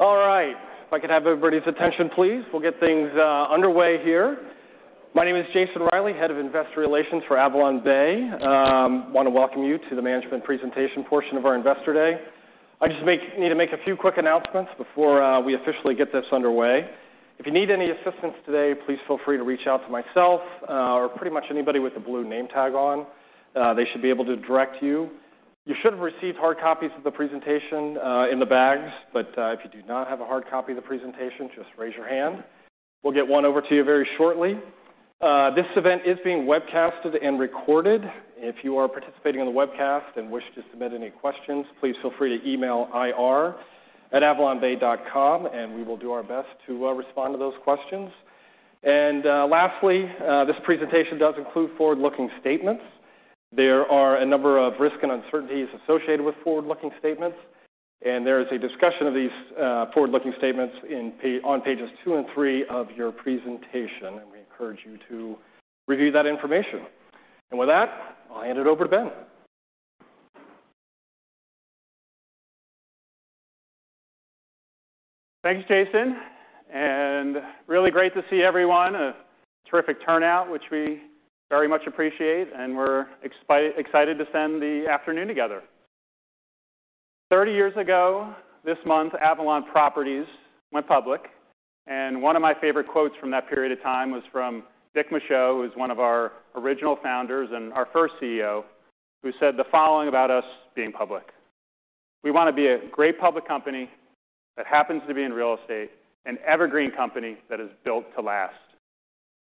All right. If I could have everybody's attention, please, we'll get things underway here. My name is Jason Reilley, Head of Investor Relations for AvalonBay. I want to welcome you to the management presentation portion of our Investor Day. I just need to make a few quick announcements before we officially get this underway. If you need any assistance today, please feel free to reach out to myself, or pretty much anybody with a blue name tag on. They should be able to direct you. You should have received hard copies of the presentation in the bags, but if you do not have a hard copy of the presentation, just raise your hand. We'll get one over to you very shortly. This event is being webcasted and recorded. If you are participating in the webcast and wish to submit any questions, please feel free to email ir@avalonbay.com, and we will do our best to respond to those questions. Lastly, this presentation does include forward-looking statements. There are a number of risks and uncertainties associated with forward-looking statements, and there is a discussion of these forward-looking statements on pages two and three of your presentation, and we encourage you to review that information. With that, I'll hand it over to Ben. Thanks, Jason, and really great to see everyone. A terrific turnout, which we very much appreciate, and we're excited to spend the afternoon together. 30 years ago, this month, Avalon Properties went public, and one of my favorite quotes from that period of time was from Dick Michaux, who is one of our original founders and our first CEO, who said the following about us `being public: "We want to be a great public company that happens to be in real estate, an evergreen company that is built to last."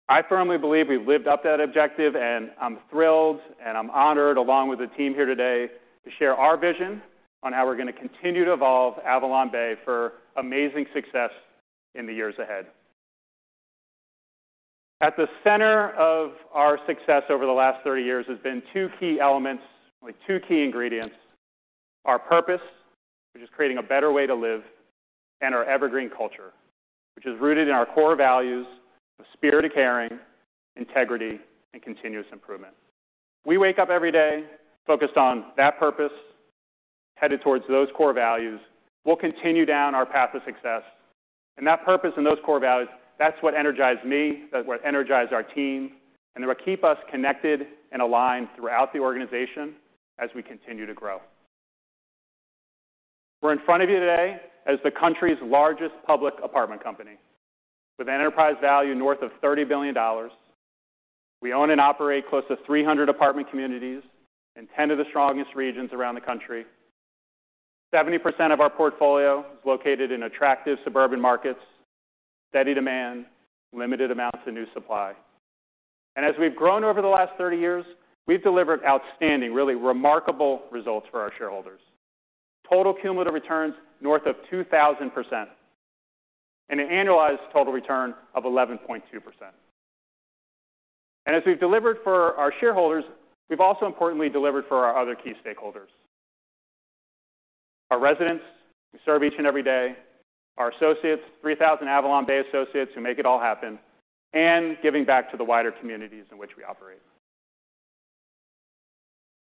I firmly believe we've lived up to that objective, and I'm thrilled, and I'm honored, along with the team here today, to share our vision on how we're going to continue to evolve AvalonBay for amazing success in the years ahead. At the center of our success over the last 30 years has been two key elements, like two key ingredients: our purpose, which is creating a better way to live, and our evergreen culture, which is rooted in our core values of spirit of caring, integrity, and continuous improvement. We wake up every day focused on that purpose, headed towards those core values. We'll continue down our path to success, and that purpose and those core values, that's what energize me, that's what energize our team, and they will keep us connected and aligned throughout the organization as we continue to grow. We're in front of you today as the country's largest public apartment company, with an enterprise value north of $30 billion. We own and operate close to 300 apartment communities in 10 of the strongest regions around the country. 70% of our portfolio is located in attractive suburban markets, steady demand, limited amounts of new supply. As we've grown over the last 30 years, we've delivered outstanding, really remarkable results for our shareholders. Total cumulative returns north of 2,000% and an annualized total return of 11.2%. As we've delivered for our shareholders, we've also importantly delivered for our other key stakeholders. Our residents, we serve each and every day, our associates, 3,000 AvalonBay associates who make it all happen, and giving back to the wider communities in which we operate.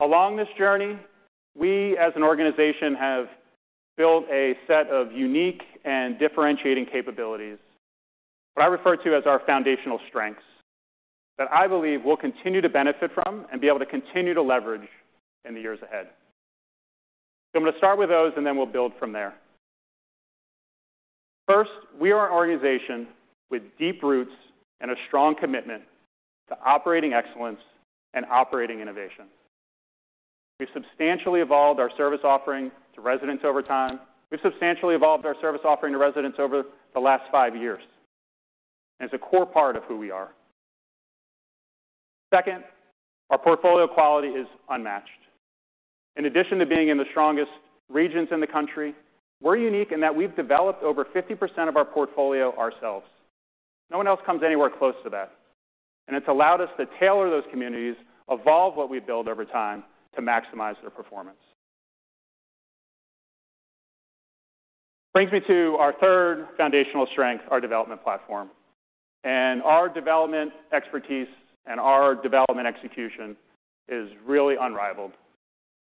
Along this journey, we as an organization have built a set of unique and differentiating capabilities, what I refer to as our foundational strengths, that I believe we'll continue to benefit from and be able to continue to leverage in the years ahead. I'm going to start with those, and then we'll build from there. First, we are an organization with deep roots and a strong commitment to operating excellence and operating innovation. We've substantially evolved our service offering to residents over time. We've substantially evolved our service offering to residents over the last five years, and it's a core part of who we are. Second, our portfolio quality is unmatched. In addition to being in the strongest regions in the country, we're unique in that we've developed over 50% of our portfolio ourselves. No one else comes anywhere close to that, and it's allowed us to tailor those communities, evolve what we build over time to maximize their performance. Brings me to our third foundational strength, our development platform, and our development expertise and our development execution is really unrivaled,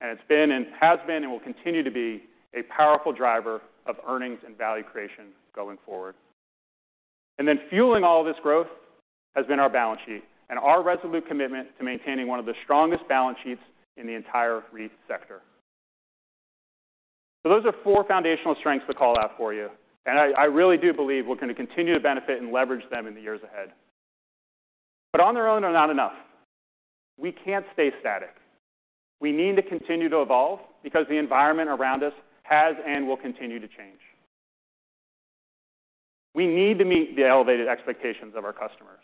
and it's been and has been and will continue to be a powerful driver of earnings and value creation going forward. And then fueling all of this growth has been our balance sheet and our resolute commitment to maintaining one of the strongest balance sheets in the entire REIT sector. So those are four foundational strengths to call out for you, and I, I really do believe we're going to continue to benefit and leverage them in the years ahead. But on their own, they're not enough. We can't stay static. We need to continue to evolve because the environment around us has and will continue to change. We need to meet the elevated expectations of our customers.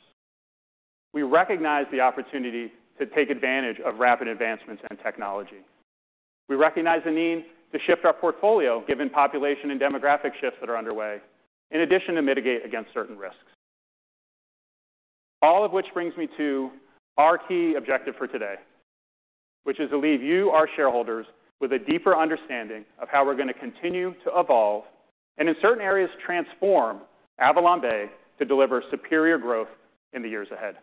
We recognize the opportunity to take advantage of rapid advancements in technology. We recognize the need to shift our portfolio, given population and demographic shifts that are underway, in addition to mitigate against certain risks. All of which brings me to our key objective for today, which is to leave you, our shareholders, with a deeper understanding of how we're going to continue to evolve, and in certain areas, transform AvalonBay to deliver superior growth in the years ahead.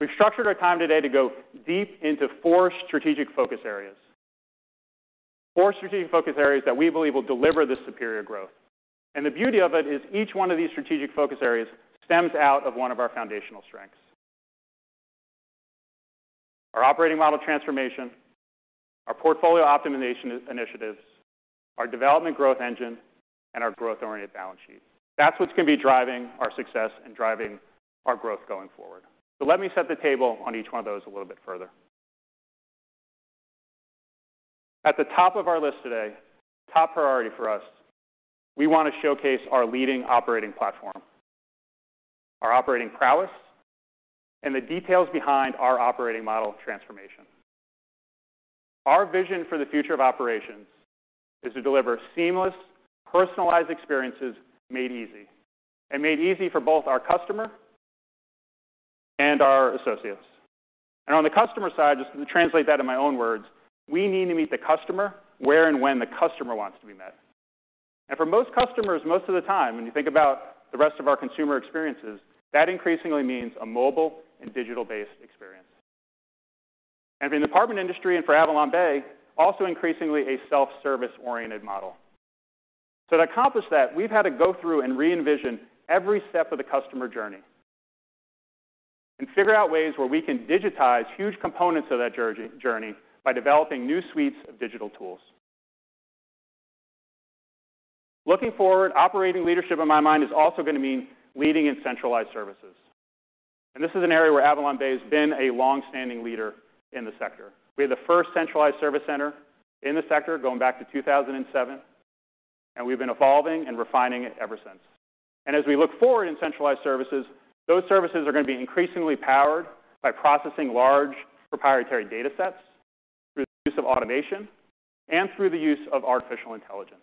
We've structured our time today to go deep into four strategic focus areas. Four strategic focus areas that we believe will deliver this superior growth. And the beauty of it is each one of these strategic focus areas stems out of one of our foundational strengths. Our operating model transformation, our portfolio optimization initiatives, our development growth engine, and our growth-oriented balance sheet. That's what's going to be driving our success and driving our growth going forward. So let me set the table on each one of those a little bit further. At the top of our list today, top priority for us, we want to showcase our leading operating platform, our operating prowess, and the details behind our operating model transformation. Our vision for the future of operations is to deliver seamless, personalized experiences made easy, and made easy for both our customer and our associates. And on the customer side, just to translate that in my own words, we need to meet the customer where and when the customer wants to be met. And for most customers, most of the time, when you think about the rest of our consumer experiences, that increasingly means a mobile and digital-based experience. In the apartment industry and for AvalonBay, also increasingly a self-service-oriented model. So to accomplish that, we've had to go through and re-envision every step of the customer journey and figure out ways where we can digitize huge components of that journey by developing new suites of digital tools. Looking forward, operating leadership in my mind, is also going to mean leading in centralized services. And this is an area where AvalonBay has been a long-standing leader in the sector. We had the first centralized service center in the sector going back to 2007, and we've been evolving and refining it ever since. And as we look forward in centralized services, those services are going to be increasingly powered by processing large proprietary datasets through the use of automation and through the use of artificial intelligence.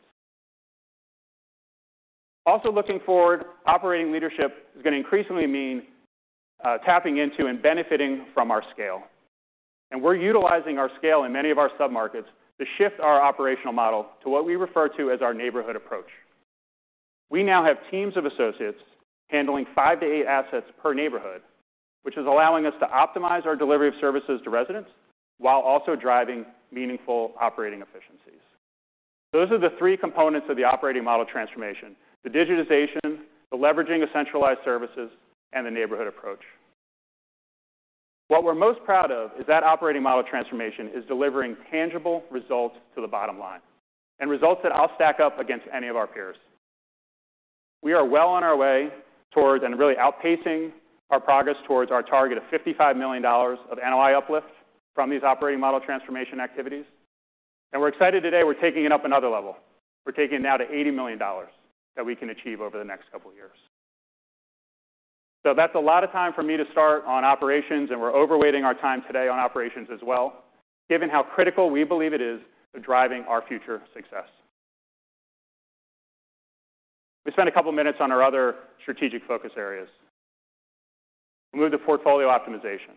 Also looking forward, operating leadership is going to increasingly mean tapping into and benefiting from our scale. And we're utilizing our scale in many of our submarkets to shift our operational model to what we refer to as our neighborhood approach. We now have teams of associates handling five to eight assets per neighborhood, which is allowing us to optimize our delivery of services to residents while also driving meaningful operating efficiencies. Those are the three components of the operating model transformation: the digitization, the leveraging of centralized services, and the neighborhood approach. What we're most proud of is that operating model transformation is delivering tangible results to the bottom line, and results that I'll stack up against any of our peers. We are well on our way towards and really outpacing our progress towards our target of $55 million of NOI uplift from these operating model transformation activities. And we're excited today, we're taking it up another level. We're taking it now to $80 million that we can achieve over the next couple of years. So that's a lot of time for me to start on operations, and we're overweighting our time today on operations as well, given how critical we believe it is to driving our future success. Let's spend a couple of minutes on our other strategic focus areas. We'll move to portfolio optimization.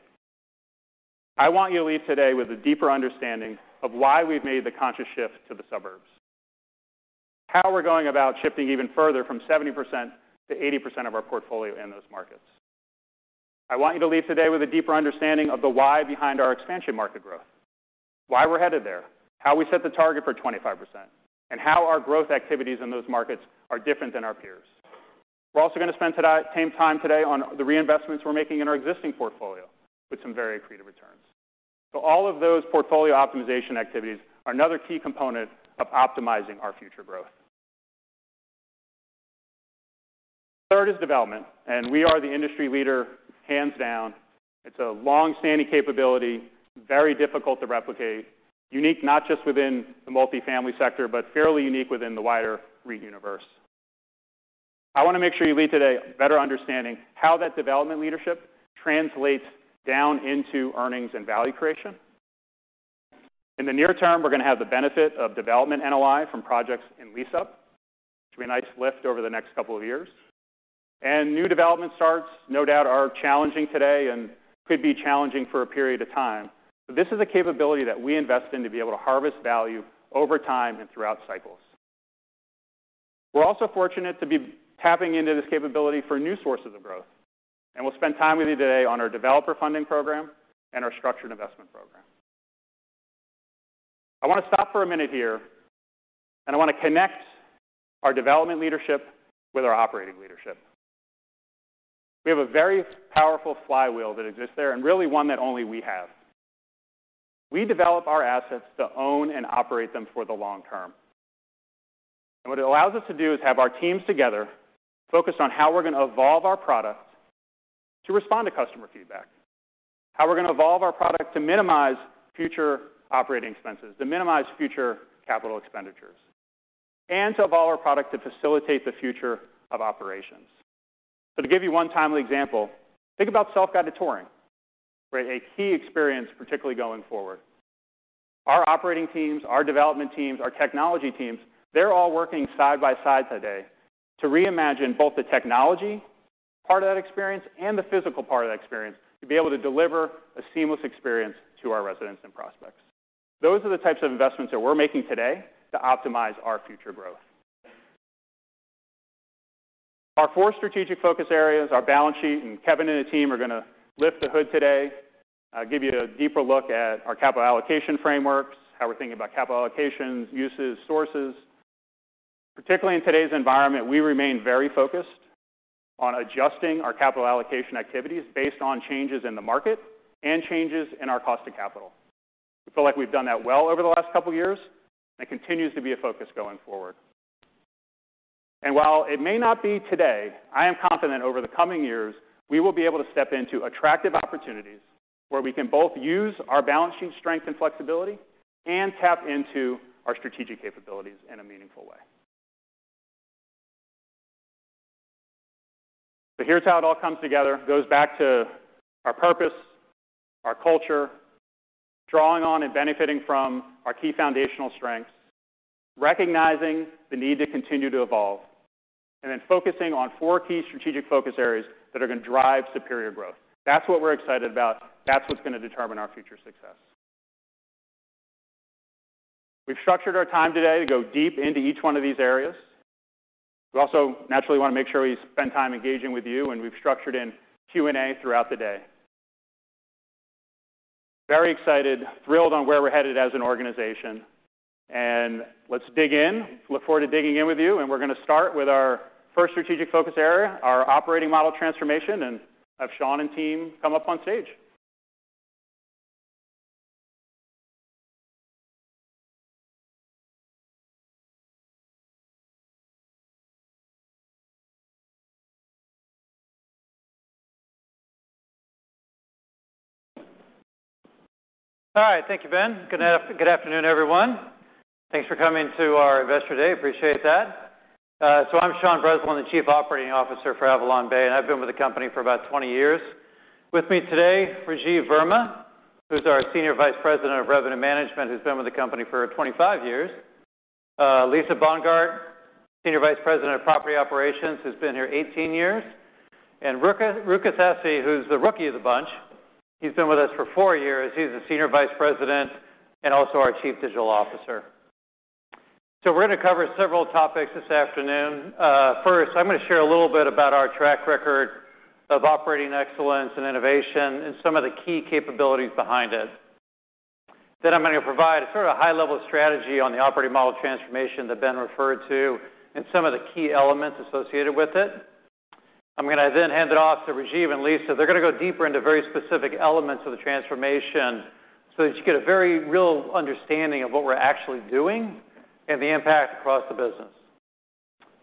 I want you to leave today with a deeper understanding of why we've made the conscious shift to the suburbs, how we're going about shifting even further from 70%-80% of our portfolio in those markets. I want you to leave today with a deeper understanding of the why behind our expansion market growth, why we're headed there, how we set the target for 25%, and how our growth activities in those markets are different than our peers. We're also going to spend today, same time today on the reinvestments we're making in our existing portfolio with some very accretive returns. So all of those portfolio optimization activities are another key component of optimizing our future growth. Third is development, and we are the industry leader, hands down. It's a long-standing capability, very difficult to replicate, unique not just within the multifamily sector, but fairly unique within the wider REIT universe. I want to make sure you leave today better understanding how that development leadership translates down into earnings and value creation. In the near term, we're going to have the benefit of development NOI from projects in lease-up. It's going to be a nice lift over the next couple of years. New development starts, no doubt, are challenging today and could be challenging for a period of time. But this is a capability that we invest in to be able to harvest value over time and throughout cycles. We're also fortunate to be tapping into this capability for new sources of growth, and we'll spend time with you today on our Developer Funding Program and our Structured Investment Program. I want to stop for a minute here, and I want to connect our development leadership with our operating leadership. We have a very powerful flywheel that exists there and really one that only we have. We develop our assets to own and operate them for the long term. What it allows us to do is have our teams together, focused on how we're going to evolve our products to respond to customer feedback, how we're going to evolve our product to minimize future operating expenses, to minimize future capital expenditures, and to evolve our product to facilitate the future of operations. To give you one timely example, think about self-guided touring, right? A key experience, particularly going forward. Our operating teams, our development teams, our technology teams, they're all working side by side today to reimagine both the technology part of that experience and the physical part of that experience, to be able to deliver a seamless experience to our residents and prospects. Those are the types of investments that we're making today to optimize our future growth. Our four strategic focus areas, our balance sheet, and Kevin and the team are going to lift the hood today, give you a deeper look at our capital allocation frameworks, how we're thinking about capital allocation, uses, sources. Particularly in today's environment, we remain very focused on adjusting our capital allocation activities based on changes in the market and changes in our cost of capital. I feel like we've done that well over the last couple of years, and it continues to be a focus going forward. And while it may not be today, I am confident over the coming years, we will be able to step into attractive opportunities where we can both use our balance sheet strength and flexibility and tap into our strategic capabilities in a meaningful way. So here's how it all comes together. It goes back to our purpose, our culture, drawing on and benefiting from our key foundational strengths, recognizing the need to continue to evolve, and then focusing on four key strategic focus areas that are going to drive superior growth. That's what we're excited about. That's what's going to determine our future success. We've structured our time today to go deep into each one of these areas. We also naturally want to make sure we spend time engaging with you, and we've structured in Q&A throughout the day. Very excited, thrilled on where we're headed as an organization, and let's dig in. Look forward to digging in with you, and we're going to start with our first strategic focus area, our operating model transformation, and have Sean and team come up on stage. All right, thank you, Ben. Good afternoon, everyone. Thanks for coming to our Investor Day. Appreciate that. So I'm Sean Breslin, the Chief Operating Officer for AvalonBay, and I've been with the company for about 20 years. With me today, Rajiv Verma, who's our Senior Vice President of Revenue Management, who's been with the company for 25 years. Lisa Bongardt, Senior Vice President of Property Operations, who's been here 18 years. And Rukus, Rukus Esi, who's the rookie of the bunch. He's been with us for four years. He's the Senior Vice President and also our Chief Digital Officer. So we're going to cover several topics this afternoon. First, I'm going to share a little bit about our track record of operating excellence and innovation and some of the key capabilities behind it. Then I'm going to provide a sort of a high-level strategy on the operating model transformation that Ben referred to and some of the key elements associated with it. I'm going to then hand it off to Rajiv and Lisa. They're going to go deeper into very specific elements of the transformation so that you get a very real understanding of what we're actually doing and the impact across the business.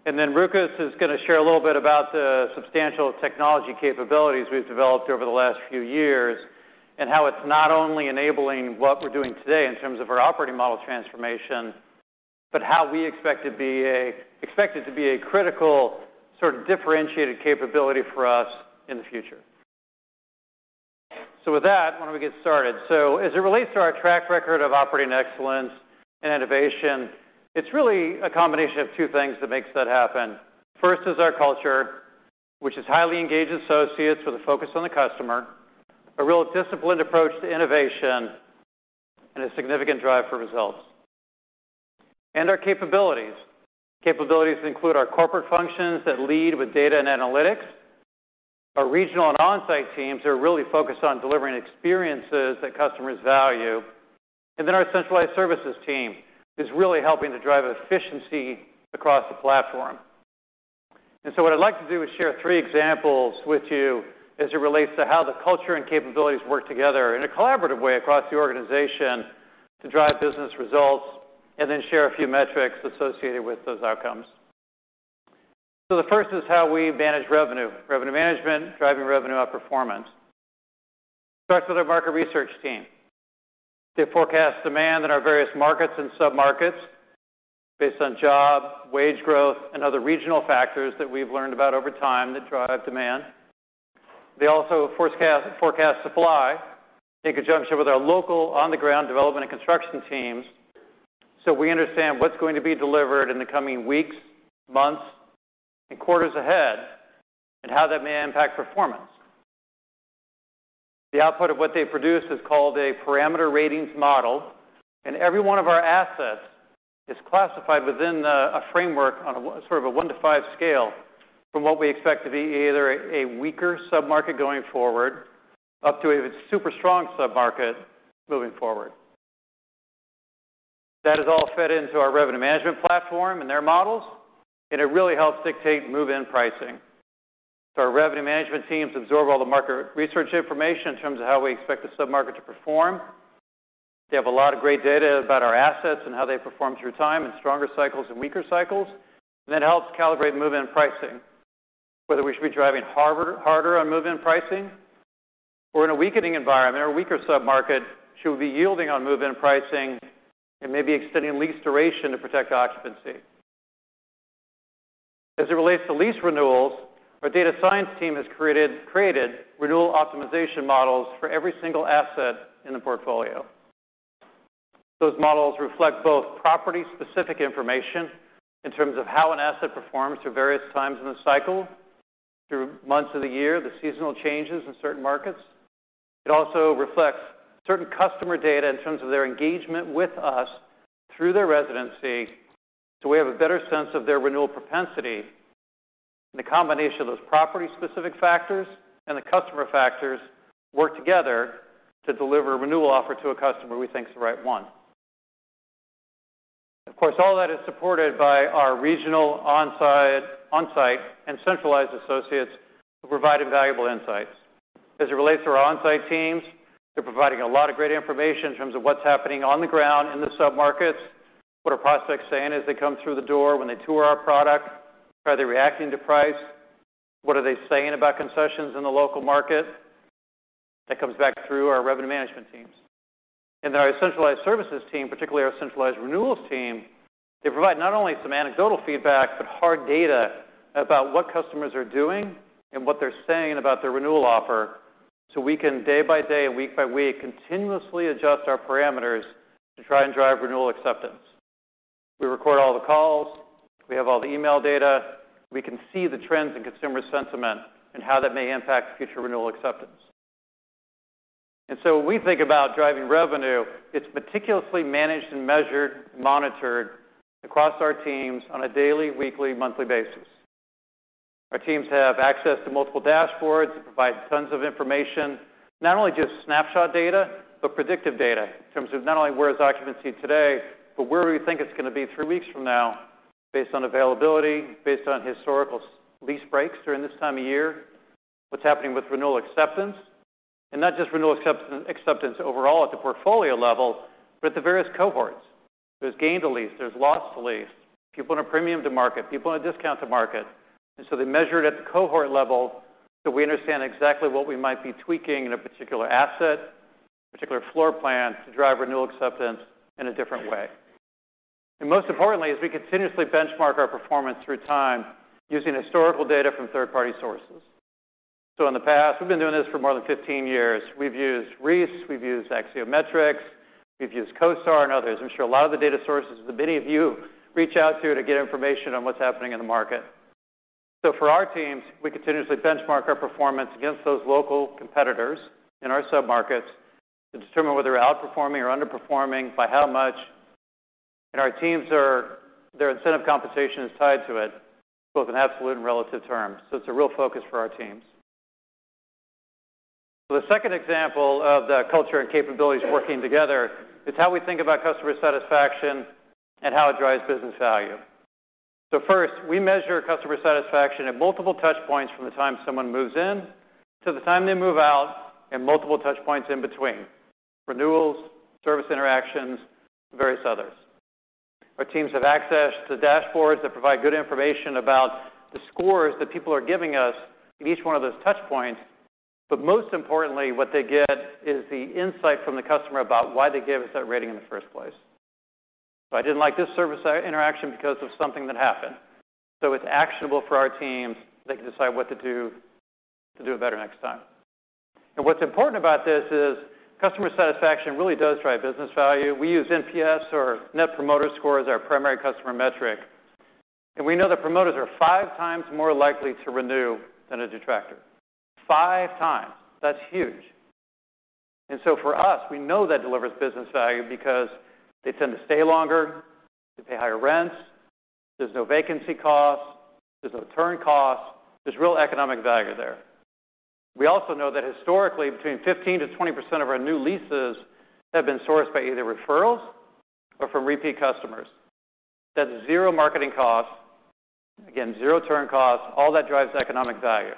And then Rukus is going to share a little bit about the substantial technology capabilities we've developed over the last few years, and how it's not only enabling what we're doing today in terms of our operating model transformation, but how we expect it to be a critical sort of differentiated capability for us in the future. So with that, why don't we get started? So as it relates to our track record of operating excellence and innovation, it's really a combination of two things that makes that happen. First is our culture, which is highly engaged associates with a focus on the customer, a real disciplined approach to innovation, and a significant drive for results. Our capabilities include our corporate functions that lead with data and analytics, our regional and on-site teams are really focused on delivering experiences that customers value, and then our centralized services team is really helping to drive efficiency across the platform. So what I'd like to do is share three examples with you as it relates to how the culture and capabilities work together in a collaborative way across the organization to drive business results, and then share a few metrics associated with those outcomes. The first is how we manage revenue, revenue management, driving revenue outperformance. Starts with our market research team. They forecast demand in our various markets and submarkets based on job, wage growth, and other regional factors that we've learned about over time that drive demand. They also forecast, forecast supply in conjunction with our local on-the-ground development and construction teams, so we understand what's going to be delivered in the coming weeks, months, and quarters ahead, and how that may impact performance. The output of what they produce is called a parameter ratings model, and every one of our assets is classified within a, a framework on a sort of a one to five scale from what we expect to be either a, a weaker submarket going forward, up to a super strong submarket moving forward. That is all fed into our revenue management platform and their models, and it really helps dictate move-in pricing. So our revenue management teams absorb all the market research information in terms of how we expect the submarket to perform. They have a lot of great data about our assets and how they perform through time in stronger cycles and weaker cycles. That helps calibrate move-in pricing. Whether we should be driving harder on move-in pricing or in a weakening environment or a weaker submarket, should we be yielding on move-in pricing and maybe extending lease duration to protect occupancy. As it relates to lease renewals, our data science team has created renewal optimization models for every single asset in the portfolio. Those models reflect both property-specific information in terms of how an asset performs through various times in the cycle. Through months of the year, the seasonal changes in certain markets. It also reflects certain customer data in terms of their engagement with us through their residency, so we have a better sense of their renewal propensity. And the combination of those property-specific factors and the customer factors work together to deliver a renewal offer to a customer we think is the right one. Of course, all that is supported by our regional on-site, on-site and centralized associates who provide invaluable insights. As it relates to our on-site teams, they're providing a lot of great information in terms of what's happening on the ground in the submarkets. What are prospects saying as they come through the door when they tour our product? Are they reacting to price? What are they saying about concessions in the local market? That comes back through our revenue management teams. Our centralized services team, particularly our centralized renewals team, they provide not only some anecdotal feedback, but hard data about what customers are doing and what they're saying about their renewal offer. So we can, day by day, week by week, continuously adjust our parameters to try and drive renewal acceptance. We record all the calls, we have all the email data. We can see the trends in consumer sentiment and how that may impact future renewal acceptance. And so when we think about driving revenue, it's meticulously managed and measured, monitored across our teams on a daily, weekly, monthly basis. Our teams have access to multiple dashboards that provide tons of information, not only just snapshot data, but predictive data in terms of not only where is occupancy today, but where we think it's going to be three weeks from now, based on availability, based on historical lease breaks during this time of year, what's happening with renewal acceptance, and not just renewal acceptance, acceptance overall at the portfolio level, but at the various cohorts. There's gain to lease, there's loss to lease, people in a premium to market, people in a discount to market. And so they measure it at the cohort level, so we understand exactly what we might be tweaking in a particular asset, particular floor plan, to drive renewal acceptance in a different way. And most importantly, is we continuously benchmark our performance through time using historical data from third-party sources. So in the past, we've been doing this for more than 15 years. We've used Reis, we've used Axiometrics, we've used CoStar and others. I'm sure a lot of the data sources that many of you reach out to to get information on what's happening in the market. So for our teams, we continuously benchmark our performance against those local competitors in our submarkets to determine whether we're outperforming or underperforming, by how much. Our teams' incentive compensation is tied to it, both in absolute and relative terms. It's a real focus for our teams. The second example of the culture and capabilities working together is how we think about customer satisfaction and how it drives business value. So first, we measure customer satisfaction at multiple touch points from the time someone moves in to the time they move out, and multiple touch points in between, renewals, service interactions, various others. Our teams have access to dashboards that provide good information about the scores that people are giving us in each one of those touch points. But most importantly, what they get is the insight from the customer about why they gave us that rating in the first place. So I didn't like this service interaction because of something that happened. So it's actionable for our teams. They can decide what to do to do it better next time. And what's important about this is customer satisfaction really does drive business value. We use NPS or Net Promoter Score as our primary customer metric, and we know that promoters are five times more likely to renew than a detractor. Five times. That's huge. And so for us, we know that delivers business value because they tend to stay longer, they pay higher rents, there's no vacancy costs, there's no return costs. There's real economic value there. We also know that historically, between 15%-20% of our new leases have been sourced by either referrals or from repeat customers. That's zero marketing costs. Again, zero turn costs. All that drives economic value.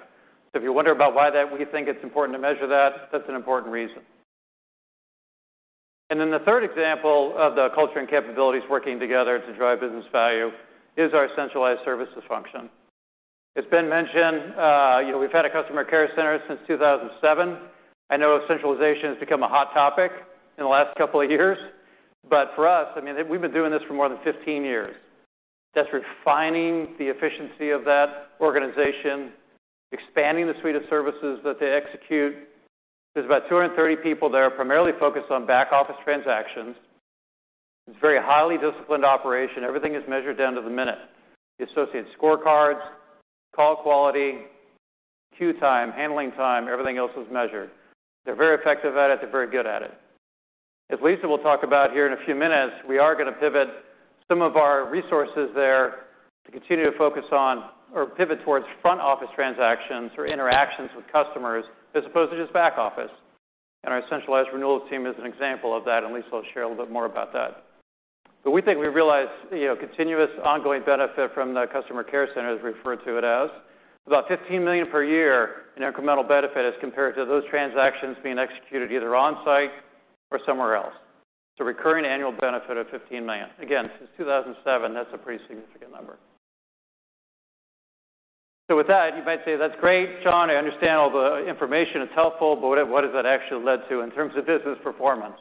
So if you wonder about why that we think it's important to measure that, that's an important reason. And then the third example of the culture and capabilities working together to drive business value is our centralized services function. It's been mentioned, we've had a Customer Care Center since 2007. I know centralization has become a hot topic in the last couple of years, but for us, I mean, we've been doing this for more than 15 years. That's refining the efficiency of that organization, expanding the suite of services that they execute. There's about 230 people there, primarily focused on back-office transactions. It's a very highly disciplined operation. Everything is measured down to the minute. The associate scorecards, call quality, queue time, handling time, everything else is measured. They're very effective at it. They're very good at it. As Lisa will talk about here in a few minutes, we are going to pivot some of our resources there to continue to focus on or pivot towards front-office transactions or interactions with customers, as opposed to just back office. Our centralized renewal team is an example of that, and Lisa will share a little bit more about that. But we think we realize continuous ongoing benefit from the Customer Care Center, as referred to it as, about $15 million per year in incremental benefit as compared to those transactions being executed either on-site or somewhere else. It's a recurring annual benefit of $15 million. Again, since 2007, that's a pretty significant number. With that, you might say, "That's great, John. I understand all the information, it's helpful, but what has that actually led to in terms of business performance?"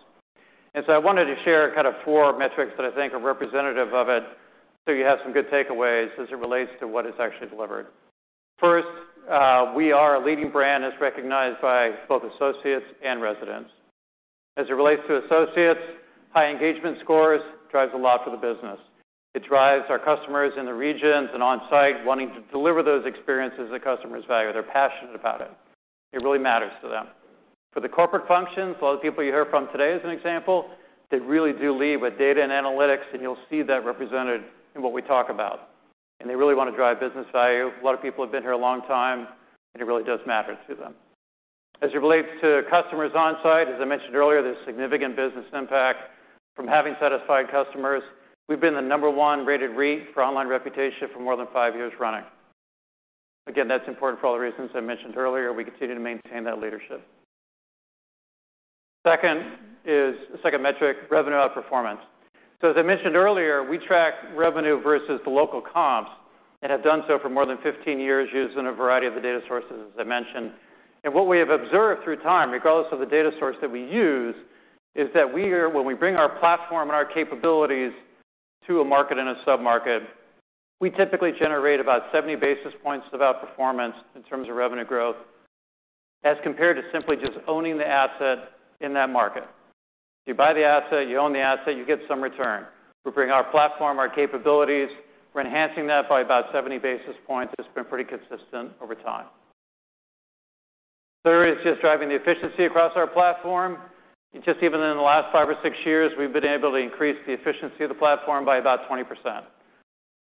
I wanted to share kind of four metrics that I think are representative of it, so you have some good takeaways as it relates to what it's actually delivered. First, we are a leading brand as recognized by both associates and residents. As it relates to associates, high engagement scores drives a lot for the business. It drives our customers in the regions and on-site, wanting to deliver those experiences that customers value. They're passionate about it. It really matters to them. For the corporate functions, a lot of people you hear from today, as an example, they really do lead with data and analytics, and you'll see that represented in what we talk about. And they really want to drive business value. A lot of people have been here a long time, and it really does matter to them. As it relates to customers on-site, as I mentioned earlier, there's significant business impact from having satisfied customers. We've been the number one-rated REIT for online reputation for more than five years running. Again, that's important for all the reasons I mentioned earlier. We continue to maintain that leadership. Second is, the second metric, revenue outperformance. So as I mentioned earlier, we track revenue versus the local comps and have done so for more than 15 years, using a variety of the data sources, as I mentioned. And what we have observed through time, regardless of the data source that we use, is that we are, when we bring our platform and our capabilities to a market in a sub-market, we typically generate about 70 basis points of outperformance in terms of revenue growth, as compared to simply just owning the asset in that market. You buy the asset, you own the asset, you get some return. We bring our platform, our capabilities. We're enhancing that by about 70 basis points. It's been pretty consistent over time. Third is just driving the efficiency across our platform. Just even in the last five or six years, we've been able to increase the efficiency of the platform by about 20%.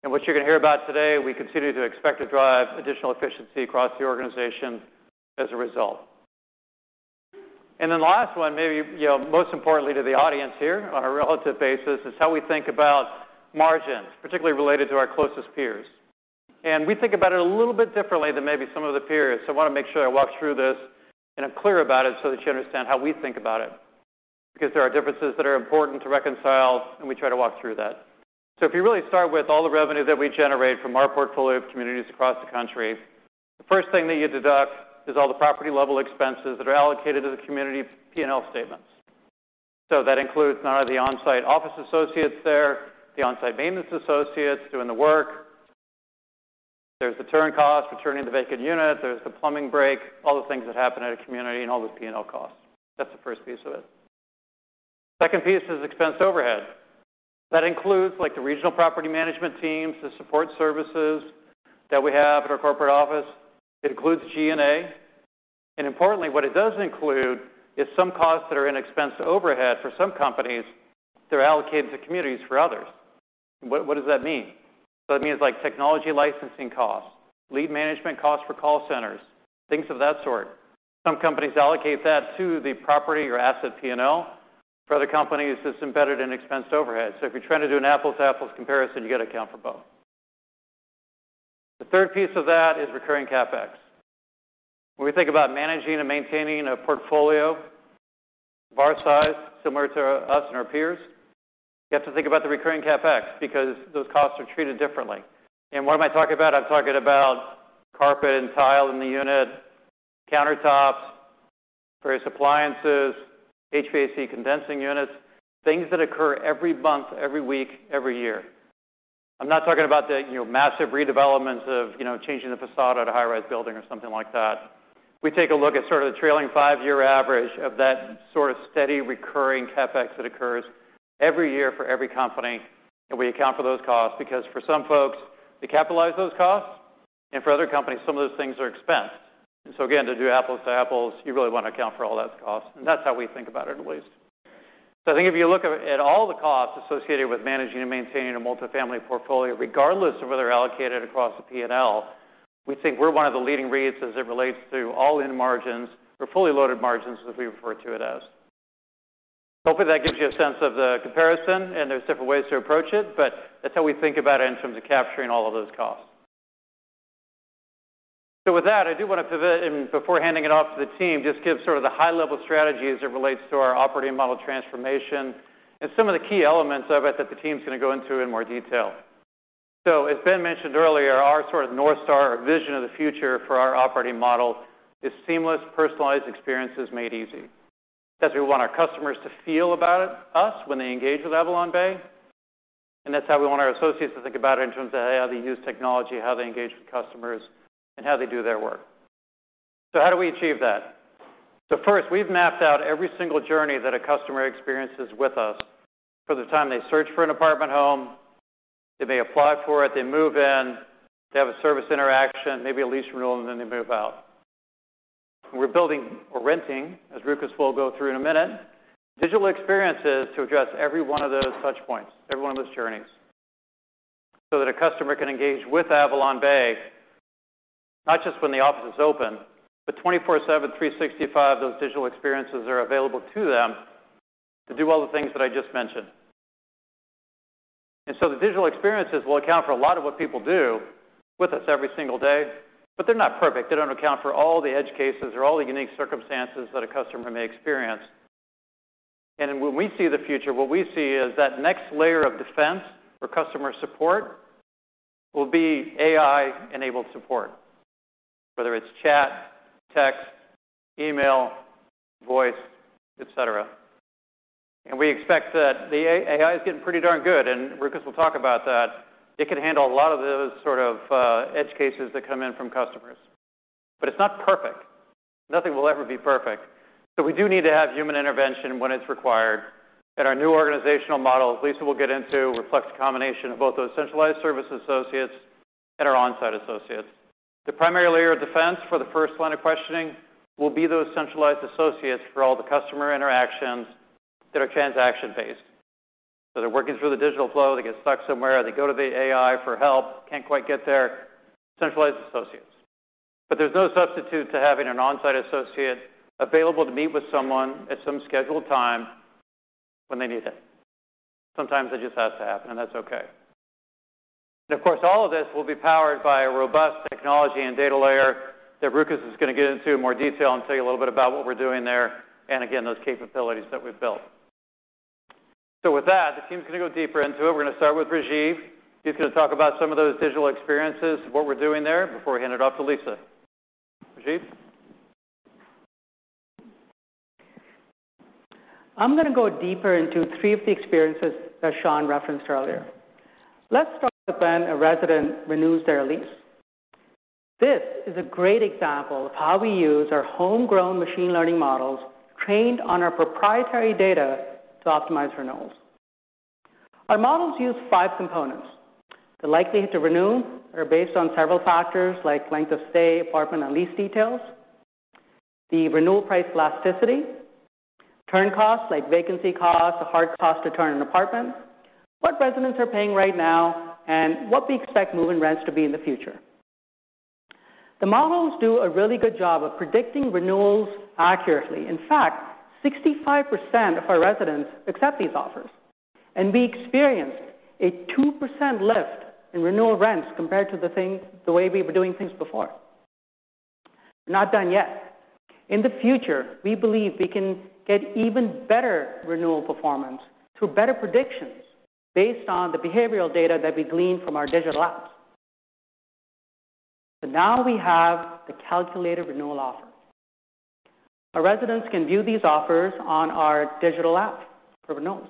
And what you're going to hear about today, we continue to expect to drive additional efficiency across the organization as a result. And then the last one, maybe, you know, most importantly to the audience here on a relative basis, is how we think about margins, particularly related to our closest peers. And we think about it a little bit differently than maybe some of the peers. So I want to make sure I walk through this and I'm clear about it so that you understand how we think about it, because there are differences that are important to reconcile, and we try to walk through that. So if you really start with all the revenue that we generate from our portfolio of communities across the country, the first thing that you deduct is all the property-level expenses that are allocated to the community P&L statements. So that includes not only the on-site office associates there, the on-site maintenance associates doing the work. There's the turn cost for turning the vacant unit, there's the plumbing break, all the things that happen at a community, and all those P&L costs. That's the first piece of it. Second piece is expense overhead. That includes, like, the regional property management teams, the support services that we have at our corporate office. It includes G&A, and importantly, what it doesn't include is some costs that are in expense overhead. For some companies, they're allocated to communities, for others. What does that mean? So it means like technology licensing costs, lead management costs for call centers, things of that sort. Some companies allocate that to the property or asset P&L. For other companies, it's embedded in expense overhead. So if you're trying to do an apples-to-apples comparison, you got to account for both. The third piece of that is recurring CapEx. When we think about managing and maintaining a portfolio of our size, similar to us and our peers, you have to think about the recurring CapEx because those costs are treated differently. And what am I talking about? I'm talking about carpet and tile in the unit, countertops, various appliances, HVAC condensing units, things that occur every month, every week, every year. I'm not talking about the, you know, massive redevelopments of, you know, changing the façade at a high-rise building or something like that. We take a look at sort of the trailing five-year average of that sort of steady, recurring CapEx that occurs every year for every company, and we account for those costs, because for some folks, they capitalize those costs, and for other companies, some of those things are expense. So again, to do apples to apples, you really want to account for all that cost, and that's how we think about it, at least. So I think if you look at all the costs associated with managing and maintaining a multifamily portfolio, regardless of whether they're allocated across the P&L, we think we're one of the leading REITs as it relates to all-in margins or fully loaded margins, as we refer to it as. Hopefully, that gives you a sense of the comparison and there's different ways to approach it, but that's how we think about it in terms of capturing all of those costs. So with that, I do want to pivot, and before handing it off to the team, just give sort of the high-level strategy as it relates to our operating model transformation and some of the key elements of it that the team's going to go into in more detail. So as Ben mentioned earlier, our sort of North Star vision of the future for our operating model is seamless, personalized experiences made easy. That's we want our customers to feel about us when they engage with AvalonBay, and that's how we want our associates to think about it in terms of how they use technology, how they engage with customers, and how they do their work. So how do we achieve that? So first, we've mapped out every single journey that a customer experiences with us. From the time they search for an apartment home, they may apply for it, they move in, they have a service interaction, maybe a lease renewal, and then they move out. We're building or renting, as Rukus will go through in a minute, digital experiences to address every one of those touch points, every one of those journeys, so that a customer can engage with AvalonBay, not just when the office is open, but 24/7, 365, those digital experiences are available to them to do all the things that I just mentioned. And so the digital experiences will account for a lot of what people do with us every single day, but they're not perfect. They don't account for all the edge cases or all the unique circumstances that a customer may experience. And when we see the future, what we see is that next layer of defense for customer support will be AI-enabled support, whether it's chat, text, email, voice, et cetera. And we expect that the AI is getting pretty darn good, and Rukus will talk about that. It could handle a lot of those sort of edge cases that come in from customers, but it's not perfect. Nothing will ever be perfect, so we do need to have human intervention when it's required, and our new organizational model, Lisa will get into, reflects a combination of both those centralized service associates and our on-site associates. The primary layer of defense for the first line of questioning will be those centralized associates for all the customer interactions that are transaction-based. So they're working through the digital flow, they get stuck somewhere, they go to the AI for help, can't quite get there, centralized associates. But there's no substitute to having an on-site associate available to meet with someone at some scheduled time when they need it. Sometimes it just has to happen, and that's okay. And of course, all of this will be powered by a robust technology and data layer that Rukus is going to get into in more detail and tell you a little bit about what we're doing there, and again, those capabilities that we've built. So with that, the team's going to go deeper into it. We're going to start with Rajiv. He's going to talk about some of those digital experiences, what we're doing there, before I hand it off to Lisa. Rajiv? I'm going to go deeper into three of the experiences that Sean referenced earlier. Let's start with when a resident renews their lease. This is a great example of how we use our homegrown machine learning models, trained on our proprietary data, to optimize renewals. Our models use five components. The likelihood to renew are based on several factors like length of stay, apartment, and lease details, the renewal price elasticity, turn costs, like vacancy costs, the hard cost to turn an apartment, what residents are paying right now, and what we expect move-in rents to be in the future. The models do a really good job of predicting renewals accurately. In fact, 65% of our residents accept these offers, and we experienced a 2% lift in renewal rents compared to the way we were doing things before. Not done yet. In the future, we believe we can get even better renewal performance through better predictions based on the behavioral data that we glean from our digital apps. So now we have the calculated renewal offer. Our residents can view these offers on our digital app for renewals.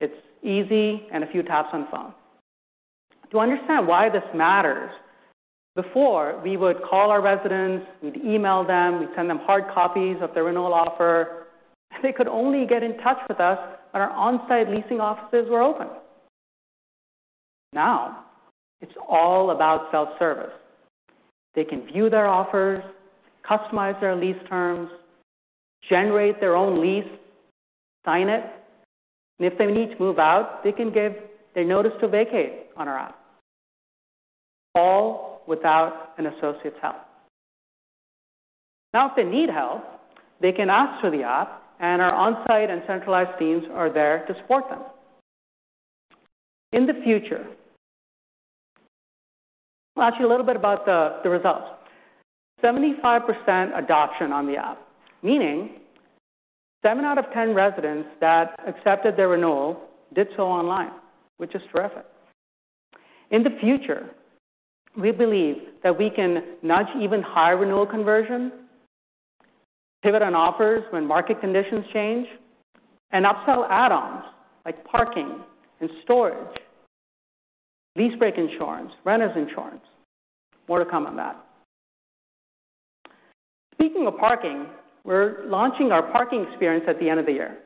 It's easy and a few taps on the phone. To understand why this matters, before, we would call our residents, we'd email them, we'd send them hard copies of the renewal offer. They could only get in touch with us when our on-site leasing offices were open. Now, it's all about self-service. They can view their offers, customize their lease terms, generate their own lease, sign it, and if they need to move out, they can give their notice to vacate on our app, all without an associate's help. Now, if they need help, they can ask through the app, and our on-site and centralized teams are there to support them. In the future, well, actually, a little bit about the results. 75% adoption on the app, meaning seven out of ten residents that accepted their renewal did so online, which is terrific. In the future, we believe that we can nudge even higher renewal conversion, pivot on offers when market conditions change, and upsell add-ons like parking and storage, lease break insurance, renters insurance. More to come on that. Speaking of parking, we're launching our parking experience at the end of the year,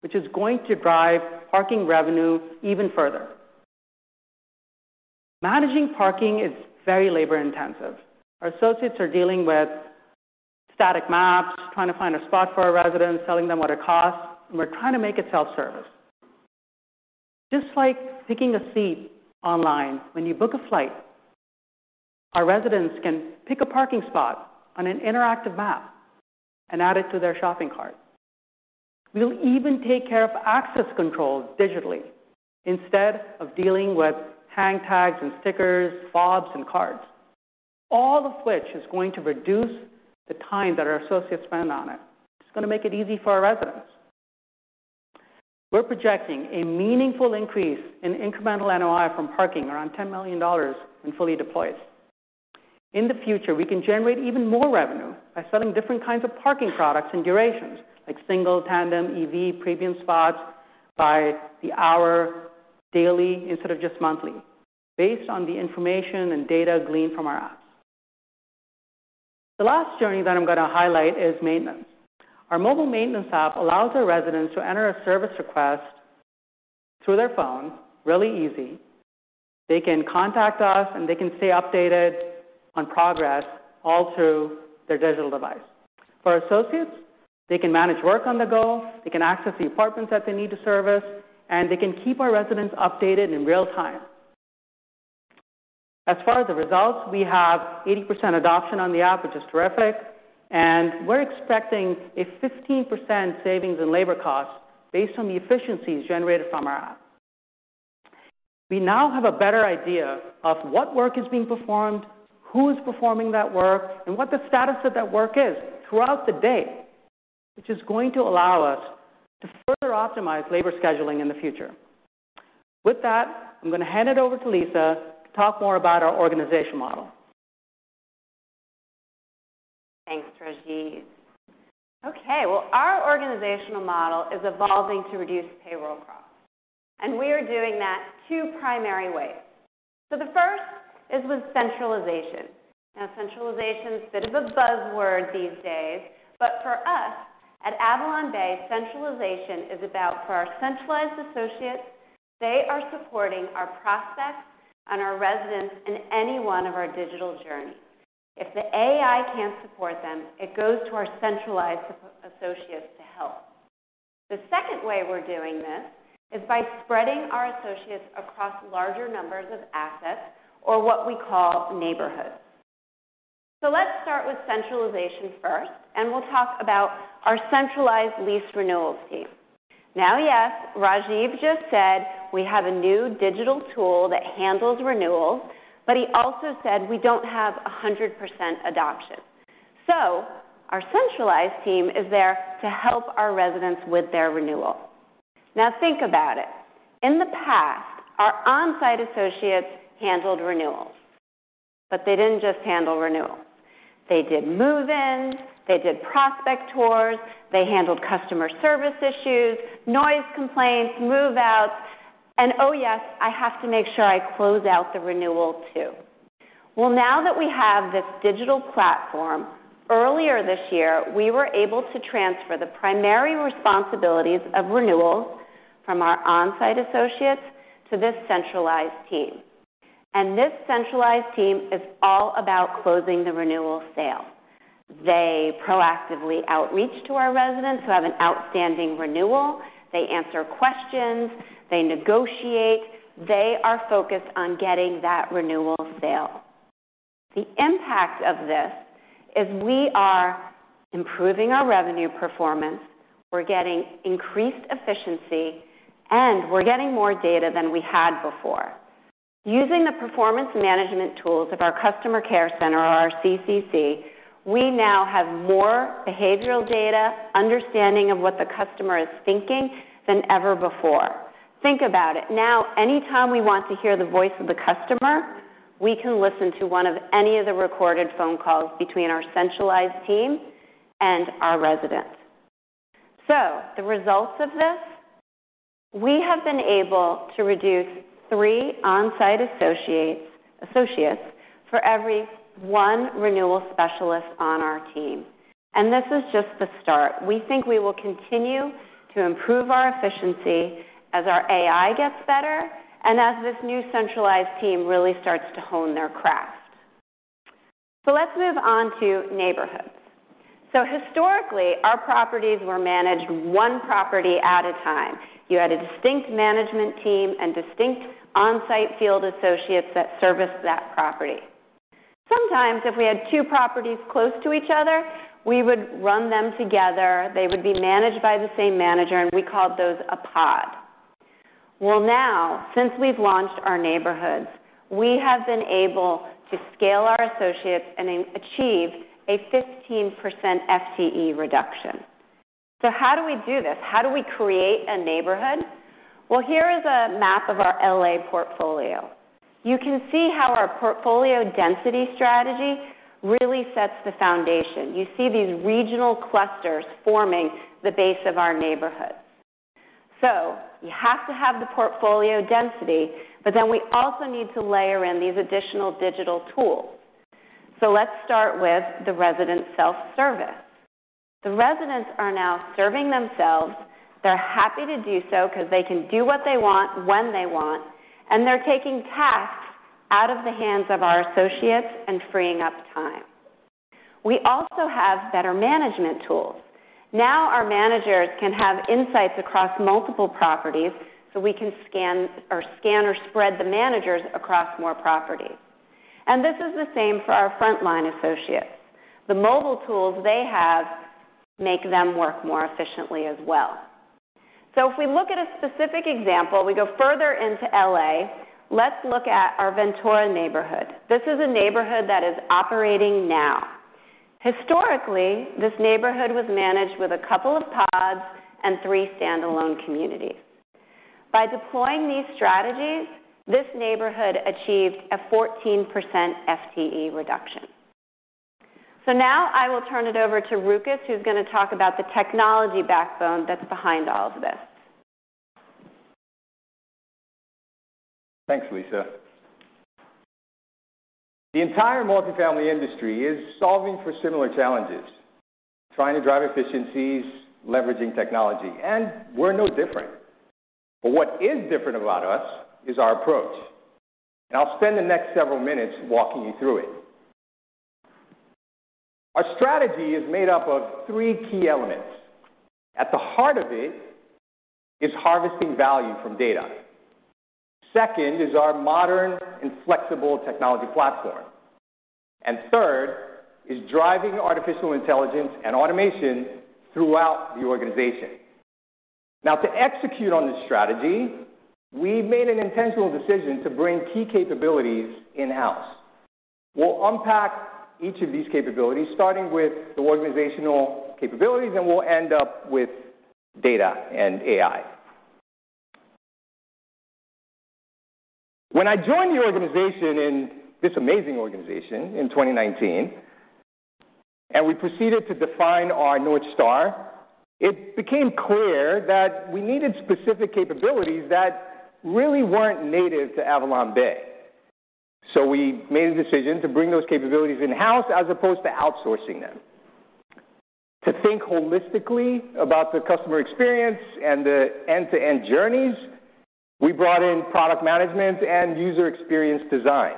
which is going to drive parking revenue even further. Managing parking is very labor-intensive. Our associates are dealing with static maps, trying to find a spot for a resident, telling them what it costs, and we're trying to make it self-service. Just like picking a seat online when you book a flight, our residents can pick a parking spot on an interactive map and add it to their shopping cart. We'll even take care of access controls digitally instead of dealing with hang tags and stickers, fobs and cards, all of which is going to reduce the time that our associates spend on it. It's going to make it easy for our residents. We're projecting a meaningful increase in incremental NOI from parking, around $10 million, when fully deployed. In the future, we can generate even more revenue by selling different kinds of parking products and durations, like single, tandem, EV, premium spots by the hour, daily, instead of just monthly, based on the information and data gleaned from our apps. The last journey that I'm going to highlight is maintenance. Our mobile maintenance app allows our residents to enter a service request through their phone, really easy. They can contact us, and they can stay updated on progress all through their digital device. For our associates, they can manage work on the go, they can access the apartments that they need to service, and they can keep our residents updated in real time. As far as the results, we have 80% adoption on the app, which is terrific, and we're expecting a 15% savings in labor costs based on the efficiencies generated from our app. We now have a better idea of what work is being performed, who's performing that work, and what the status of that work is throughout the day, which is going to allow us to further optimize labor scheduling in the future. With that, I'm going to hand it over to Lisa to talk more about our organization model. Thanks, Rajiv. Okay, well, our organizational model is evolving to reduce payroll costs. We are doing that two primary ways. So the first is with centralization. Now, centralization is a bit of a buzzword these days, but for us at AvalonBay, centralization is about for our centralized associates, they are supporting our prospects and our residents in any one of our digital journeys. If the AI can't support them, it goes to our centralized associates to help. The second way we're doing this is by spreading our associates across larger numbers of assets or what we call neighborhoods. So let's start with centralization first, and we'll talk about our centralized lease renewals team. Now, yes, Rajiv just said we have a new digital tool that handles renewals, but he also said we don't have a hundred percent adoption. So our centralized team is there to help our residents with their renewal. Now think about it. In the past, our on-site associates handled renewals, but they didn't just handle renewals. They did move-ins, they did prospect tours, they handled customer service issues, noise complaints, move-outs, and oh yes, I have to make sure I close out the renewal too. Well, now that we have this digital platform, earlier this year, we were able to transfer the primary responsibilities of renewals from our on-site associates to this centralized team. And this centralized team is all about closing the renewal sale. They proactively outreach to our residents who have an outstanding renewal. They answer questions, they negotiate. They are focused on getting that renewal sale. The impact of this is we are improving our revenue performance, we're getting increased efficiency, and we're getting more data than we had before. Using the performance management tools of our Customer Care Center or our CCC, we now have more behavioral data, understanding of what the customer is thinking than ever before. Think about it. Now, anytime we want to hear the voice of the customer, we can listen to one of any of the recorded phone calls between our centralized team and our residents. The results of this, we have been able to reduce three on-site associates for every one renewal specialist on our team. This is just the start. We think we will continue to improve our efficiency as our AI gets better and as this new centralized team really starts to hone their craft. Let's move on to neighborhoods. Historically, our properties were managed one property at a time. You had a distinct management team and distinct on-site field associates that serviced that property. Sometimes if we had two properties close to each other, we would run them together. They would be managed by the same manager, and we called those a pod. Well, now, since we've launched our neighborhoods, we have been able to scale our associates and achieve a 15% FTE reduction. So how do we do this? How do we create a neighborhood? Well, here is a map of our L.A. portfolio. You can see how our portfolio density strategy really sets the foundation. You see these regional clusters forming the base of our neighborhood. So you have to have the portfolio density, but then we also need to layer in these additional digital tools. So let's start with the resident self-service. The residents are now serving themselves. They're happy to do so because they can do what they want, when they want, and they're taking tasks out of the hands of our associates and freeing up time. We also have better management tools. Now, our managers can have insights across multiple properties, so we can spread the managers across more properties. And this is the same for our frontline associates. The mobile tools they have make them work more efficiently as well. So if we look at a specific example, we go further into L.A. Let's look at our Ventura neighborhood. This is a neighborhood that is operating now. Historically, this neighborhood was managed with a couple of pods and three standalone communities. By deploying these strategies, this neighborhood achieved a 14% FTE reduction. Now I will turn it over to Rukus, who's going to talk about the technology backbone that's behind all of this. Thanks, Lisa. The entire multifamily industry is solving for similar challenges, trying to drive efficiencies, leveraging technology, and we're no different. But what is different about us is our approach. I'll spend the next several minutes walking you through it. Our strategy is made up of three key elements. At the heart of it is harvesting value from data. Second is our modern and flexible technology platform. And third is driving artificial intelligence and automation throughout the organization. Now, to execute on this strategy, we made an intentional decision to bring key capabilities in-house. We'll unpack each of these capabilities, starting with the organizational capabilities, and we'll end up with data and AI. When I joined the organization in, this amazing organization, in 2019, and we proceeded to define our North Star, it became clear that we needed specific capabilities that really weren't native to AvalonBay. So we made a decision to bring those capabilities in-house as opposed to outsourcing them. To think holistically about the customer experience and the end-to-end journeys, we brought in product management and user experience design.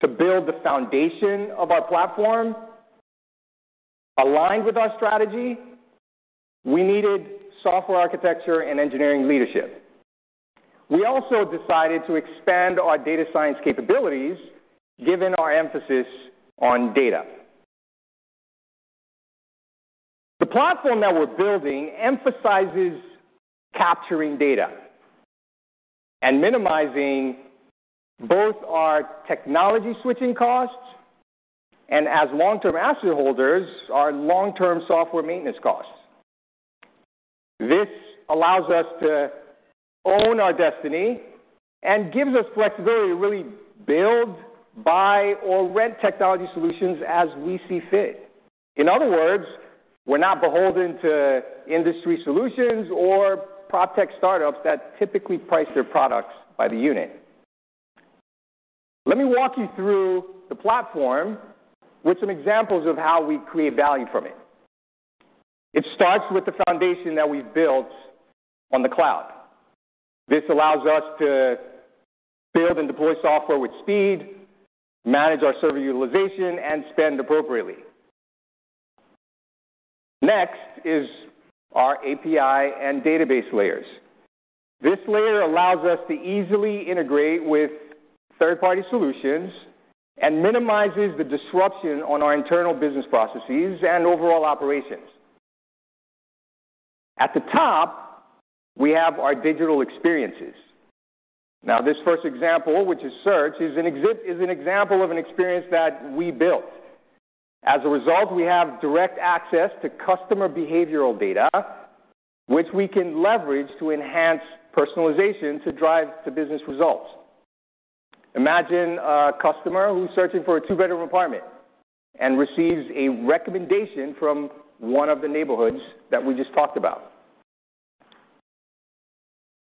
To build the foundation of our platform aligned with our strategy, we needed software architecture and engineering leadership. We also decided to expand our data science capabilities, given our emphasis on data. The platform that we're building emphasizes capturing data and minimizing both our technology switching costs and, as long-term asset holders, our long-term software maintenance costs. This allows us to own our destiny and gives us flexibility to really build, buy, or rent technology solutions as we see fit. In other words, we're not beholden to industry solutions or proptech startups that typically price their products by the unit. Let me walk you through the platform with some examples of how we create value from it. It starts with the foundation that we've built on the cloud. This allows us to build and deploy software with speed, manage our server utilization, and spend appropriately. Next is our API and database layers. This layer allows us to easily integrate with third-party solutions and minimizes the disruption on our internal business processes and overall operations. At the top, we have our digital experiences. Now, this first example, which is search, is an example of an experience that we built. As a result, we have direct access to customer behavioral data, which we can leverage to enhance personalization to drive the business results. Imagine a customer who's searching for a two-bedroom apartment and receives a recommendation from one of the neighborhoods that we just talked about.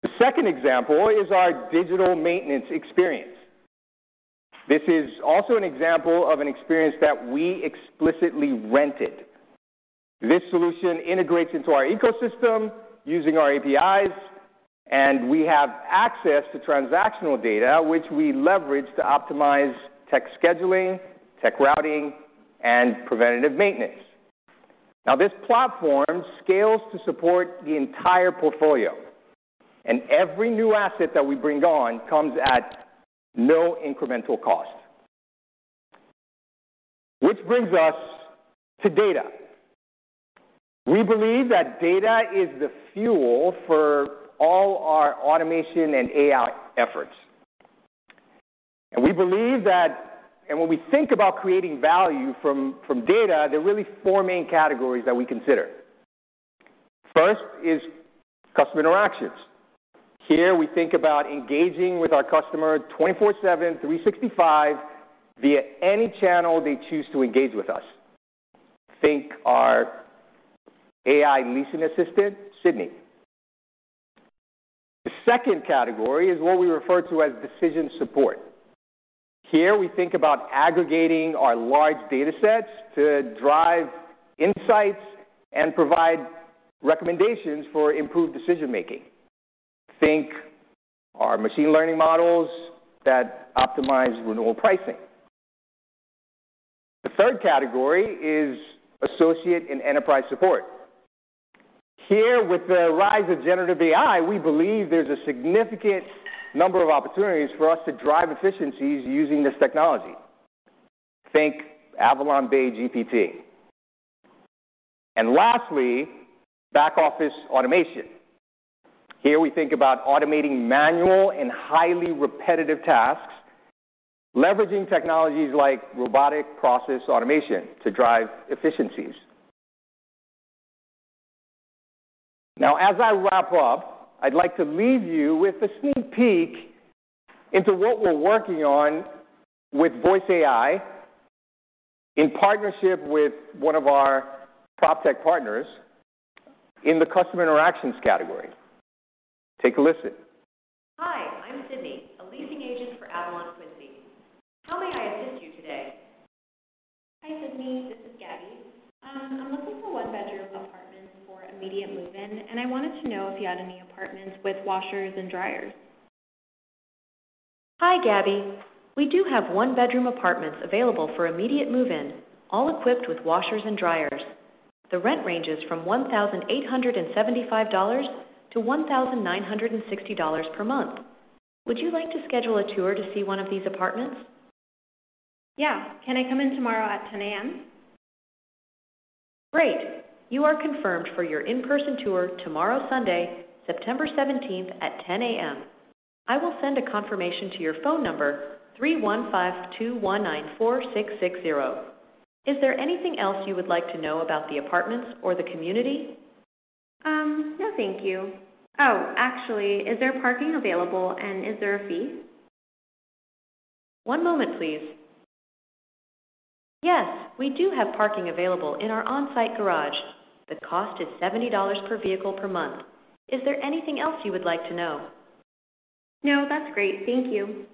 The second example is our digital maintenance experience. This is also an example of an experience that we explicitly rented. This solution integrates into our ecosystem using our APIs, and we have access to transactional data, which we leverage to optimize tech scheduling, tech routing, and preventative maintenance. Now, this platform scales to support the entire portfolio, and every new asset that we bring on comes at no incremental cost. Which brings us to data. We believe that data is the fuel for all our automation and AI efforts. We believe that when we think about creating value from data, there are really four main categories that we consider. First is customer interactions. Here, we think about engaging with our customer 24/7, 365, via any channel they choose to engage with us. Think our AI leasing assistant, Sydney. The second category is what we refer to as decision support. Here, we think about aggregating our large datasets to drive insights and provide recommendations for improved decision-making. Think our machine learning models that optimize renewal pricing. The third category is associate and enterprise support. Here, with the rise of generative AI, we believe there's a significant number of opportunities for us to drive efficiencies using this technology. Think AvalonBay GPT. And lastly, back-office automation. Here we think about automating manual and highly repetitive tasks, leveraging technologies like robotic process automation to drive efficiencies. Now, as I wrap up, I'd like to leave you with a sneak peek into what we're working on with voice AI in partnership with one of our proptech partners in the customer interactions category. Take a listen. Hi, I'm Sydney, a leasing agent for Avalon Quincy. How may I assist you today? Hi, Sydney, this is Gabby. I'm looking for a one-bedroom apartment for immediate move-in, and I wanted to know if you had any apartments with washers and dryers. Hi, Gabby. We do have one-bedroom apartments available for immediate move-in, all equipped with washers and dryers. The rent ranges from $1,875 to $1,960 per month. Would you like to schedule a tour to see one of these apartments? Yeah. Can I come in tomorrow at 10:00 A.M.? Great! You are confirmed for your in-person tour tomorrow, Sunday, September 17, at 10 A.M. I will send a confirmation to your phone number, 315-219-4660. Is there anything else you would like to know about the apartments or the community? No, thank you. Oh, actually, is there parking available, and is there a fee? One moment, please. Yes, we do have parking available in our on-site garage. The cost is $70 per vehicle per month. Is there anything else you would like to know? No, that's great. Thank you.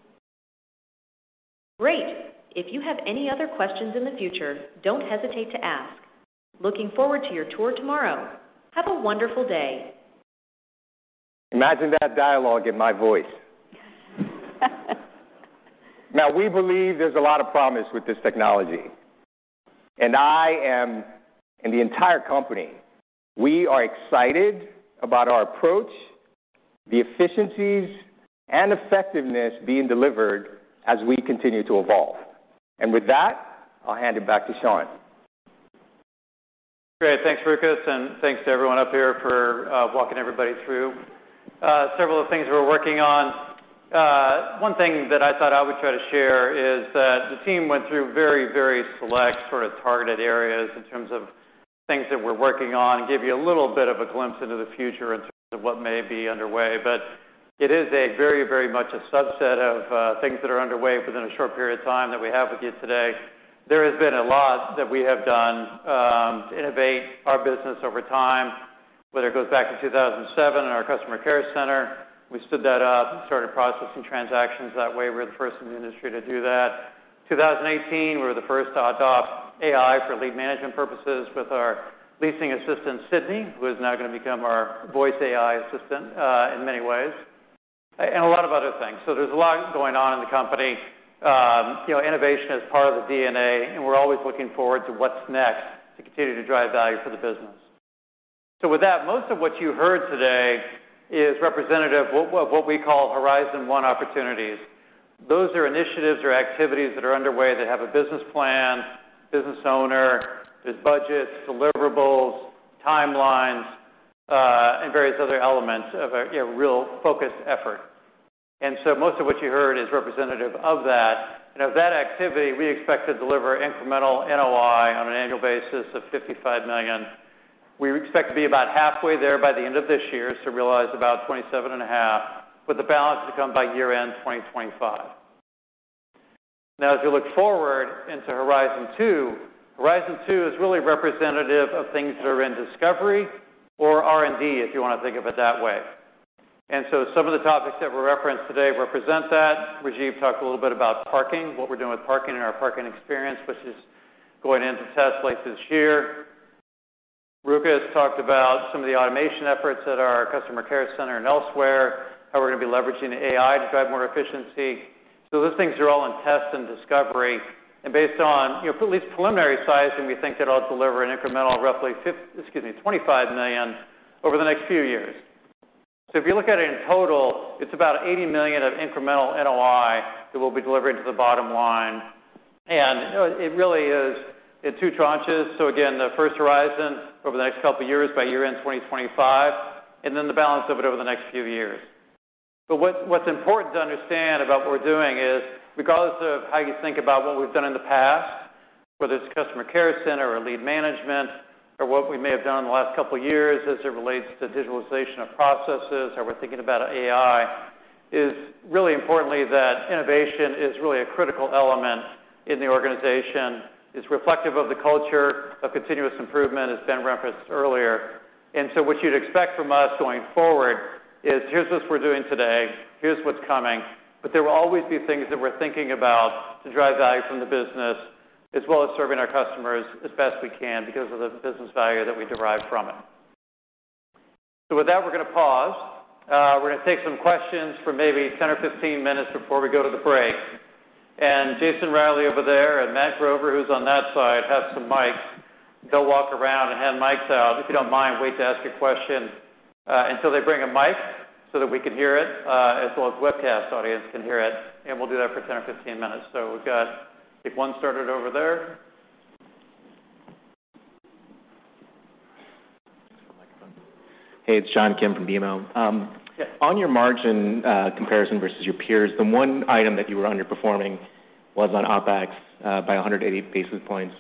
Great! If you have any other questions in the future, don't hesitate to ask. Looking forward to your tour tomorrow. Have a wonderful day. Imagine that dialogue in my voice. Now, we believe there's a lot of promise with this technology, and I am, and the entire company, we are excited about our approach, the efficiencies, and effectiveness being delivered as we continue to evolve. With that, I'll hand it back to Sean. Great. Thanks, Rukus, and thanks to everyone up here for walking everybody through several of the things we're working on. One thing that I thought I would try to share is that the team went through very, very select, sort of targeted areas in terms of things that we're working on, and give you a little bit of a glimpse into the future in terms of what may be underway. But it is a very, very much a subset of things that are underway within a short period of time that we have with you today. There has been a lot that we have done to innovate our business over time, whether it goes back to 2007 and our Customer Care Center. We stood that up and started processing transactions that way. We're the first in the industry to do that. 2018, we were the first to adopt AI for lead management purposes with our leasing assistant, Sydney, who is now going to become our voice AI assistant in many ways, and a lot of other things. So there's a lot going on in the company. You know, innovation is part of the DNA, and we're always looking forward to what's next to continue to drive value for the business. So with that, most of what you heard today is representative of what, what we call Horizon 1 opportunities. Those are initiatives or activities that are underway. They have a business plan, business owner, there's budgets, deliverables, timelines, and various other elements of a real focused effort. And so most of what you heard is representative of that. You know, that activity, we expect to deliver incremental NOI on an annual basis of $55 million. We expect to be about halfway there by the end of this year, so realize about 27.5, with the balance to come by year-end 2025. Now, as you look forward into Horizon 2, Horizon 2 is really representative of things that are in discovery or R&D, if you want to think of it that way. And so some of the topics that were referenced today represent that. Rajiv talked a little bit about parking, what we're doing with parking and our parking experience, which is going into test later this year. Rukus talked about some of the automation efforts at our Customer Care Center and elsewhere, how we're going to be leveraging AI to drive more efficiency. So those things are all in test and discovery, and based on, you know, at least preliminary sizing, we think that it'll deliver an incremental of roughly $50-- excuse me, $25 million over the next few years. So if you look at it in total, it's about $80 million of incremental NOI that we'll be delivering to the bottom line, and, you know, it really is in two tranches. So again, the first Horizon over the next couple of years, by year-end 2025, and then the balance of it over the next few years. What's important to understand about what we're doing is, regardless of how you think about what we've done in the past, whether it's Customer Care Center or lead management, or what we may have done in the last couple of years as it relates to digitalization of processes, how we're thinking about AI, is really importantly, that innovation is really a critical element in the organization. It's reflective of the culture of continuous improvement, as Ben referenced earlier. So what you'd expect from us going forward is, "Here's what we're doing today, here's what's coming," but there will always be things that we're thinking about to drive value from the business, as well as serving our customers as best we can because of the business value that we derive from it. With that, we're going to pause. We're going to take some questions for maybe 10 or 15 minutes before we go to the break. Jason Reilley over there and Matt Grover, who's on that side, have some mics. They'll walk around and hand mics out. If you don't mind, wait to ask a question until they bring a mic so that we can hear it as well as the webcast audience can hear it, and we'll do that for 10 or 15 minutes. We've got, I think one started over there. Hey, it's John Kim from BMO. On your margin comparison versus your peers, the one item that you were underperforming was on OpEx by 180 basis points,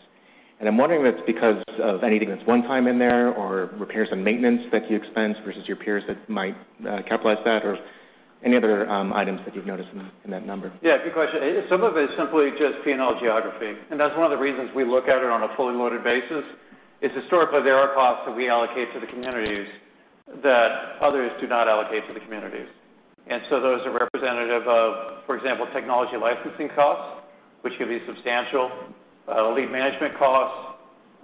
and I'm wondering if it's because of anything that's one time in there, or repairs and maintenance that you expense versus your peers that might capitalize that, or any other items that you've noticed in that, in that number? Yeah, good question. Some of it is simply just P&L geography, and that's one of the reasons we look at it on a fully loaded basis, is historically, there are costs that we allocate to the communities that others do not allocate to the communities. And so those are representative of, for example, technology licensing costs, which can be substantial. Lead management costs,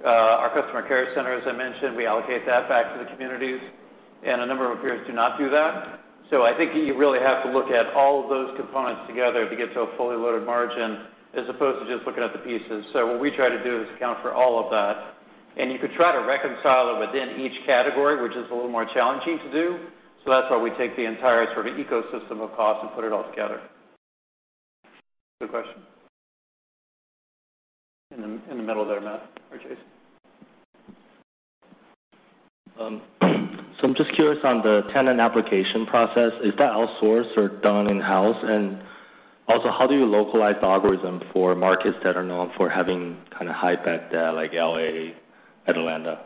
our Customer Care Center, as I mentioned, we allocate that back to the communities, and a number of our peers do not do that. So I think you really have to look at all of those components together to get to a fully loaded margin, as opposed to just looking at the pieces. So what we try to do is account for all of that, and you could try to reconcile it within each category, which is a little more challenging to do. So that's why we take the entire sort of ecosystem of costs and put it all together. Good question. In the middle there, Matt or Jason. I'm just curious on the tenant application process. Is that outsourced or done in-house? And also, how do you localize the algorithm for markets that are known for having kind of high bad debt, like LA, Atlanta?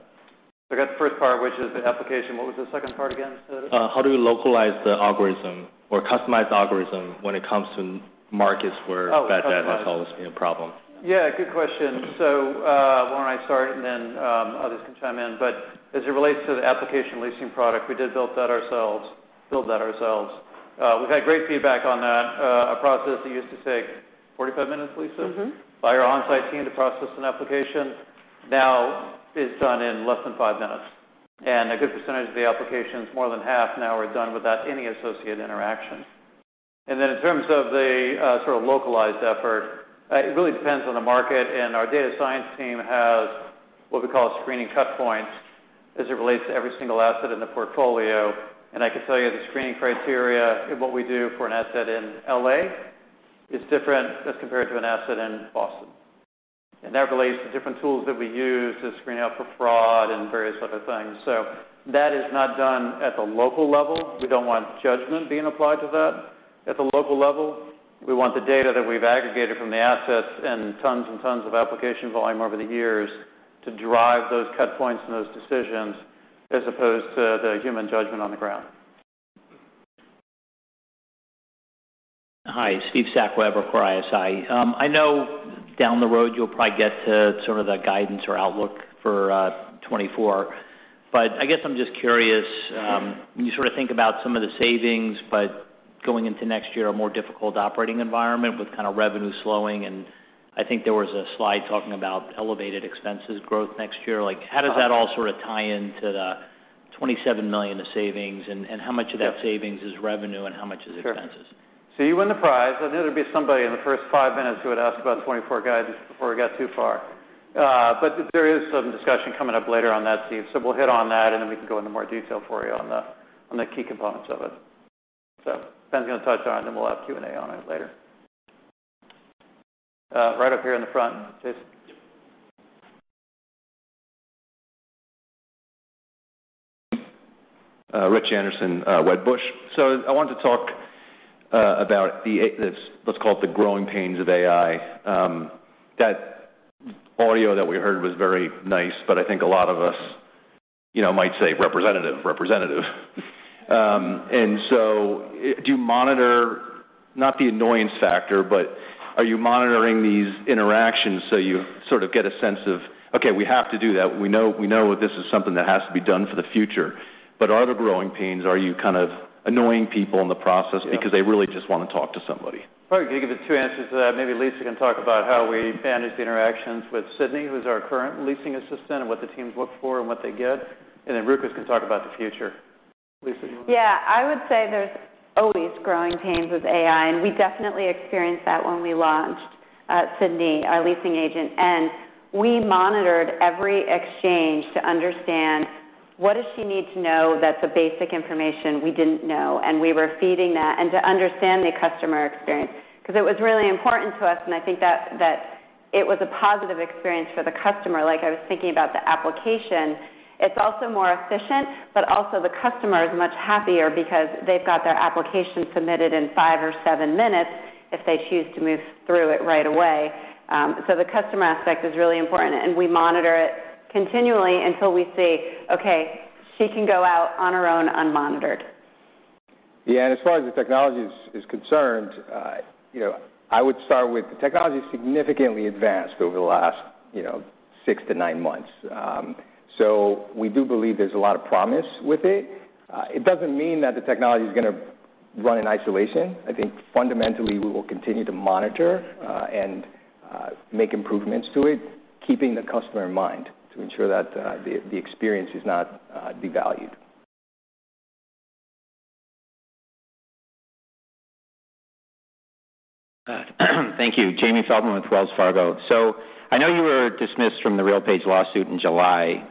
I got the first part, which is the application. What was the second part again? How do you localize the algorithm or customize the algorithm when it comes to markets where- Oh. Bad debt has always been a problem? Yeah, good question. So why don't I start, and then others can chime in. But as it relates to the application leasing product, we did build that ourselves, build that ourselves. We've had great feedback on that. A process that used to take 45 minutes, Lisa? Mm-hmm. By our on-site team to process an application, now is done in less than five minutes. A good percentage of the applications, more than half now, are done without any associate interaction. Then in terms of the sort of localized effort, it really depends on the market, and our data science team has what we call screening cut points as it relates to every single asset in the portfolio. I can tell you the screening criteria of what we do for an asset in L.A. is different as compared to an asset in Boston. That relates to different tools that we use to screen out for fraud and various other things. That is not done at the local level. We don't want judgment being applied to that at the local level. We want the data that we've aggregated from the assets and tons and tons of application volume over the years to drive those cut points and those decisions, as opposed to the human judgment on the ground. Hi, Steve Sakwa for Evercore ISI. I know down the road, you'll probably get to sort of the guidance or outlook for 2024. But I guess I'm just curious, when you sort of think about some of the savings, but going into next year, a more difficult operating environment with kind of revenue slowing, and I think there was a slide talking about elevated expenses growth next year. Like, how does that all sort of tie in to the $27 million of savings, and how much of that savings is revenue and how much is expenses? Sure. So you win the prize. I knew there'd be somebody in the first five minutes who would ask about the 2024 guidance before we got too far. But there is some discussion coming up later on that, Steve, so we'll hit on that, and then we can go into more detail for you on the key components of it. So Ben's going to touch on, then we'll have Q&A on it later. Right up here in the front. Please. Rich Anderson, Wedbush. So I wanted to talk about the, let's call it the growing pains of AI. That audio that we heard was very nice, but I think a lot of us, you know, might say, "Representative, representative." And so do you monitor, not the annoyance factor, but are you monitoring these interactions so you sort of get a sense of, okay, we have to do that, we know, we know that this is something that has to be done for the future, but are there growing pains? Are you kind of annoying people in the process? Yeah. Because they really just want to talk to somebody? Well, I can give it two answers to that. Maybe Lisa can talk about how we manage the interactions with Sydney, who's our current leasing assistant, and what the teams look for and what they get, and then Rukus can talk about the future. Lisa, do you want to? Yeah, I would say there's always growing pains with AI, and we definitely experienced that when we launched Sydney, our leasing agent. And we monitored every exchange to understand what does she need to know that's the basic information we didn't know, and we were feeding that, and to understand the customer experience. Because it was really important to us, and I think that it was a positive experience for the customer. Like, I was thinking about the application. It's also more efficient, but also the customer is much happier because they've got their application submitted in five or seven minutes if they choose to move through it right away. So the customer aspect is really important, and we monitor it continually until we see, okay, she can go out on her own, unmonitored. Yeah, and as far as the technology is concerned, you know, I would start with the technology is significantly advanced over the last, you know, six to nine months. So we do believe there's a lot of promise with it. It doesn't mean that the technology is gonna run in isolation. I think fundamentally, we will continue to monitor and make improvements to it, keeping the customer in mind to ensure that the experience is not devalued. Thank you. Jamie Feldman with Wells Fargo. So I know you were dismissed from the RealPage lawsuit in July.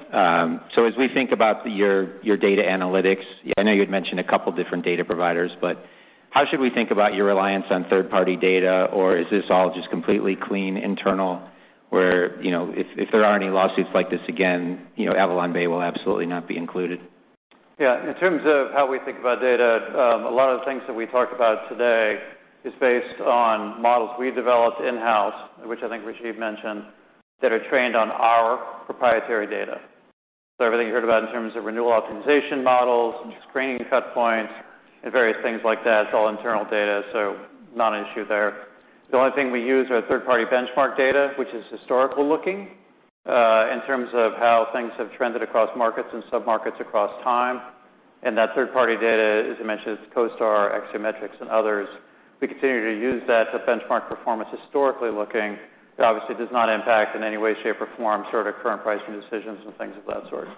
So as we think about your, your data analytics, I know you'd mentioned a couple different data providers, but how should we think about your reliance on third-party data? Or is this all just completely clean, internal, where, you know, if, if there are any lawsuits like this again, you know, AvalonBay will absolutely not be included? Yeah. In terms of how we think about data, a lot of the things that we talked about today is based on models we developed in-house, which I think Rajiv mentioned, that are trained on our proprietary data. So everything you heard about in terms of renewal optimization models and screening cut points and various things like that, it's all internal data, so not an issue there. The only thing we use are third-party benchmark data, which is historical-looking, in terms of how things have trended across markets and submarkets across time, and that third-party data, as I mentioned, is CoStar, Axiometrics, and others. We continue to use that to benchmark performance historically looking. It obviously does not impact in any way, shape, or form, sort of current pricing decisions and things of that sort.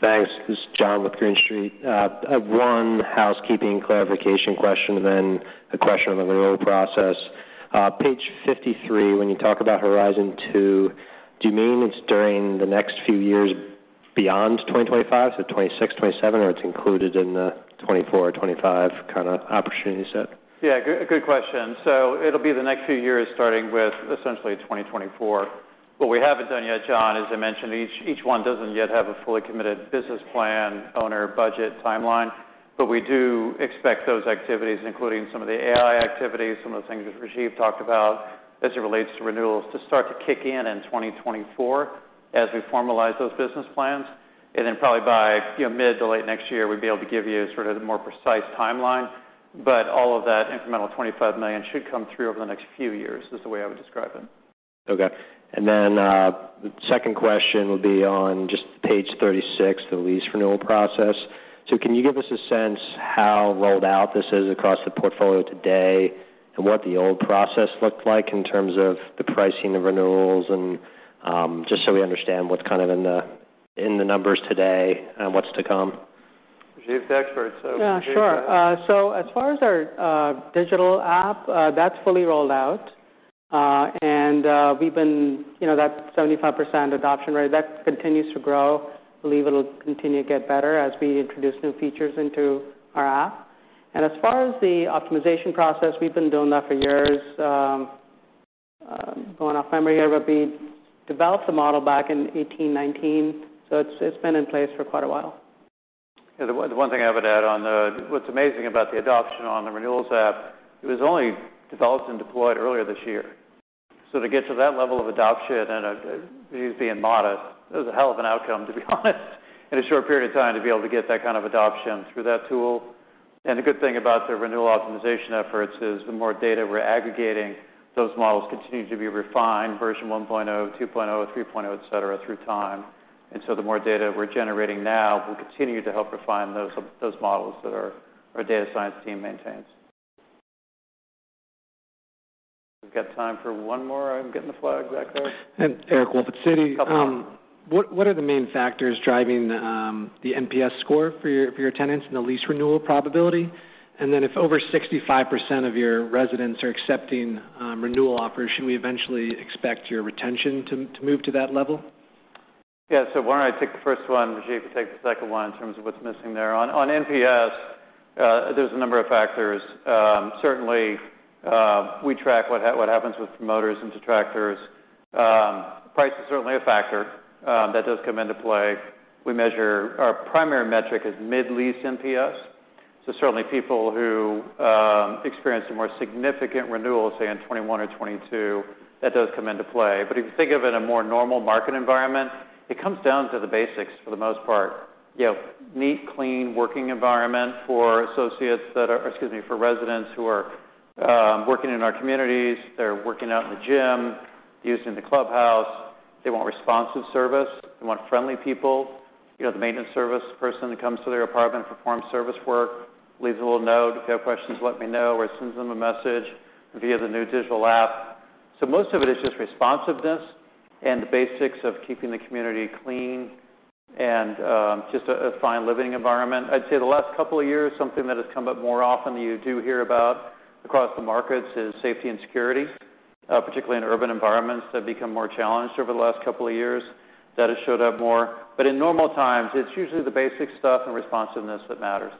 Thanks. This is John with Green Street. I have one housekeeping clarification question, then a question on the renewal process. Page 53, when you talk about Horizon 2, do you mean it's during the next few years beyond 2025, so 2026, 2027, or it's included in the 2024 or 2025 kind of opportunity set? Yeah, good, good question. So it'll be the next few years, starting with essentially 2024. What we haven't done yet, John, as I mentioned, each, each one doesn't yet have a fully committed business plan, owner, budget, timeline. But we do expect those activities, including some of the AI activities, some of the things that Rajiv talked about as it relates to renewals, to start to kick in in 2024 as we formalize those business plans. And then probably by, you know, mid to late next year, we'll be able to give you sort of the more precise timeline. But all of that incremental $25 million should come through over the next few years, is the way I would describe it. Okay. And then, the second question would be on just page 36, the lease renewal process. So can you give us a sense how rolled out this is across the portfolio today and what the old process looked like in terms of the pricing of renewals? And, just so we understand what's kind of in the, in the numbers today and what's to come. Rajiv's the expert, so- Yeah, sure. So as far as our digital app, that's fully rolled out. And we've been—you know, that 75% adoption rate, that continues to grow. Believe it'll continue to get better as we introduce new features into our app. And as far as the optimization process, we've been doing that for years, going off memory here, but we developed the model back in 2018, 2019, so it's been in place for quite a while. Yeah, the one thing I would add on the, what's amazing about the adoption on the renewals app, it was only developed and deployed earlier this year. So to get to that level of adoption, and, he's being modest, it was a hell of an outcome, to be honest, in a short period of time, to be able to get that kind of adoption through that tool. And the good thing about the renewal optimization efforts is the more data we're aggregating, those models continue to be refined, version 1.0, 2.0, 3.0, et cetera, through time. And so the more data we're generating now will continue to help refine those models that our data science team maintains. We've got time for one more. I'm getting the flag back there. Eric Wolfe at Citi. Welcome. What are the main factors driving the NPS score for your tenants and the lease renewal probability? And then if over 65% of your residents are accepting renewal offers, should we eventually expect your retention to move to that level? Yeah, so why don't I take the first one, Rajiv, you take the second one in terms of what's missing there. On NPS, there's a number of factors. Certainly, we track what happens with promoters and detractors. Price is certainly a factor that does come into play. We measure, our primary metric is mid-lease NPS, so certainly people who experience a more significant renewal, say, in 2021 or 2022, that does come into play. But if you think of it in a more normal market environment, it comes down to the basics for the most part. You have neat, clean, working environment for associates that are—excuse me—for residents who are working in our communities, they're working out in the gym, using the clubhouse. They want responsive service. They want friendly people. You know, the maintenance service person that comes to their apartment and performs service work, leaves a little note, "If you have questions, let me know," or sends them a message via the new digital app. So most of it is just responsiveness and the basics of keeping the community clean and, just a fine living environment. I'd say the last couple of years, something that has come up more often, you do hear about across the markets, is safety and security, particularly in urban environments that have become more challenged over the last couple of years. That has showed up more. But in normal times, it's usually the basic stuff and responsiveness that matters.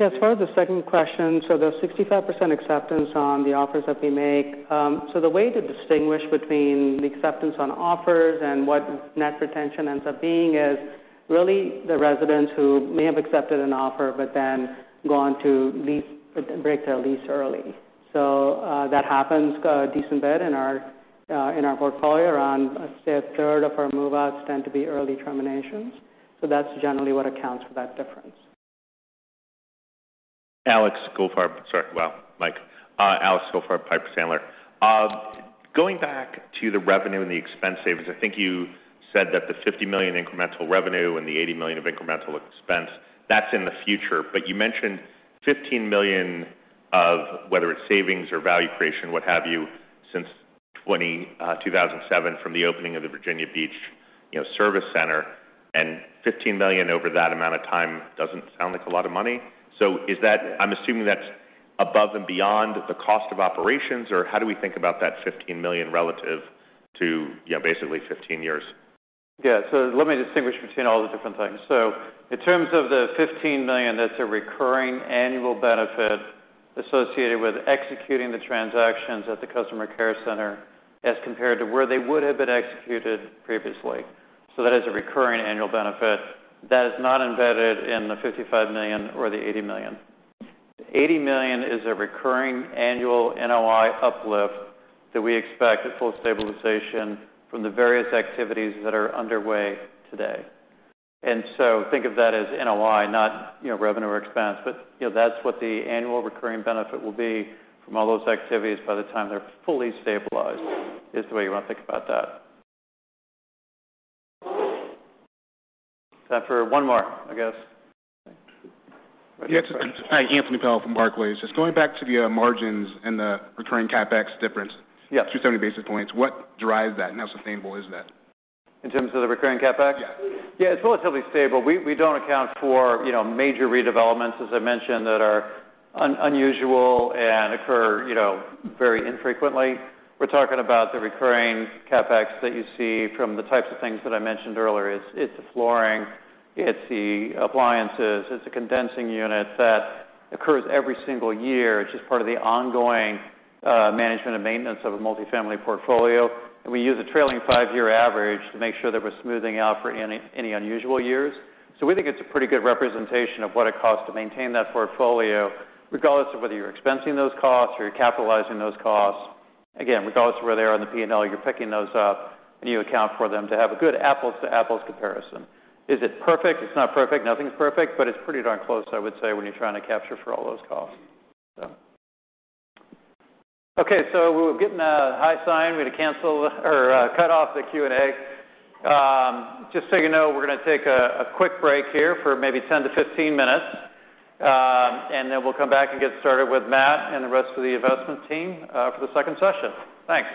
Yeah, as far as the second question, so the 65% acceptance on the offers that we make, so the way to distinguish between the acceptance on offers and what net retention ends up being is really the residents who may have accepted an offer but then go on to lease-- break their lease early. So, that happens, a decent bit in our, in our portfolio. Around, I'd say, a third of our move-outs tend to be early terminations, so that's generally what accounts for that difference. Sorry, wow, Mike. Alex Goldfarb, Piper Sandler. Going back to the revenue and the expense savings, I think you said that the $50 million incremental revenue and the $80 million of incremental expense, that's in the future, but you mentioned $15 million of whether it's savings or value creation, what have you, since 2007 from the opening of the Virginia Beach, you know, service center, and $15 million over that amount of time doesn't sound like a lot of money. So is that-- I'm assuming that's above and beyond the cost of operations, or how do we think about that $15 million relative to, yeah, basically 15 years? Yeah, so let me distinguish between all the different things. So in terms of the $15 million, that's a recurring annual benefit associated with executing the transactions at the Customer Care Center as compared to where they would have been executed previously. So that is a recurring annual benefit that is not embedded in the $55 million or the $80 million. The $80 million is a recurring annual NOI uplift that we expect at full stabilization from the various activities that are underway today. And so think of that as NOI, not, you know, revenue or expense, but, you know, that's what the annual recurring benefit will be from all those activities by the time they're fully stabilized, is the way you want to think about that. Time for one more, I guess. Hi, Anthony Powell from Barclays. Just going back to the, margins and the recurring CapEx difference- Yeah. - 270 basis points. What drives that, and how sustainable is that? In terms of the recurring CapEx? Yeah. Yeah, it's relatively stable. We, we don't account for, you know, major redevelopments, as I mentioned, that are unusual and occur, you know, very infrequently. We're talking about the recurring CapEx that you see from the types of things that I mentioned earlier. It's, it's the flooring, it's the appliances, it's the condensing unit that occurs every single year. It's just part of the ongoing management and maintenance of a multifamily portfolio, and we use a trailing five-year average to make sure that we're smoothing out for any, any unusual years. So we think it's a pretty good representation of what it costs to maintain that portfolio, regardless of whether you're expensing those costs or you're capitalizing those costs. Again, regardless of where they are on the P&L, you're picking those up, and you account for them to have a good apples-to-apples comparison. Is it perfect? It's not perfect. Nothing's perfect, but it's pretty darn close, I would say, when you're trying to capture for all those costs. So okay, so we're getting a high sign. We're going to cancel or cut off the Q&A. Just so you know, we're gonna take a quick break here for maybe 10-15 minutes, and then we'll come back and get started with Matt and the rest of the investment team for the second session. Thanks.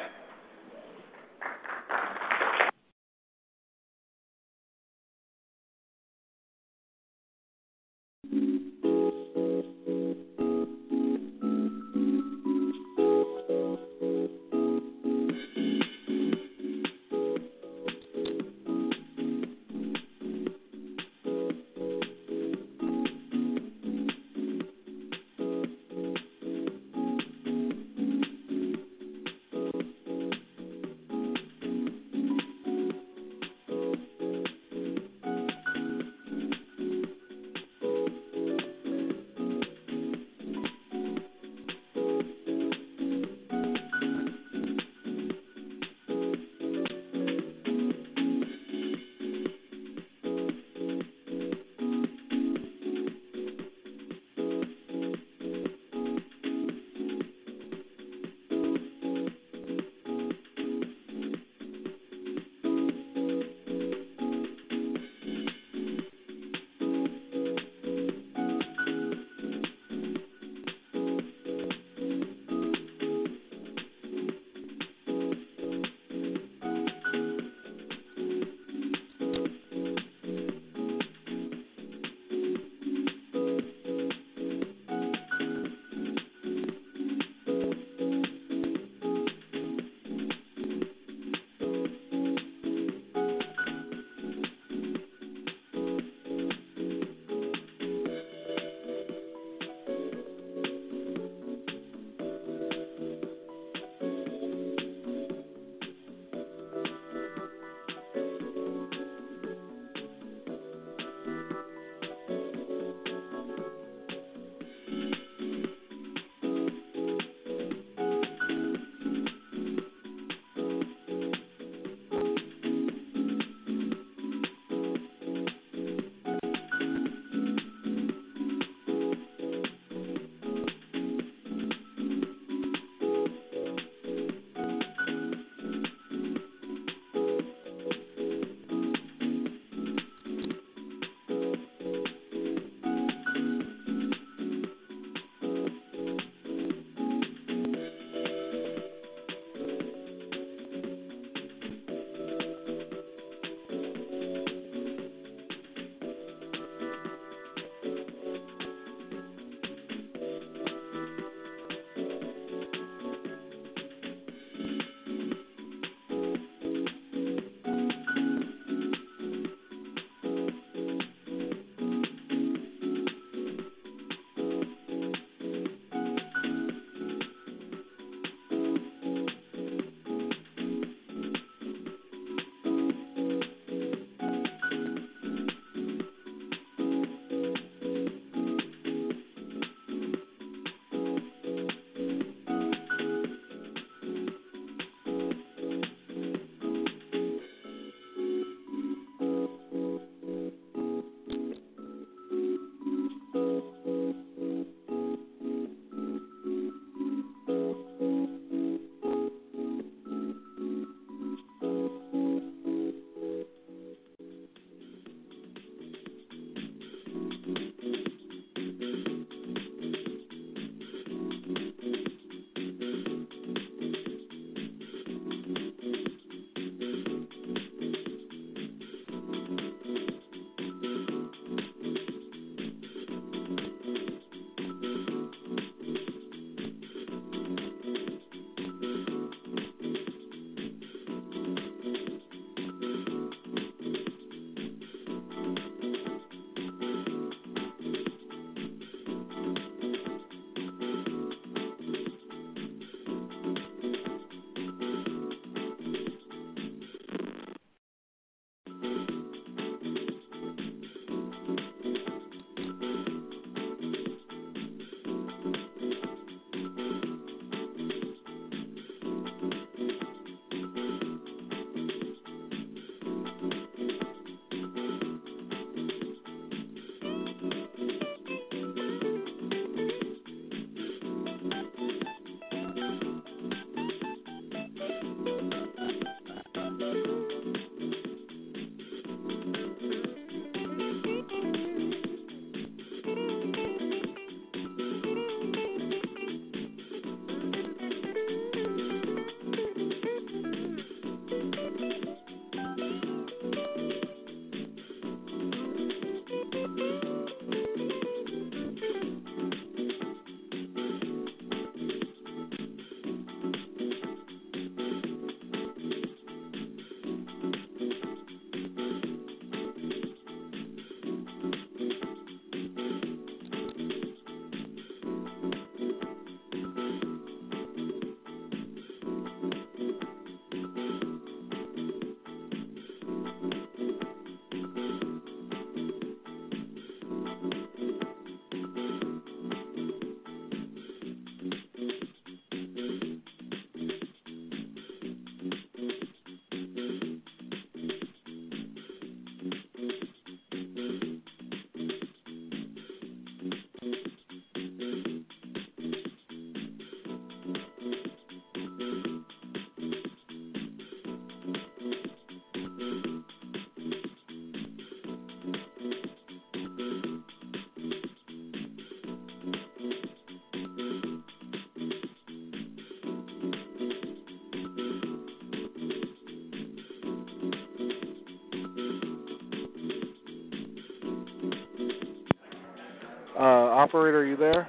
Operator, are you there?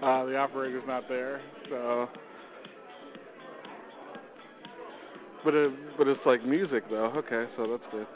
The operator is not there, so... But it, but it's like music, though. Okay, so that's good.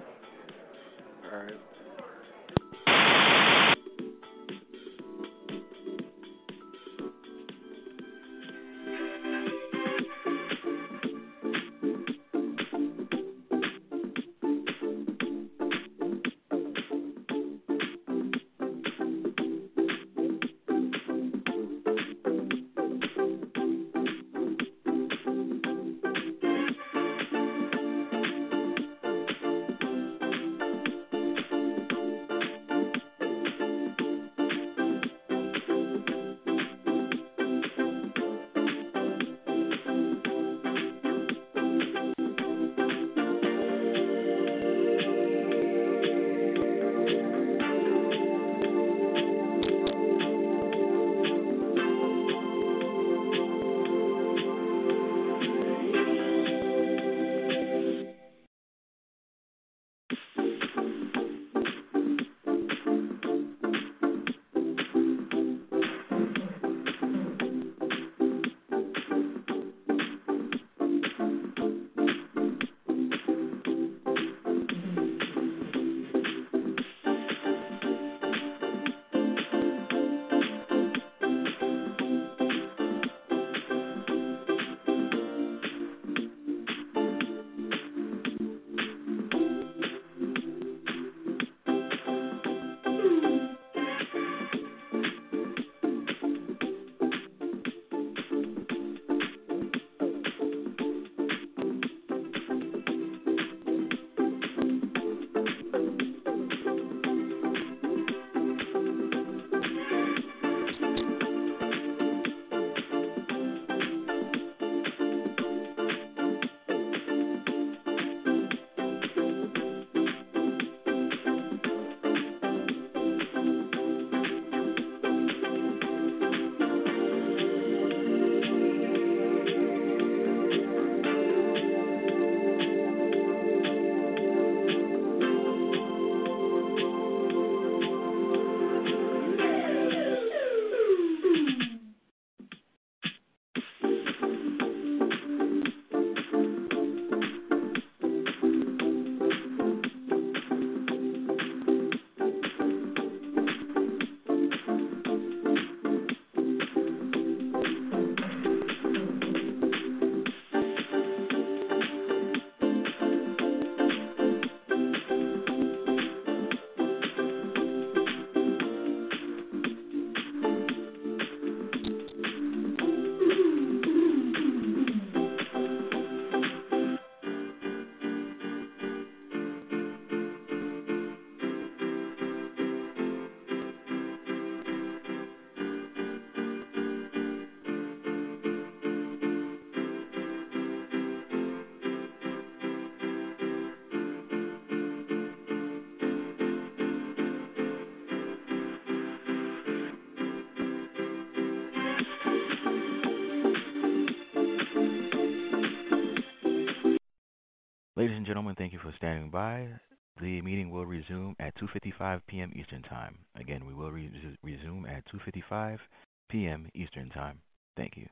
All right. Ladies and gentlemen, thank you for standing by. The meeting will resume at 2:55 P.M. Eastern Time. Again, we will resume at 2:55 P.M. Eastern Time. Thank you.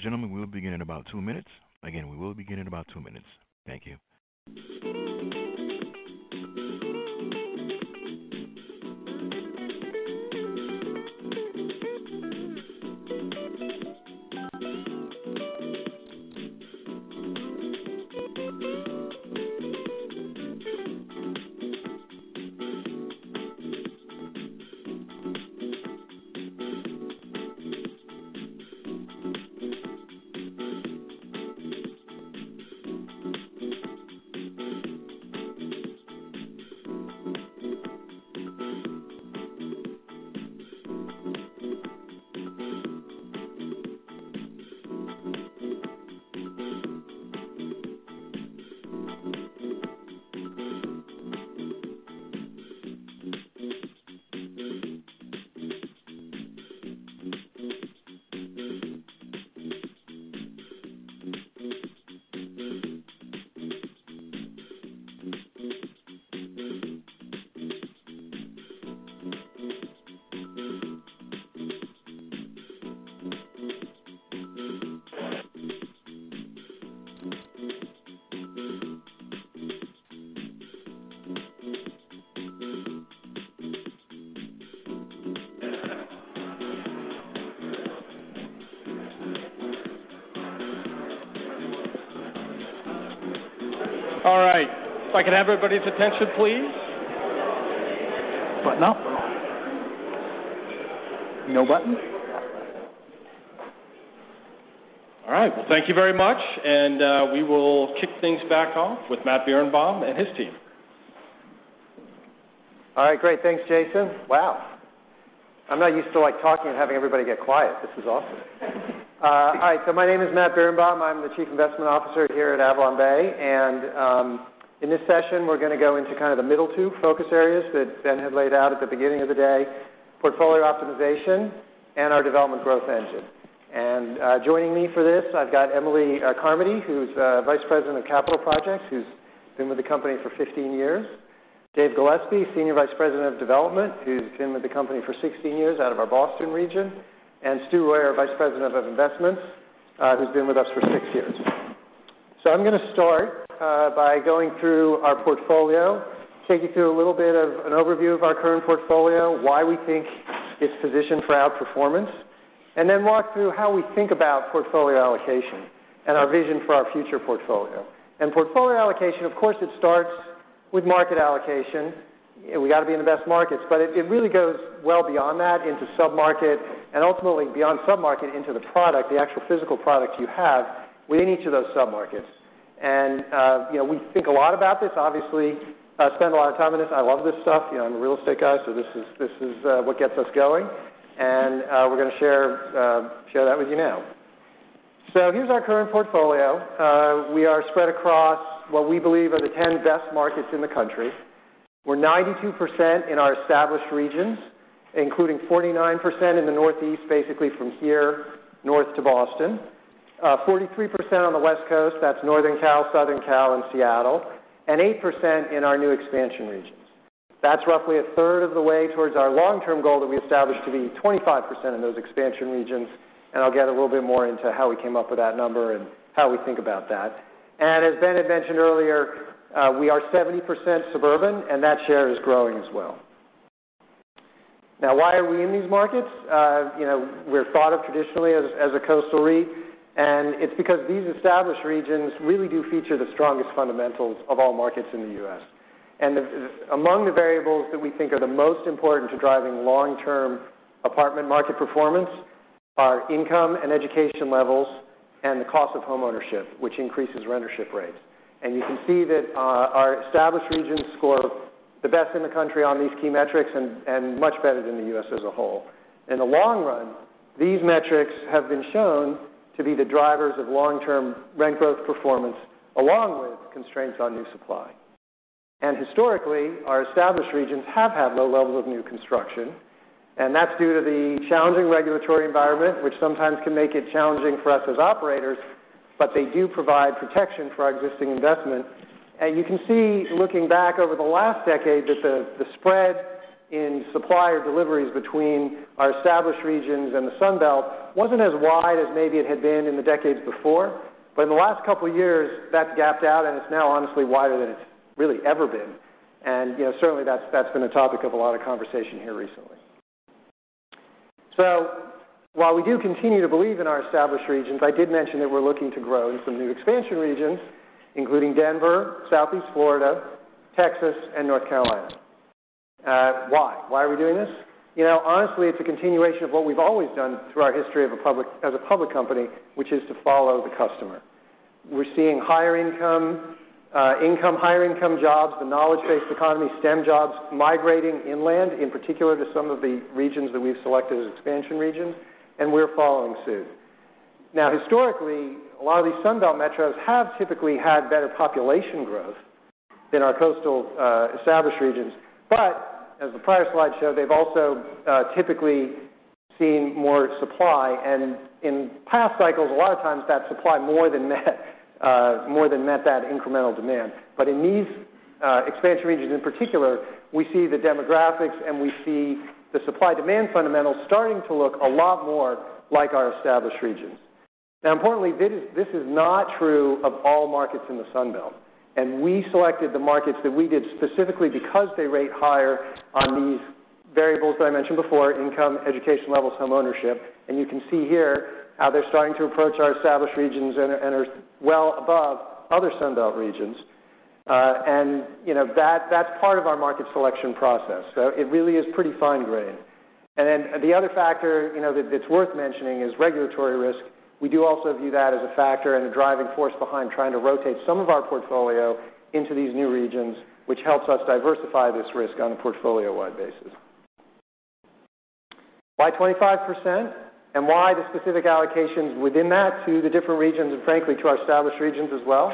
Ladies and gentlemen, we will begin in about two minutes. Again, we will begin in about two minutes. Thank you. All right, if I can have everybody's attention, please. Button up? No button. All right, well, thank you very much, and we will kick things back off with Matt Birenbaum and his team. All right, great. Thanks, Jason. Wow! I'm not used to, like, talking and having everybody get quiet. This is awesome. Hi, so my name is Matt Birenbaum. I'm the Chief Investment Officer here at AvalonBay, and in this session, we're going to go into kind of the middle two focus areas that Ben had laid out at the beginning of the day: portfolio optimization and our development growth engine. Joining me for this, I've got Emily Carmody, who's Vice President of Capital Projects, who's been with the company for 15 years. Dave Gillespie, Senior Vice President of Development, who's been with the company for 16 years out of our Boston region, and Stew Royer, Vice President of Investments, who's been with us for six years. So I'm gonna start by going through our portfolio, take you through a little bit of an overview of our current portfolio, why we think it's positioned for outperformance, and then walk through how we think about portfolio allocation and our vision for our future portfolio. And portfolio allocation, of course, it starts with market allocation. We gotta be in the best markets. But it really goes well beyond that into sub-market and ultimately beyond sub-market into the product, the actual physical product you have within each of those sub-markets. And you know, we think a lot about this, obviously, spend a lot of time on this. I love this stuff. You know, I'm a real estate guy, so this is, this is what gets us going, and we're gonna share that with you now. So here's our current portfolio. We are spread across what we believe are the 10 best markets in the country. We're 92% in our established regions, including 49% in the Northeast, basically from here north to Boston. Forty-three percent on the West Coast, that's Northern Cal, Southern Cal, and Seattle, and 8% in our new expansion regions. That's roughly a third of the way towards our long-term goal that we established to be 25% in those expansion regions, and I'll get a little bit more into how we came up with that number and how we think about that. And as Ben had mentioned earlier, we are 70% suburban, and that share is growing as well. Now, why are we in these markets? You know, we're thought of traditionally as a coastal REIT, and it's because these established regions really do feature the strongest fundamentals of all markets in the U.S. And, among the variables that we think are the most important to driving long-term apartment market performance are income and education levels and the cost of homeownership, which increases rentership rates. And you can see that our established regions score the best in the country on these key metrics and much better than the U.S. as a whole. In the long run, these metrics have been shown to be the drivers of long-term rent growth performance, along with constraints on new supply. Historically, our established regions have had low levels of new construction, and that's due to the challenging regulatory environment, which sometimes can make it challenging for us as operators, but they do provide protection for our existing investments. You can see, looking back over the last decade, that the spread in supply or deliveries between our established regions and the Sun Belt wasn't as wide as maybe it had been in the decades before. But in the last couple of years, that's gapped out, and it's now honestly wider than it's really ever been. You know, certainly that's been a topic of a lot of conversation here recently. So while we do continue to believe in our established regions, I did mention that we're looking to grow in some new expansion regions, including Denver, Southeast Florida, Texas, and North Carolina. Why? Why are we doing this? You know, honestly, it's a continuation of what we've always done through our history of a public—as a public company, which is to follow the customer. We're seeing higher income, income, higher income jobs, the knowledge-based economy, STEM jobs, migrating inland, in particular to some of the regions that we've selected as expansion regions, and we're following suit. Now, historically, a lot of these Sun Belt metros have typically had better population growth than our coastal, established regions. But as the prior slide showed, they've also, typically seen more supply. And in past cycles, a lot of times that supply more than met, more than met that incremental demand. But in these, expansion regions in particular, we see the demographics, and we see the supply-demand fundamentals starting to look a lot more like our established regions. Now, importantly, this is, this is not true of all markets in the Sun Belt, and we selected the markets that we did specifically because they rate higher on these variables that I mentioned before, income, education levels, homeownership. And you can see here how they're starting to approach our established regions and are, and are well above other Sun Belt regions. And, you know, that's, that's part of our market selection process, so it really is pretty fine-grained. And then the other factor, you know, that's worth mentioning is regulatory risk. We do also view that as a factor and a driving force behind trying to rotate some of our portfolio into these new regions, which helps us diversify this risk on a portfolio-wide basis. Why 25%, and why the specific allocations within that to the different regions and, frankly, to our established regions as well?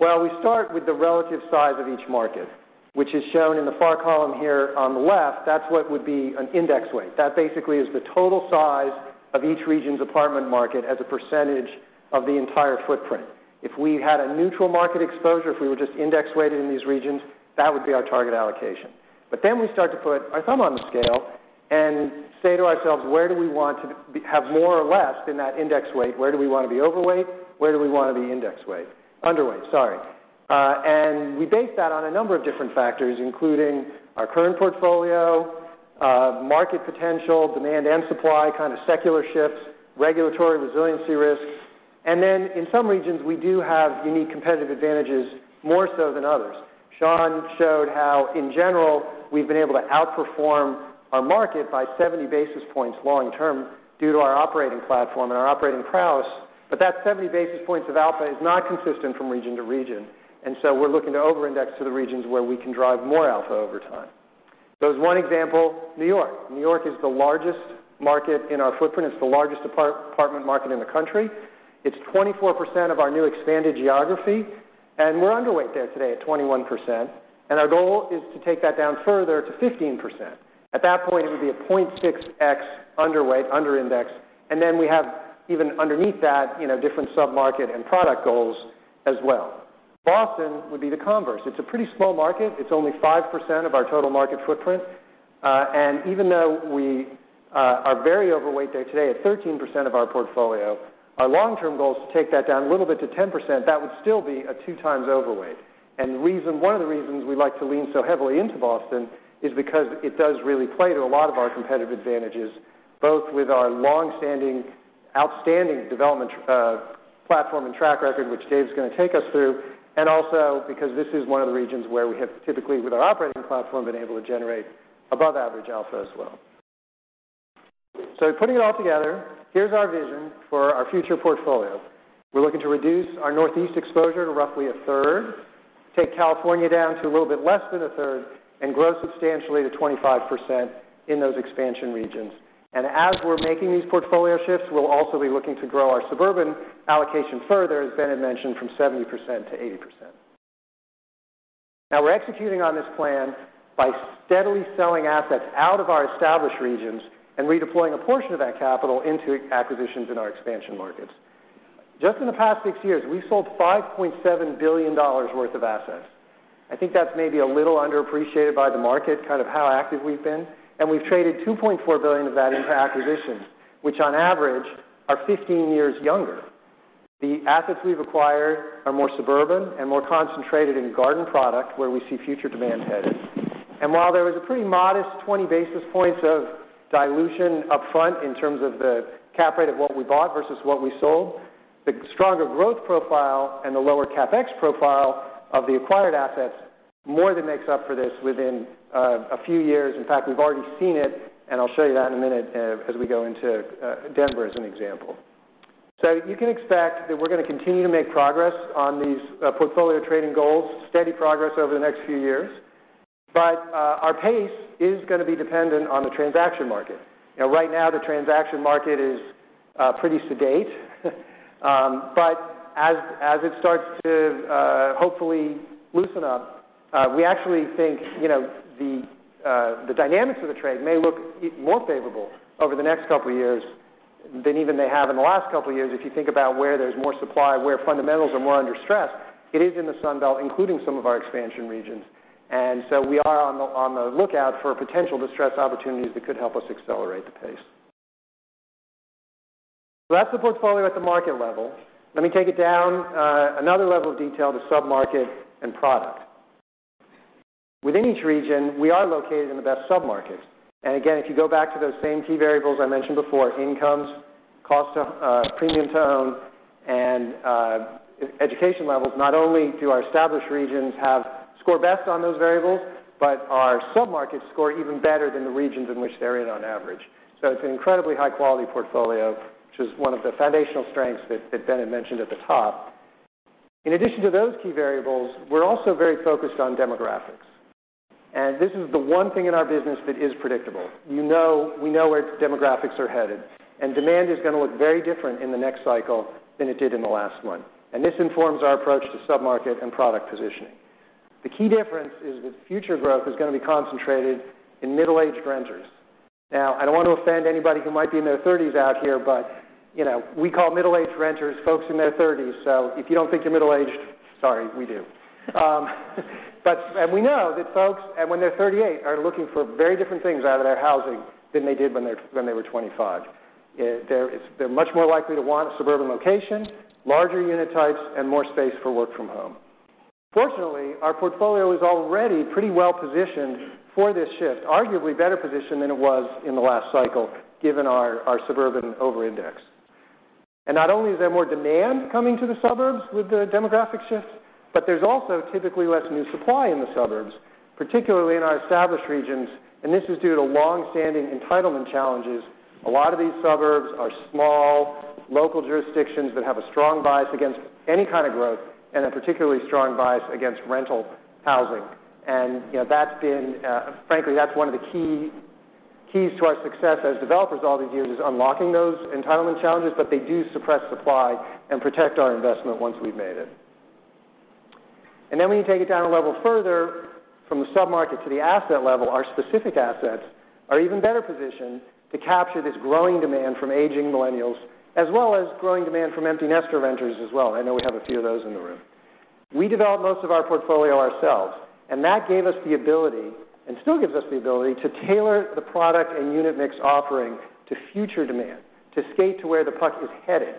Well, we start with the relative size of each market, which is shown in the far column here on the left. That's what would be an index weight. That basically is the total size of each region's apartment market as a percentage of the entire footprint. If we had a neutral market exposure, if we were just index-weighted in these regions, that would be our target allocation. But then we start to put our thumb on the scale and say to ourselves, "Where do we want to be—have more or less in that index weight? Where do we want to be overweight? Where do we want to be index weight? Underweight, sorry." And we base that on a number of different factors, including our current portfolio, market potential, demand and supply, kind of secular shifts, regulatory resiliency risks. And then, in some regions, we do have unique competitive advantages, more so than others. Sean showed how, in general, we've been able to outperform our market by 70 basis points long term due to our operating platform and our operating prowess, but that 70 basis points of alpha is not consistent from region to region. And so we're looking to overindex to the regions where we can drive more alpha over time. So as one example, New York. New York is the largest market in our footprint. It's the largest apartment market in the country. It's 24% of our new expanded geography, and we're underweight there today at 21%, and our goal is to take that down further to 15%. At that point, it would be a 0.6x underweight, underindex, and then we have, even underneath that, you know, different sub-market and product goals as well. Boston would be the converse. It's a pretty small market. It's only 5% of our total market footprint. And even though we are very overweight there today, at 13% of our portfolio, our long-term goal is to take that down a little bit to 10%. That would still be a 2x overweight. The reason, one of the reasons we like to lean so heavily into Boston is because it does really play to a lot of our competitive advantages, both with our long-standing, outstanding development platform and track record, which Dave's gonna take us through, and also because this is one of the regions where we have typically, with our operating platform, been able to generate above-average alpha as well. Putting it all together, here's our vision for our future portfolio. We're looking to reduce our Northeast exposure to roughly a third, take California down to a little bit less than a third, and grow substantially to 25% in those expansion regions. As we're making these portfolio shifts, we'll also be looking to grow our suburban allocation further, as Bennett mentioned, from 70%-80%. Now, we're executing on this plan by steadily selling assets out of our established regions and redeploying a portion of that capital into acquisitions in our expansion markets. Just in the past six years, we've sold $5.7 billion worth of assets. I think that's maybe a little underappreciated by the market, kind of how active we've been, and we've traded $2.4 billion of that into acquisitions, which on average are 15 years younger. The assets we've acquired are more suburban and more concentrated in garden product, where we see future demand headed. And while there was a pretty modest 20 basis points of dilution upfront in terms of the cap rate of what we bought versus what we sold, the stronger growth profile and the lower CapEx profile of the acquired assets more than makes up for this within a few years. In fact, we've already seen it, and I'll show you that in a minute, as we go into Denver as an example. So you can expect that we're gonna continue to make progress on these portfolio trading goals, steady progress over the next few years. But our pace is gonna be dependent on the transaction market. You know, right now, the transaction market is pretty sedate. But as it starts to hopefully loosen up, we actually think, you know, the dynamics of the trade may look more favorable over the next couple of years than even they have in the last couple of years. If you think about where there's more supply, where fundamentals are more under stress, it is in the Sun Belt, including some of our expansion regions. And so we are on the lookout for potential distressed opportunities that could help us accelerate the pace. So that's the portfolio at the market level. Let me take it down another level of detail, to submarket and product. Within each region, we are located in the best submarkets. Again, if you go back to those same key variables I mentioned before, incomes, cost of premium to own, and education levels, not only do our established regions have score best on those variables, but our submarkets score even better than the regions in which they're in on average. So it's an incredibly high-quality portfolio, which is one of the foundational strengths that Ben mentioned at the top. In addition to those key variables, we're also very focused on demographics, and this is the one thing in our business that is predictable. You know, we know where demographics are headed, and demand is gonna look very different in the next cycle than it did in the last one, and this informs our approach to sub-market and product positioning. The key difference is that future growth is gonna be concentrated in middle-aged renters. Now, I don't want to offend anybody who might be in their 30s out here, but, you know, we call middle-aged renters folks in their 30s, so if you don't think you're middle-aged, sorry, we do. And we know that folks, when they're 38, are looking for very different things out of their housing than they did when they were 25. They're much more likely to want a suburban location, larger unit types, and more space for work from home. Fortunately, our portfolio is already pretty well-positioned for this shift, arguably better positioned than it was in the last cycle, given our suburban overindex. And not only is there more demand coming to the suburbs with the demographic shift, but there's also typically less new supply in the suburbs, particularly in our established regions, and this is due to long-standing entitlement challenges. A lot of these suburbs are small, local jurisdictions that have a strong bias against any kind of growth and a particularly strong bias against rental housing. And, you know, frankly, that's one of the keys to our success as developers all these years, is unlocking those entitlement challenges, but they do suppress supply and protect our investment once we've made it. Then when you take it down a level further, from the sub-market to the asset level, our specific assets are even better positioned to capture this growing demand from aging millennials, as well as growing demand from empty nester renters as well. I know we have a few of those in the room. We developed most of our portfolio ourselves, and that gave us the ability and still gives us the ability to tailor the product and unit mix offering to future demand, to skate to where the puck is headed.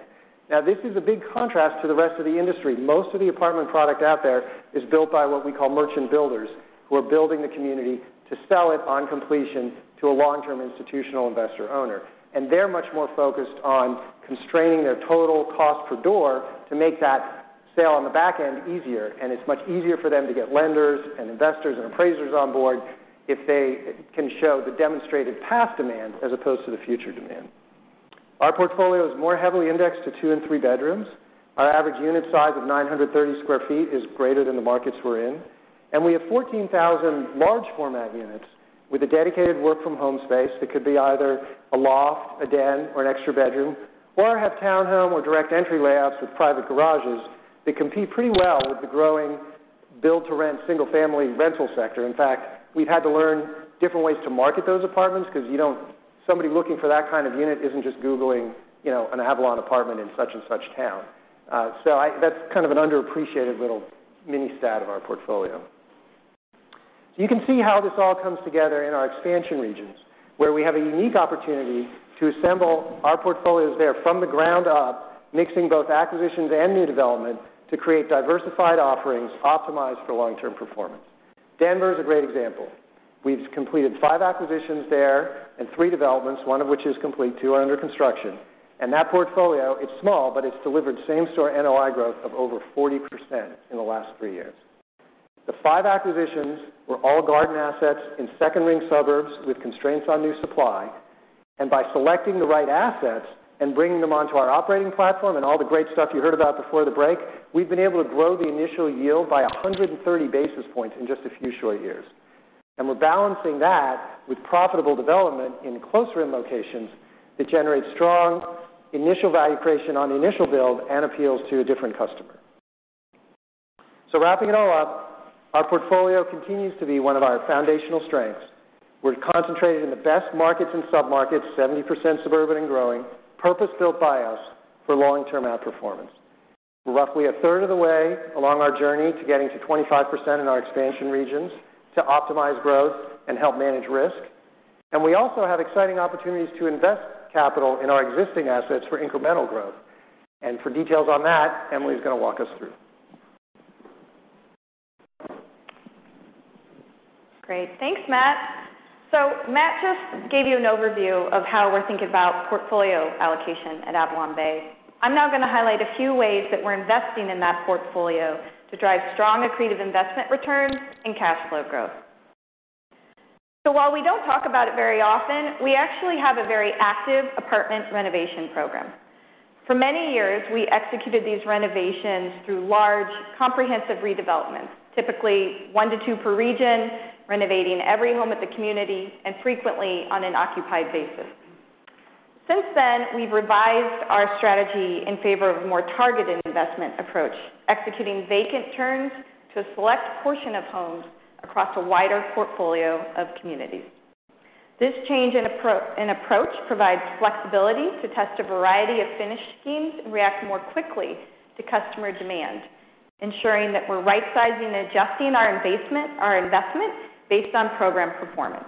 Now, this is a big contrast to the rest of the industry. Most of the apartment product out there is built by what we call merchant builders, who are building the community to sell it on completion to a long-term institutional investor owner. They're much more focused on constraining their total cost per door to make that sale on the back end easier, and it's much easier for them to get lenders and investors and appraisers on board if they can show the demonstrated past demand as opposed to the future demand. Our portfolio is more heavily indexed to two and three bedrooms. Our average unit size of 930 sq ft is greater than the markets we're in, and we have 14,000 large-format units with a dedicated work-from-home space that could be either a loft, a den, or an extra bedroom, or have townhome or direct entry layouts with private garages that compete pretty well with the growing build-to-rent single-family rental sector. In fact, we've had to learn different ways to market those apartments, because somebody looking for that kind of unit isn't just googling, you know, an Avalon apartment in such and such town. So that's kind of an underappreciated little mini stat of our portfolio. You can see how this all comes together in our expansion regions, where we have a unique opportunity to assemble our portfolios there from the ground up, mixing both acquisitions and new development to create diversified offerings optimized for long-term performance. Denver is a great example. We've completed five acquisitions there and three developments, one of which is complete, two are under construction. And that portfolio is small, but it's delivered same-store NOI growth of over 40% in the last three years. The five acquisitions were all garden assets in second-ring suburbs with constraints on new supply, and by selecting the right assets and bringing them onto our operating platform and all the great stuff you heard about before the break, we've been able to grow the initial yield by 130 basis points in just a few short years. We're balancing that with profitable development in closer-in locations that generate strong initial value creation on the initial build and appeals to a different customer. Wrapping it all up, our portfolio continues to be one of our foundational strengths. We're concentrated in the best markets and submarkets, 70% suburban and growing, purpose-built by us for long-term outperformance. We're roughly a third of the way along our journey to getting to 25% in our expansion regions to optimize growth and help manage risk, and we also have exciting opportunities to invest capital in our existing assets for incremental growth. For details on that, Emily's going to walk us through. Great. Thanks, Matt. Matt just gave you an overview of how we're thinking about portfolio allocation at AvalonBay. I'm now going to highlight a few ways that we're investing in that portfolio to drive strong accretive investment returns and cash flow growth. While we don't talk about it very often, we actually have a very active apartment renovation program. For many years, we executed these renovations through large, comprehensive redevelopments, typically one to two per region, renovating every home at the community and frequently on an occupied basis. Since then, we've revised our strategy in favor of a more targeted investment approach, executing vacant turns to a select portion of homes across a wider portfolio of communities. This change in approach provides flexibility to test a variety of finish schemes and react more quickly to customer demand, ensuring that we're right-sizing and adjusting our investment based on program performance.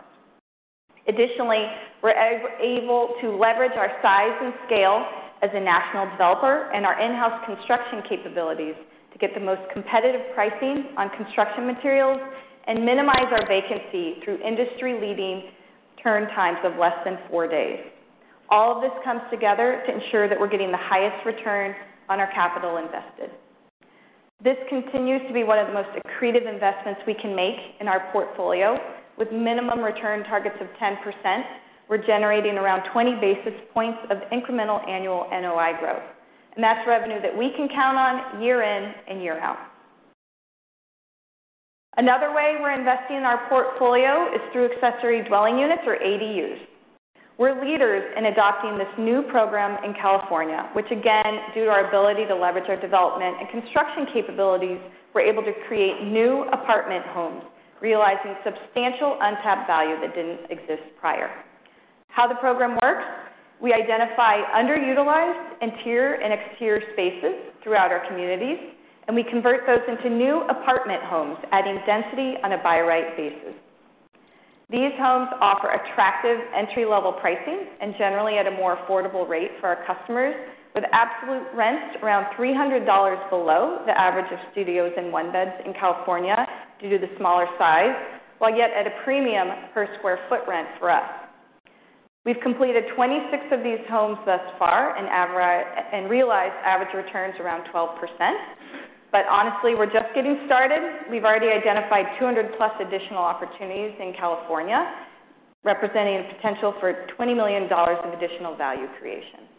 Additionally, we're able to leverage our size and scale as a national developer and our in-house construction capabilities to get the most competitive pricing on construction materials and minimize our vacancy through industry-leading turn times of less than four days. All of this comes together to ensure that we're getting the highest return on our capital invested. This continues to be one of the most accretive investments we can make in our portfolio. With minimum return targets of 10%, we're generating around 20 basis points of incremental annual NOI growth, and that's revenue that we can count on year in and year out. Another way we're investing in our portfolio is through accessory dwelling units, or ADUs. We're leaders in adopting this new program in California, which again, due to our ability to leverage our development and construction capabilities, we're able to create new apartment homes, realizing substantial untapped value that didn't exist prior. How the program works, we identify underutilized interior and exterior spaces throughout our communities, and we convert those into new apartment homes, adding density on a by-right basis. These homes offer attractive entry-level pricing and generally at a more affordable rate for our customers, with absolute rents around $300 below the average of studios and one-beds in California due to the smaller size, while yet at a premium per square foot rent for us. We've completed 26 of these homes thus far and realized average returns around 12%. But honestly, we're just getting started. We've already identified 200+ additional opportunities in California, representing a potential for $20 million in additional value creation.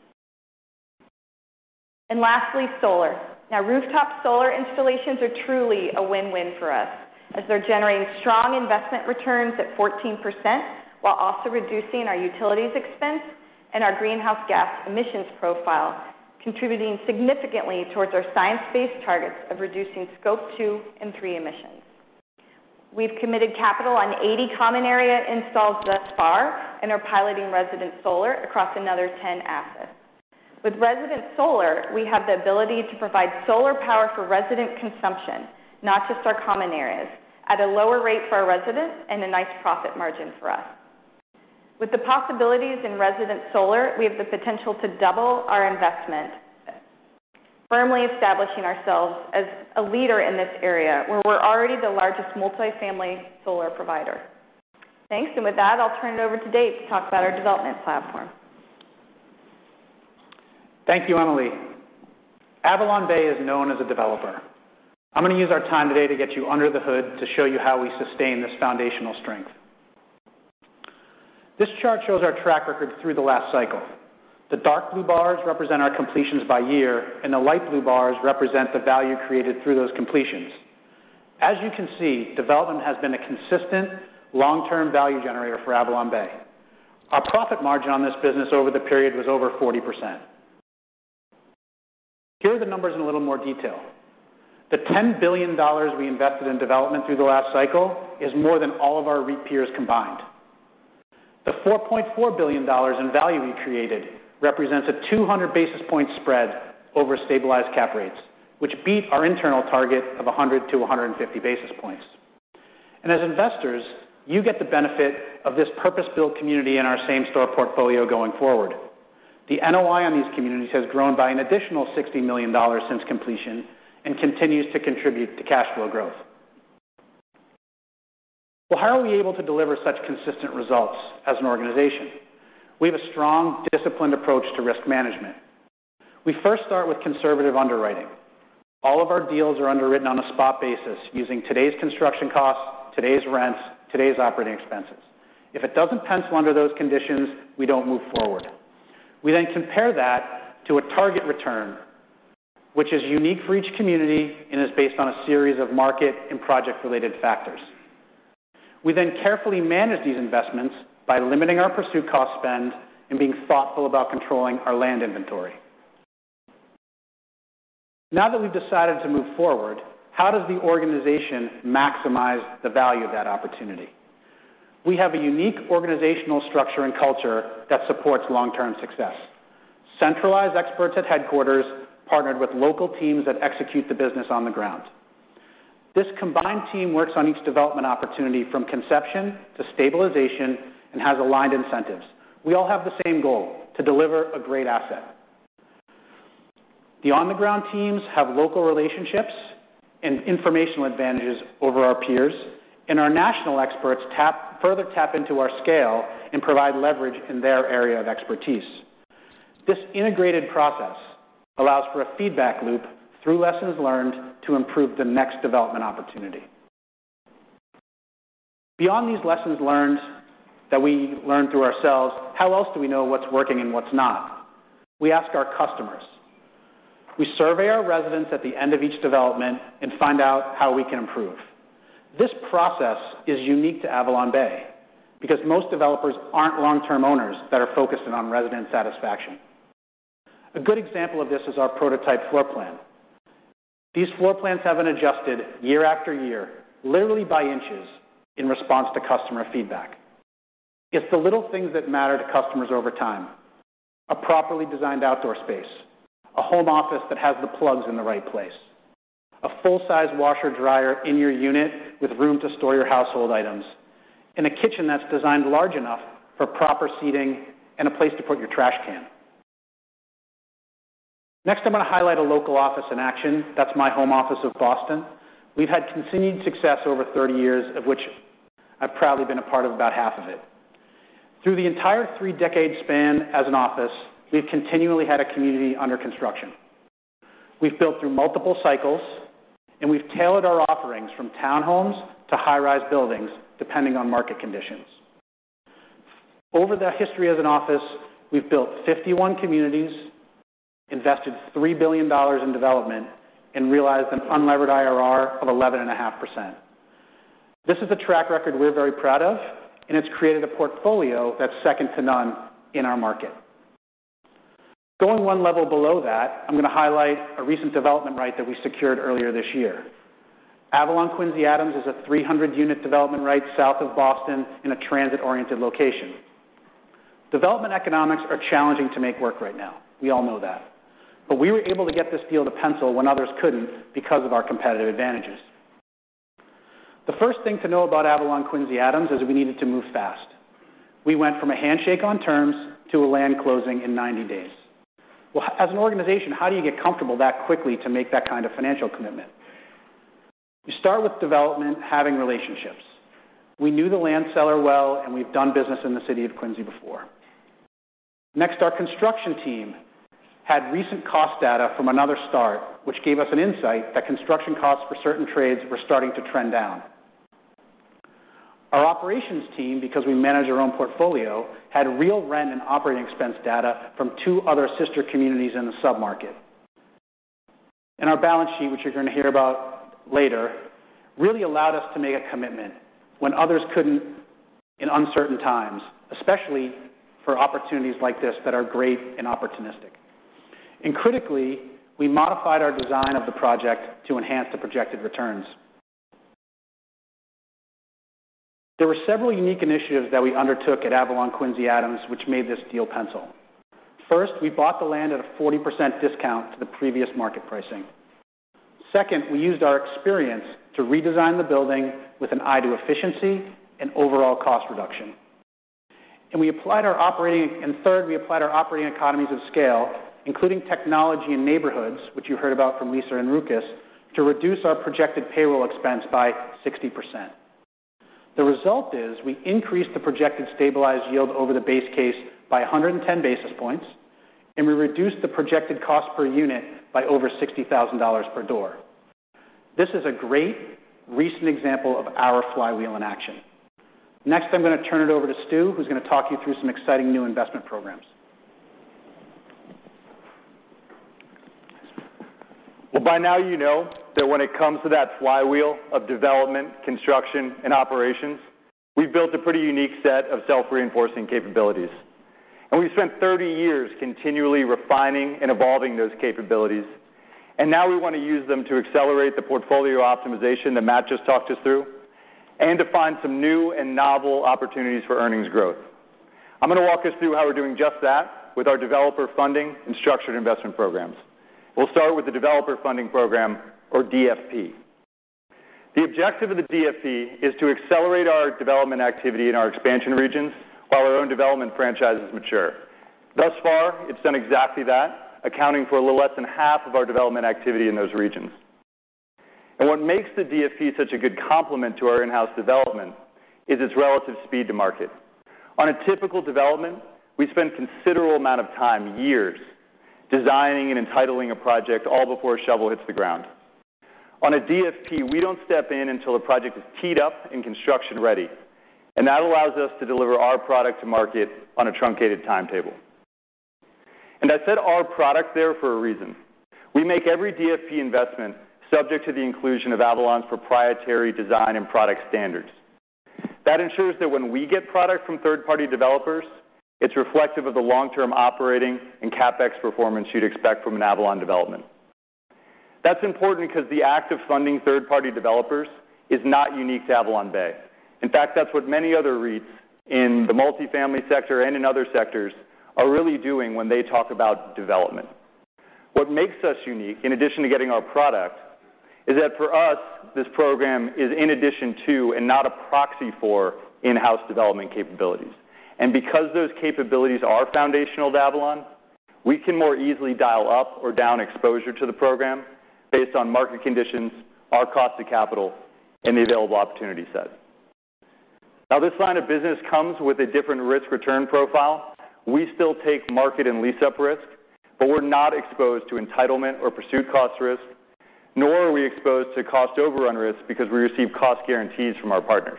And lastly, solar. Now, rooftop solar installations are truly a win-win for us as they're generating strong investment returns at 14%, while also reducing our utilities expense and our greenhouse gas emissions profile, contributing significantly towards our Science-Based Targets of reducing Scope 2 and 3 emissions. We've committed capital on 80 common area installs thus far and are piloting resident solar across another 10 assets. With resident solar, we have the ability to provide solar power for resident consumption, not just our common areas, at a lower rate for our residents and a nice profit margin for us. With the possibilities in resident solar, we have the potential to double our investment, firmly establishing ourselves as a leader in this area where we're already the largest multifamily solar provider. Thanks, and with that, I'll turn it over to Dave to talk about our development platform. Thank you, Emily. AvalonBay is known as a developer. I'm going to use our time today to get you under the hood to show you how we sustain this foundational strength. This chart shows our track record through the last cycle. The dark blue bars represent our completions by year, and the light blue bars represent the value created through those completions. As you can see, development has been a consistent long-term value generator for AvalonBay. Our profit margin on this business over the period was over 40%. Here are the numbers in a little more detail. The $10 billion we invested in development through the last cycle is more than all of our REIT peers combined. The $4.4 billion in value we created represents a 200 basis point spread over stabilized cap rates, which beat our internal target of 100-150 basis points. And as investors, you get the benefit of this purpose-built community in our Same-Store portfolio going forward. The NOI on these communities has grown by an additional $60 million since completion and continues to contribute to cash flow growth. Well, how are we able to deliver such consistent results as an organization? We have a strong, disciplined approach to risk management. We first start with conservative underwriting. All of our deals are underwritten on a spot basis using today's construction costs, today's rents, today's operating expenses. If it doesn't pencil under those conditions, we don't move forward. We then compare that to a target return, which is unique for each community and is based on a series of market and project-related factors. We then carefully manage these investments by limiting our pursuit cost spend and being thoughtful about controlling our land inventory. Now that we've decided to move forward, how does the organization maximize the value of that opportunity? We have a unique organizational structure and culture that supports long-term success. Centralized experts at headquarters partnered with local teams that execute the business on the ground. This combined team works on each development opportunity from conception to stabilization and has aligned incentives. We all have the same goal: to deliver a great asset. The on-the-ground teams have local relationships and informational advantages over our peers, and our national experts tap further into our scale and provide leverage in their area of expertise. This integrated process allows for a feedback loop through lessons learned to improve the next development opportunity. Beyond these lessons learned that we learn through ourselves, how else do we know what's working and what's not? We ask our customers. We survey our residents at the end of each development and find out how we can improve. This process is unique to AvalonBay, because most developers aren't long-term owners that are focusing on resident satisfaction. A good example of this is our prototype floor plan. These floor plans have been adjusted year after year, literally by inches, in response to customer feedback. It's the little things that matter to customers over time: a properly designed outdoor space, a home office that has the plugs in the right place, a full-size washer dryer in your unit with room to store your household items, and a kitchen that's designed large enough for proper seating and a place to put your trash can. Next, I'm going to highlight a local office in action. That's my home office of Boston. We've had continued success over 30 years, of which I've proudly been a part of about half of it. Through the entire three-decade span as an office, we've continually had a community under construction. We've built through multiple cycles, and we've tailored our offerings from townhomes to high-rise buildings, depending on market conditions. Over the history of the office, we've built 51 communities, invested $3 billion in development, and realized an unlevered IRR of 11.5%. This is a track record we're very proud of, and it's created a portfolio that's second to none in our market. Going one level below that, I'm going to highlight a recent development right that we secured earlier this year. Avalon Quincy Adams is a 300-unit development right south of Boston in a transit-oriented location. Development economics are challenging to make work right now. We all know that. But we were able to get this deal to pencil when others couldn't because of our competitive advantages. The first thing to know about Avalon Quincy Adams is we needed to move fast. We went from a handshake on terms to a land closing in 90 days. Well, as an organization, how do you get comfortable that quickly to make that kind of financial commitment? You start with development, having relationships. We knew the land seller well, and we've done business in the city of Quincy before. Next, our construction team had recent cost data from another start, which gave us an insight that construction costs for certain trades were starting to trend down. Our operations team, because we manage our own portfolio, had real rent and operating expense data from two other sister communities in the submarket. And our balance sheet, which you're going to hear about later, really allowed us to make a commitment when others couldn't in uncertain times, especially for opportunities like this that are great and opportunistic. And critically, we modified our design of the project to enhance the projected returns. There were several unique initiatives that we undertook at Avalon Quincy Adams, which made this deal pencil. First, we bought the land at a 40% discount to the previous market pricing. Second, we used our experience to redesign the building with an eye to efficiency and overall cost reduction. And third, we applied our operating economies of scale, including technology and neighborhoods, which you heard about from Lisa and Rukus, to reduce our projected payroll expense by 60%. The result is we increased the projected stabilized yield over the base case by 110 basis points, and we reduced the projected cost per unit by over $60,000 per door. This is a great recent example of our flywheel in action. Next, I'm going to turn it over to Stew, who's going to talk you through some exciting new investment programs. Well, by now you know that when it comes to that flywheel of development, construction, and operations, we've built a pretty unique set of self-reinforcing capabilities, and we've spent 30 years continually refining and evolving those capabilities. Now we want to use them to accelerate the portfolio optimization that Matt just talked us through, and to find some new and novel opportunities for earnings growth. I'm going to walk us through how we're doing just that with our Developer Funding and Structured Investment Programs. We'll start with the Developer Funding Program, or DFP. The objective of the DFP is to accelerate our development activity in our expansion regions while our own development franchises mature. Thus far, it's done exactly that, accounting for a little less than half of our development activity in those regions. What makes the DFP such a good complement to our in-house development is its relative speed to market. On a typical development, we spend considerable amount of time, years, designing and entitling a project all before a shovel hits the ground. On a DFP, we don't step in until the project is teed up and construction-ready, and that allows us to deliver our product to market on a truncated timetable. And I said our product there for a reason. We make every DFP investment subject to the inclusion of Avalon's proprietary design and product standards. That ensures that when we get product from third-party developers, it's reflective of the long-term operating and CapEx performance you'd expect from an Avalon development. That's important because the act of funding third-party developers is not unique to AvalonBay. In fact, that's what many other REITs in the multifamily sector and in other sectors are really doing when they talk about development. What makes us unique, in addition to getting our product, is that for us, this program is in addition to and not a proxy for in-house development capabilities. Because those capabilities are foundational to Avalon, we can more easily dial up or down exposure to the program based on market conditions, our cost of capital, and the available opportunity set. Now, this line of business comes with a different risk-return profile. We still take market and lease-up risk, but we're not exposed to entitlement or pursuit cost risk, nor are we exposed to cost overrun risk because we receive cost guarantees from our partners.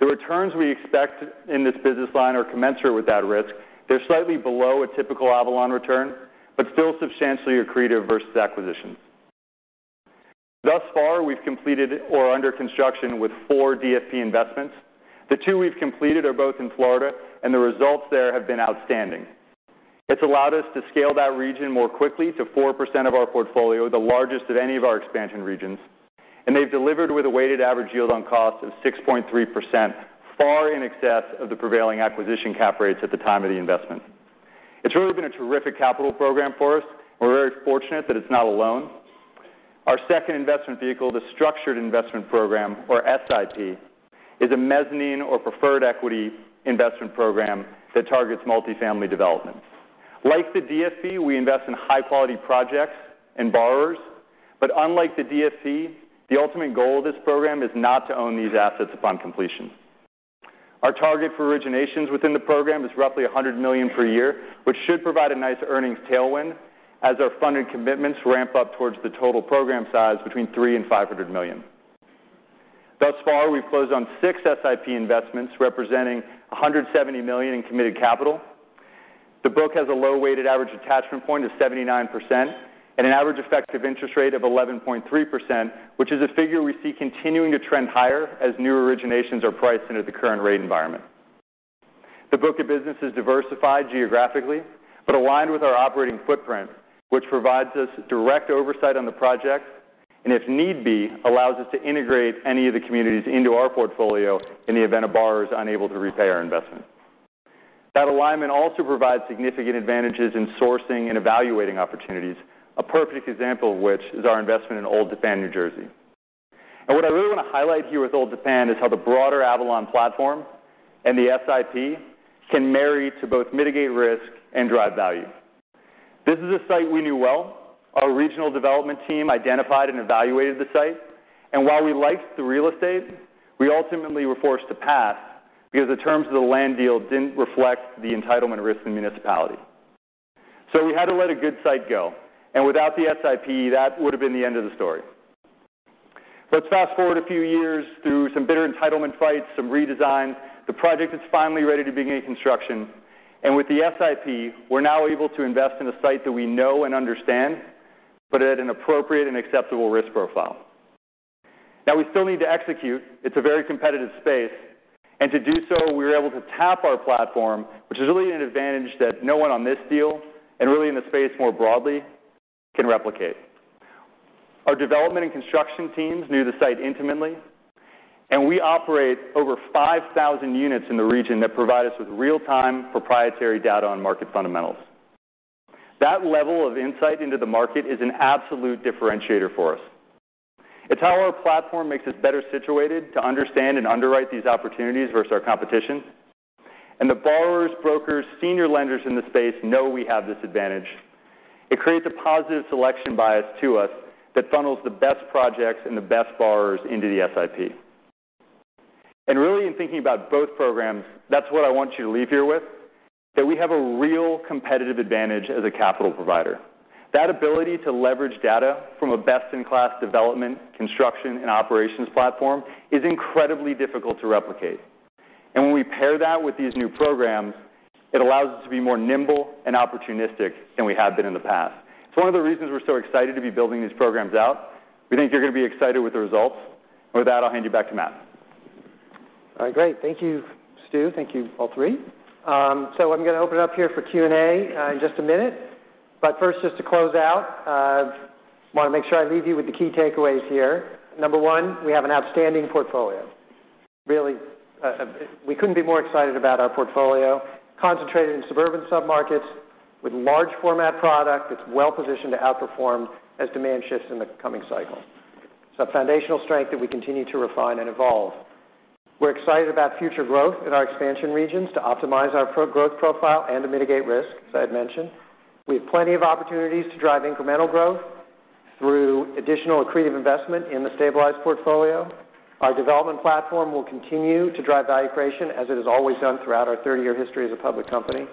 The returns we expect in this business line are commensurate with that risk. They're slightly below a typical Avalon return, but still substantially accretive versus acquisitions. Thus far, we've completed or are under construction with four DFP investments. The two we've completed are both in Florida, and the results there have been outstanding. It's allowed us to scale that region more quickly to 4% of our portfolio, the largest of any of our expansion regions, and they've delivered with a weighted average yield on cost of 6.3%, far in excess of the prevailing acquisition cap rates at the time of the investment. It's really been a terrific capital program for us. We're very fortunate that it's not alone. Our second investment vehicle, the Structured Investment Program, or SIP, is a mezzanine or preferred equity investment program that targets multifamily developments. Like the DFP, we invest in high-quality projects and borrowers, but unlike the DFP, the ultimate goal of this program is not to own these assets upon completion. Our target for originations within the program is roughly $100 million per year, which should provide a nice earnings tailwind as our funded commitments ramp up towards the total program size between $300 million-$500 million. Thus far, we've closed on six SIP investments, representing $170 million in committed capital. The book has a low weighted average attachment point of 79% and an average effective interest rate of 11.3%, which is a figure we see continuing to trend higher as new originations are priced into the current rate environment. The book of business is diversified geographically, but aligned with our operating footprint, which provides us direct oversight on the project, and if need be, allows us to integrate any of the communities into our portfolio in the event a borrower is unable to repay our investment. That alignment also provides significant advantages in sourcing and evaluating opportunities, a perfect example of which is our investment in Old Tappan, New Jersey. What I really want to highlight here with Old Tappan is how the broader Avalon platform and the SIP can marry to both mitigate risk and drive value. This is a site we knew well. Our regional development team identified and evaluated the site, and while we liked the real estate, we ultimately were forced to pass because the terms of the land deal didn't reflect the entitlement risk in the municipality. So we had to let a good site go, and without the SIP, that would have been the end of the story. Let's fast-forward a few years through some bitter entitlement fights, some redesign. The project is finally ready to begin construction, and with the SIP, we're now able to invest in a site that we know and understand, but at an appropriate and acceptable risk profile. Now, we still need to execute. It's a very competitive space, and to do so, we were able to tap our platform, which is really an advantage that no one on this deal and really in the space more broadly can replicate. Our development and construction teams knew the site intimately, and we operate over 5,000 units in the region that provide us with real-time, proprietary data on market fundamentals. That level of insight into the market is an absolute differentiator for us. It's how our platform makes us better situated to understand and underwrite these opportunities versus our competition. And the borrowers, brokers, senior lenders in the space know we have this advantage. It creates a positive selection bias to us that funnels the best projects and the best borrowers into the SIP. And really, in thinking about both programs, that's what I want you to leave here with, that we have a real competitive advantage as a capital provider. That ability to leverage data from a best-in-class development, construction, and operations platform is incredibly difficult to replicate. And when we pair that with these new programs, it allows us to be more nimble and opportunistic than we have been in the past. It's one of the reasons we're so excited to be building these programs out. We think you're going to be excited with the results. With that, I'll hand you back to Matt. All right, great. Thank you, Stew. Thank you, all three. So I'm going to open it up here for Q&A in just a minute. But first, just to close out, I want to make sure I leave you with the key takeaways here. Number one, we have an outstanding portfolio. Really, we couldn't be more excited about our portfolio, concentrated in suburban submarkets with large format product. It's well-positioned to outperform as demand shifts in the coming cycle. It's a foundational strength that we continue to refine and evolve. We're excited about future growth in our expansion regions to optimize our pro-growth profile and to mitigate risk, as I had mentioned. We have plenty of opportunities to drive incremental growth through additional accretive investment in the stabilized portfolio. Our development platform will continue to drive value creation as it has always done throughout our 30-year history as a public company.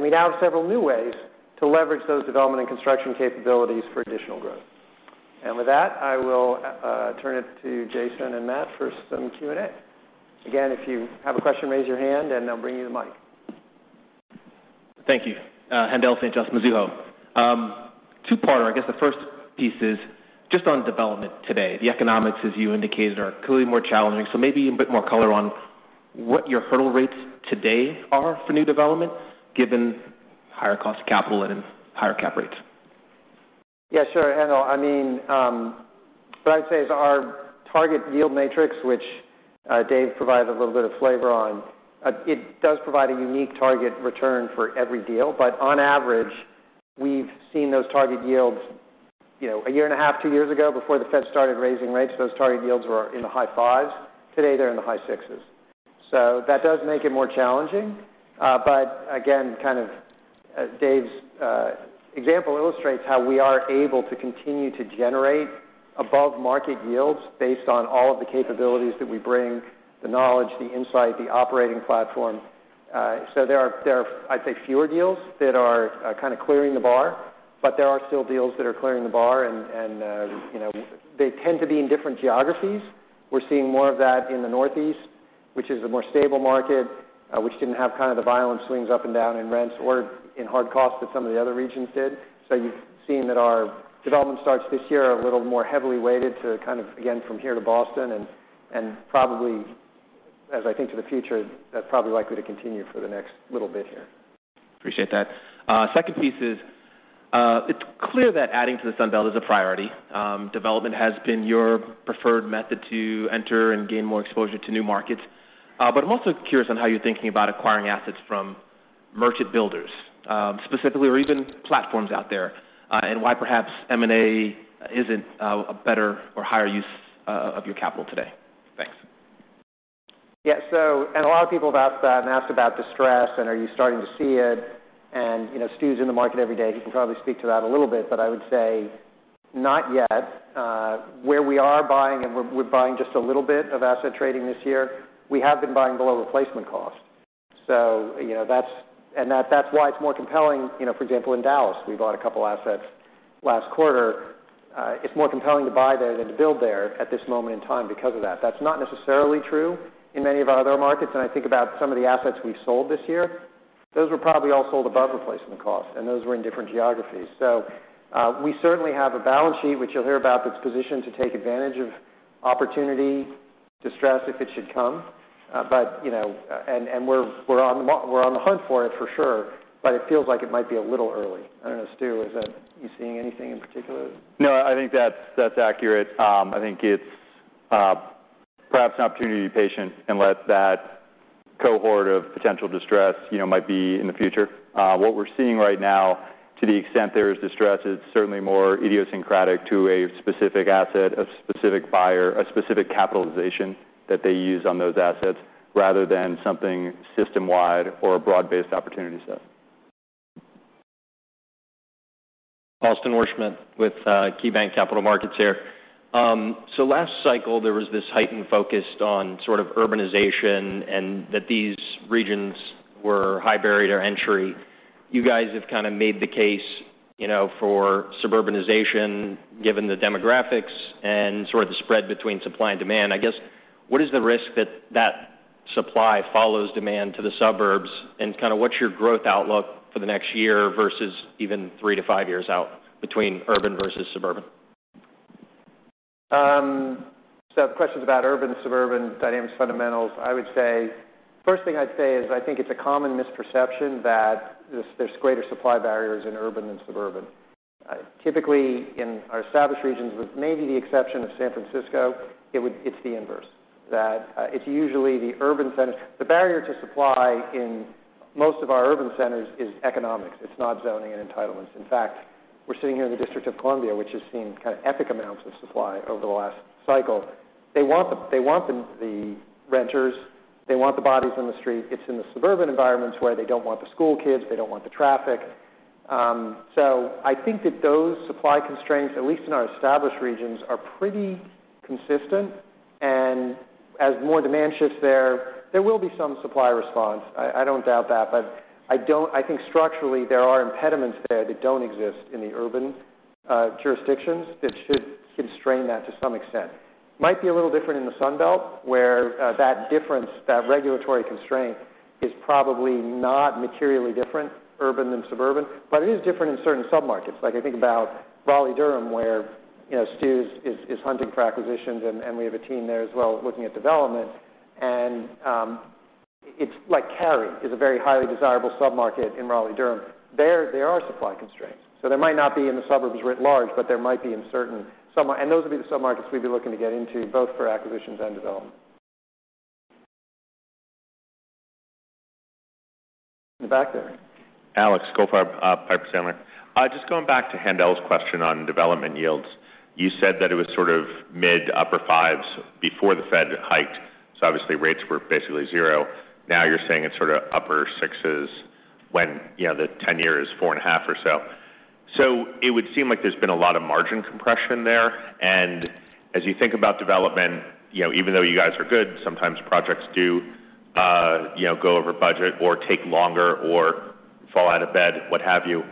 We now have several new ways to leverage those development and construction capabilities for additional growth. With that, I will turn it to Jason and Matt for some Q&A. Again, if you have a question, raise your hand, and I'll bring you the mic. Thank you. Haendel St. Juste, Mizuho. Two-parter. I guess the first piece is just on development today. The economics, as you indicated, are clearly more challenging, so maybe a bit more color on what your hurdle rates today are for new development, given higher cost of capital and higher cap rates? Yeah, sure, Haendel. I mean, what I'd say is our target yield matrix, which, Dave provided a little bit of flavor on, it does provide a unique target return for every deal. But on average, we've seen those target yields, you know, a year and a half, two years ago, before the Fed started raising rates, those target yields were in the high fives. Today, they're in the high sixes. So that does make it more challenging. But again, kind of, Dave's example illustrates how we are able to continue to generate above-market yields based on all of the capabilities that we bring, the knowledge, the insight, the operating platform. So there are, there are, I'd say, fewer deals that are kind of clearing the bar, but there are still deals that are clearing the bar, and, you know, they tend to be in different geographies. We're seeing more of that in the Northeast, which is a more stable market, which didn't have kind of the violent swings up and down in rents or in hard costs that some of the other regions did. So you've seen that our development starts this year are a little more heavily weighted to kind of, again, from here to Boston, and probably, as I think to the future, that's probably likely to continue for the next little bit here. Appreciate that. Second piece is, it's clear that adding to the Sun Belt is a priority. Development has been your preferred method to enter and gain more exposure to new markets. But I'm also curious on how you're thinking about acquiring assets from merchant builders, specifically, or even platforms out there, and why perhaps M&A isn't a better or higher use of your capital today. Thanks. Yeah, so a lot of people have asked that and asked about distress and are you starting to see it? You know, Stew's in the market every day. He can probably speak to that a little bit, but I would say not yet. Where we are buying, and we're buying just a little bit of asset trading this year, we have been buying below replacement cost. So, you know, that's - and that, that's why it's more compelling. You know, for example, in Dallas, we bought a couple assets last quarter. It's more compelling to buy there than to build there at this moment in time because of that. That's not necessarily true in many of our other markets, and I think about some of the assets we've sold this year. Those were probably all sold above replacement cost, and those were in different geographies. We certainly have a balance sheet, which you'll hear about, that's positioned to take advantage of opportunity, distress, if it should come. But, you know... And we're on the hunt for it, for sure, but it feels like it might be a little early. I don't know, Stew. Is that—are you seeing anything in particular? No, I think that's, that's accurate. I think it's perhaps an opportunity to be patient and let that cohort of potential distress, you know, might be in the future. What we're seeing right now, to the extent there is distress, is certainly more idiosyncratic to a specific asset, a specific buyer, a specific capitalization that they use on those assets, rather than something system-wide or a broad-based opportunity set. Austin Wurschmidt with KeyBanc Capital Markets here. So last cycle, there was this heightened focus on sort of urbanization and that these regions were high barrier to entry. You guys have kind of made the case, you know, for suburbanization, given the demographics and sort of the spread between supply and demand. I guess, what is the risk that that supply follows demand to the suburbs, and kind of what's your growth outlook for the next year versus even three to five years out between urban versus suburban? So the question's about urban-suburban dynamics fundamentals. I would say, first thing I'd say is, I think it's a common misperception that there's, there's greater supply barriers in urban than suburban. Typically, in our established regions, with maybe the exception of San Francisco, it would, it's the inverse, that it's usually the urban centers. The barrier to supply in most of our urban centers is economics. It's not zoning and entitlements. In fact, we're sitting here in the District of Columbia, which has seen kind of epic amounts of supply over the last cycle. They want the, they want the, the renters. They want the bodies in the street. It's in the suburban environments where they don't want the school kids, they don't want the traffic. So I think that those supply constraints, at least in our established regions, are pretty consistent. And as more demand shifts there, there will be some supply response. I, I don't doubt that. But I don't, I think structurally, there are impediments there that don't exist in the urban jurisdictions, it should constrain that to some extent. Might be a little different in the Sun Belt, where that difference, that regulatory constraint, is probably not materially different, urban than suburban, but it is different in certain submarkets. Like, I think about Raleigh-Durham, where, you know, Stew is hunting for acquisitions, and we have a team there as well, looking at development. And it's like Cary is a very highly desirable submarket in Raleigh-Durham. There, there are supply constraints. So there might not be in the suburbs writ large, but there might be in certain submarkets. Those would be the submarkets we'd be looking to get into, both for acquisitions and development. In the back there. Alex Goldfarb, Piper Sandler. Just going back to Haendel's question on development yields, you said that it was sort of mid- to upper 5s before the Fed hiked, so obviously rates were basically zero. Now, you're saying it's sort of upper 6s when, you know, the ten-year is 4.5 or so. So it would seem like there's been a lot of margin compression there, and as you think about development, you know, even though you guys are good, sometimes projects do, you know, go over budget or take longer or fall out of bed, what have you.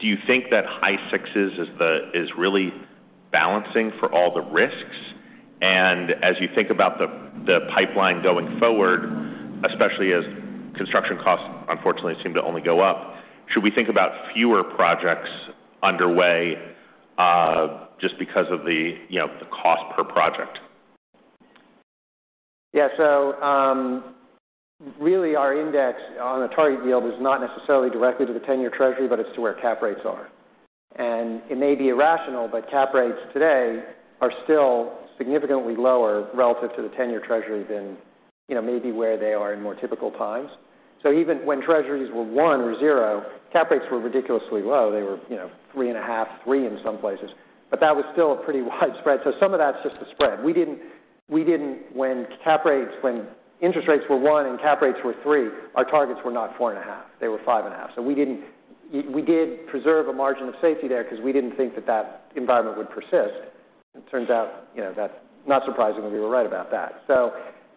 Do you think that high 6s is really balancing for all the risks? As you think about the pipeline going forward, especially as construction costs, unfortunately, seem to only go up, should we think about fewer projects underway, just because of, you know, the cost per project? Yeah, so, really, our index on the target yield is not necessarily directly to the 10-year Treasury, but it's to where cap rates are. And it may be irrational, but cap rates today are still significantly lower relative to the 10-year Treasury than, you know, maybe where they are in more typical times. So even when Treasuries were one or zero, cap rates were ridiculously low. They were, you know, 3.5, three in some places, but that was still a pretty wide spread. So some of that's just a spread. When interest rates were one and cap rates were three, our targets were not 4.5. They were 5.5. So yeah, we did preserve a margin of safety there 'cause we didn't think that that environment would persist. It turns out, you know, that's not surprisingly, we were right about that. So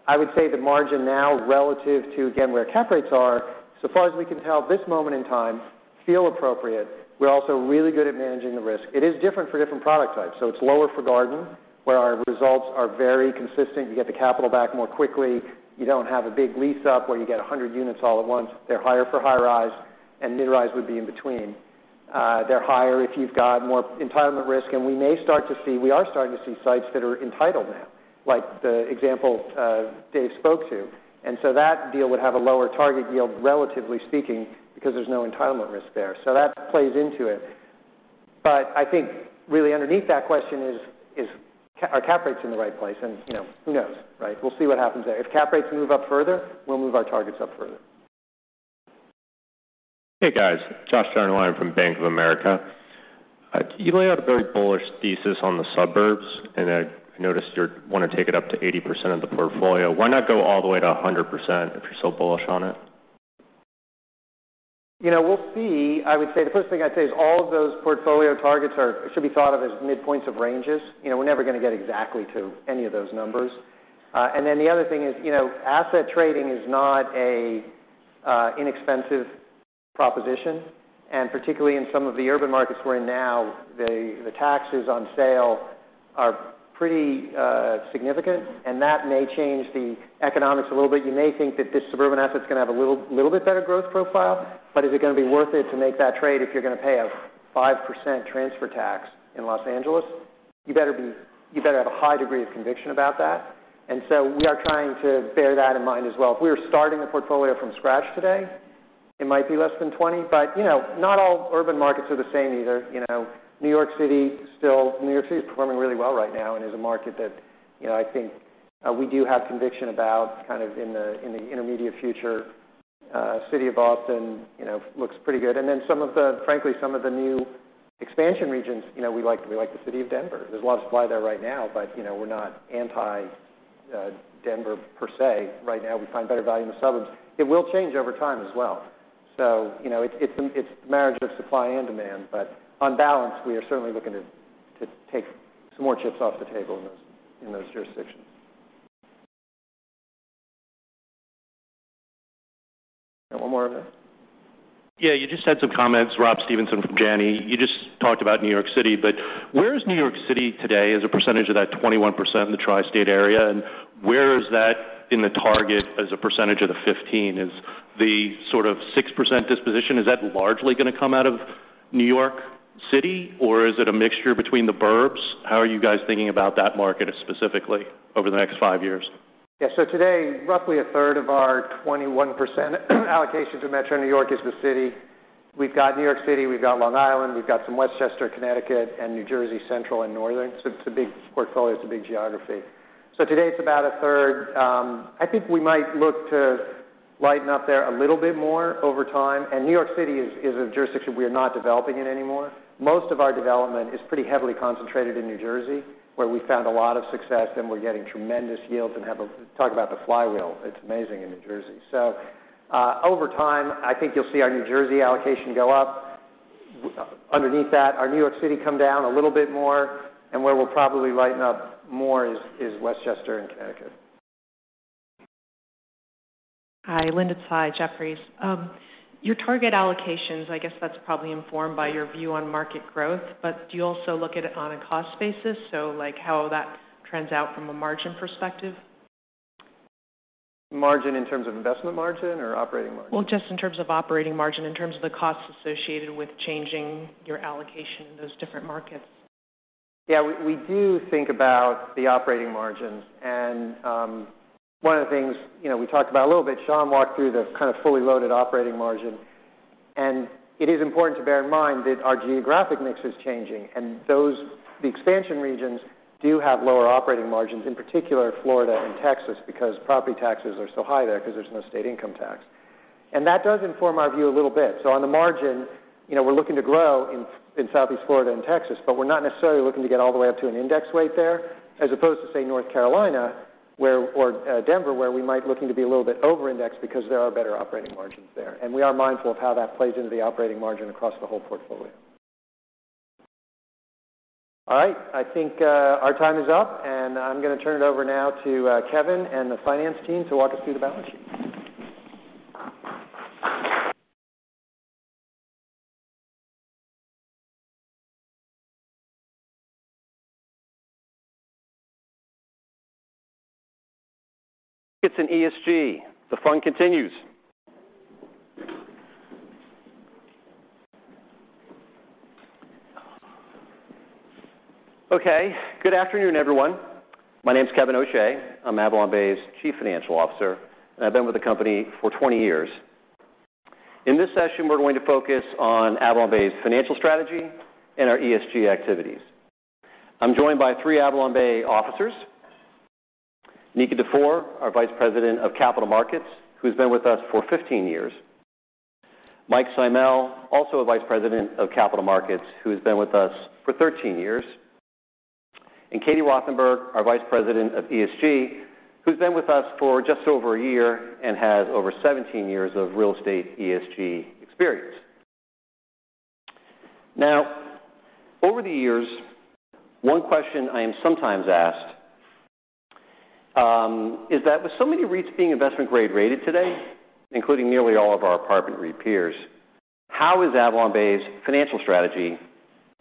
I would say the margin now, relative to, again, where cap rates are, so far as we can tell, this moment in time, feel appropriate. We're also really good at managing the risk. It is different for different product types, so it's lower for garden, where our results are very consistent. You get the capital back more quickly. You don't have a big lease up where you get 100 units all at once. They're higher for high-rise, and mid-rise would be in between. They're higher if you've got more entitlement risk, and we may start to see. We are starting to see sites that are entitled now, like the example, Dave spoke to. And so that deal would have a lower target yield, relatively speaking, because there's no entitlement risk there, so that plays into it. But I think really underneath that question is, are cap rates in the right place? And, you know, who knows, right? We'll see what happens there. If cap rates move up further, we'll move our targets up further. Hey, guys, Josh Dennerlein from Bank of America. You laid out a very bullish thesis on the suburbs, and I noticed you want to take it up to 80% of the portfolio. Why not go all the way to 100% if you're so bullish on it? You know, we'll see. I would say, the first thing I'd say is all of those portfolio targets are should be thought of as midpoints of ranges. You know, we're never gonna get exactly to any of those numbers. And then the other thing is, you know, asset trading is not a inexpensive proposition, and particularly in some of the urban markets we're in now, the taxes on sale are pretty significant, and that may change the economics a little bit. You may think that this suburban asset is gonna have a little bit better growth profile, but is it gonna be worth it to make that trade if you're gonna pay a 5% transfer tax in Los Angeles? You better have a high degree of conviction about that, and so we are trying to bear that in mind as well. If we were starting a portfolio from scratch today, it might be less than 20, but, you know, not all urban markets are the same either. You know, New York City still. New York City is performing really well right now and is a market that, you know, I think, we do have conviction about, kind of, in the, in the intermediate future. City of Boston, you know, looks pretty good. And then some of the, frankly, some of the new expansion regions, you know, we like. We like the city of Denver. There's a lot of supply there right now, but, you know, we're not anti, Denver per se. Right now, we find better value in the suburbs. It will change over time as well. So, you know, it's a marriage of supply and demand, but on balance, we are certainly looking to take some more chips off the table in those jurisdictions. One more over there. Yeah, you just had some comments, Rob Stevenson from Janney. You just talked about New York City, but where is New York City today as a percentage of that 21% in the tri-state area, and where is that in the target as a percentage of the 15%? Is the sort of 6% disposition, is that largely gonna come out of New York City, or is it a mixture between the burbs? How are you guys thinking about that market specifically over the next five years? Yeah, so today, roughly a third of our 21% allocation to metro New York is the city. We've got New York City, we've got Long Island, we've got some Westchester, Connecticut, and New Jersey, Central and Northern. So it's a big portfolio. It's a big geography. So today, it's about a third. I think we might look to lighten up there a little bit more over time, and New York City is, is a jurisdiction, we are not developing in anymore. Most of our development is pretty heavily concentrated in New Jersey, where we found a lot of success, and we're getting tremendous yields and have a talk about the flywheel, it's amazing in New Jersey. So, over time, I think you'll see our New Jersey allocation go up. Underneath that, our New York City come down a little bit more, and where we'll probably lighten up more is Westchester and Connecticut. Hi, Linda Tsai, Jefferies. Your target allocations, I guess that's probably informed by your view on market growth, but do you also look at it on a cost basis? So like, how that trends out from a margin perspective? Margin in terms of investment margin or operating margin? Well, just in terms of operating margin, in terms of the costs associated with changing your allocation in those different markets. Yeah, we do think about the operating margins. One of the things, you know, we talked about a little bit, Sean walked through the kind of fully loaded operating margin. It is important to bear in mind that our geographic mix is changing, and those—the expansion regions do have lower operating margins, in particular, Florida and Texas, because property taxes are so high there, because there's no state income tax. That does inform our view a little bit. On the margin, you know, we're looking to grow in Southeast Florida and Texas, but we're not necessarily looking to get all the way up to an index rate there, as opposed to, say, North Carolina, where or Denver, where we might looking to be a little bit over-indexed because there are better operating margins there. We are mindful of how that plays into the operating margin across the whole portfolio. All right, I think our time is up, and I'm going to turn it over now to Kevin and the finance team to walk us through the balance sheet. It's an ESG. The fun continues. Okay, good afternoon, everyone. My name is Kevin O'Shea. I'm AvalonBay's Chief Financial Officer, and I've been with the company for 20 years. In this session, we're going to focus on AvalonBay's financial strategy and our ESG activities. I'm joined by three AvalonBay officers, Nika Dufour, our Vice President of Capital Markets, who's been with us for 15 years, Mike Simel, also a Vice President of Capital Markets, who has been with us for 13 years, and Katie Rothenberg, our Vice President of ESG, who's been with us for just over a year and has over 17 years of real estate ESG experience. Now, over the years, one question I am sometimes asked is that with so many REITs being investment grade-rated today, including nearly all of our apartment REIT peers, how is AvalonBay's financial strategy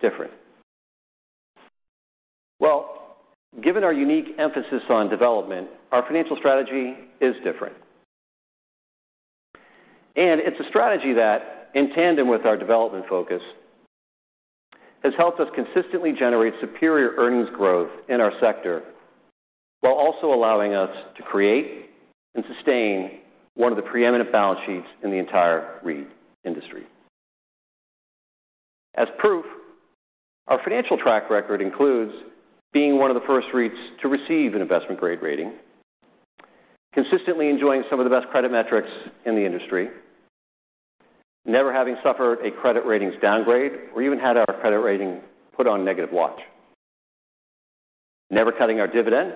different? Well, given our unique emphasis on development, our financial strategy is different. It's a strategy that, in tandem with our development focus, has helped us consistently generate superior earnings growth in our sector while also allowing us to create and sustain one of the preeminent balance sheets in the entire REIT industry. As proof, our financial track record includes being one of the first REITs to receive an investment grade rating, consistently enjoying some of the best credit metrics in the industry, never having suffered a credit ratings downgrade or even had our credit rating put on negative watch, never cutting our dividend,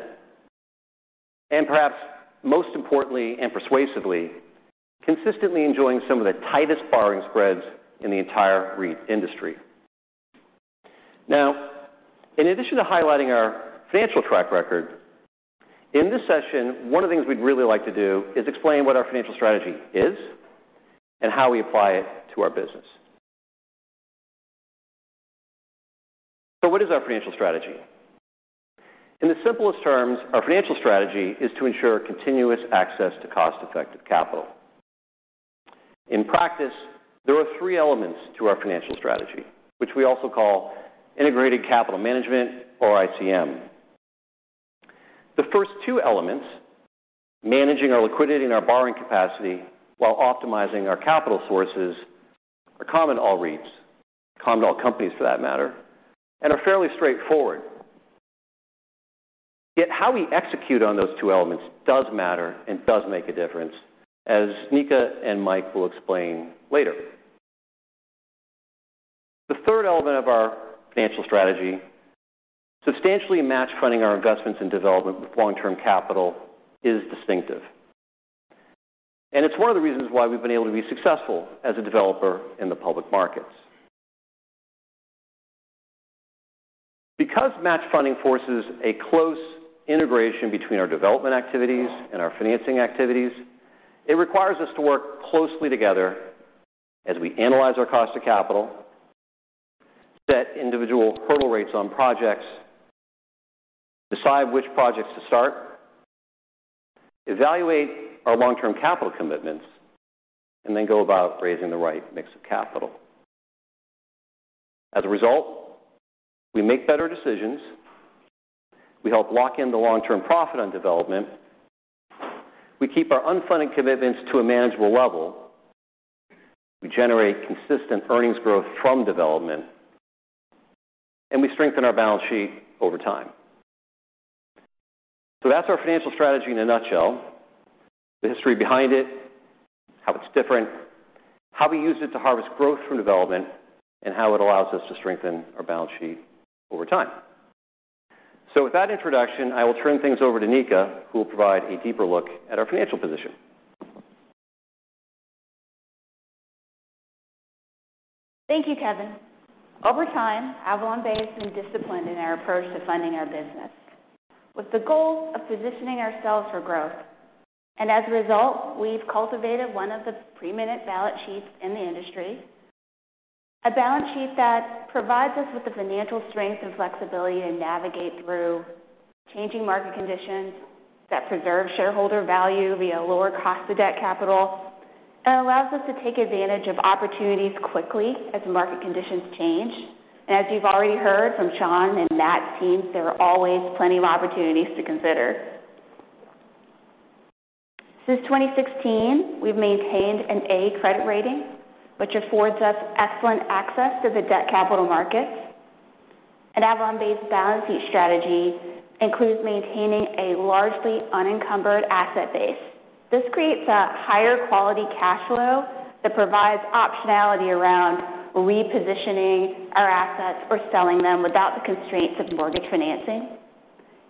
and perhaps most importantly and persuasively, consistently enjoying some of the tightest borrowing spreads in the entire REIT industry. Now, in addition to highlighting our financial track record, in this session, one of the things we'd really like to do is explain what our financial strategy is and how we apply it to our business. So what is our financial strategy? In the simplest terms, our financial strategy is to ensure continuous access to cost-effective capital. In practice, there are three elements to our financial strategy, which we also call integrated capital management or ICM. The first two elements, managing our liquidity and our borrowing capacity while optimizing our capital sources, are common to all REITs, common to all companies for that matter, and are fairly straightforward. Yet how we execute on those two elements does matter and does make a difference, as Nika and Mike will explain later. The third element of our financial strategy, substantially match funding our investments in development with long-term capital, is distinctive. It's one of the reasons why we've been able to be successful as a developer in the public markets. Because match funding forces a close integration between our development activities and our financing activities, it requires us to work closely together as we analyze our cost of capital, set individual hurdle rates on projects, decide which projects to start, evaluate our long-term capital commitments, and then go about raising the right mix of capital. As a result, we make better decisions, we help lock in the long-term profit on development, we keep our unfunded commitments to a manageable level, we generate consistent earnings growth from development, and we strengthen our balance sheet over time. So that's our financial strategy in a nutshell, the history behind it, how it's different, how we use it to harvest growth from development, and how it allows us to strengthen our balance sheet over time. So with that introduction, I will turn things over to Nika, who will provide a deeper look at our financial position. Thank you, Kevin. Over time, AvalonBay has been disciplined in our approach to funding our business, with the goal of positioning ourselves for growth. And as a result, we've cultivated one of the preeminent balance sheets in the industry, a balance sheet that provides us with the financial strength and flexibility to navigate through changing market conditions that preserve shareholder value via lower cost of debt capital, and allows us to take advantage of opportunities quickly as market conditions change. As you've already heard from Sean and Matt's teams, there are always plenty of opportunities to consider. Since 2016, we've maintained an A credit rating, which affords us excellent access to the debt capital markets. AvalonBay's balance sheet strategy includes maintaining a largely unencumbered asset base. This creates a higher quality cash flow that provides optionality around repositioning our assets or selling them without the constraints of mortgage financing.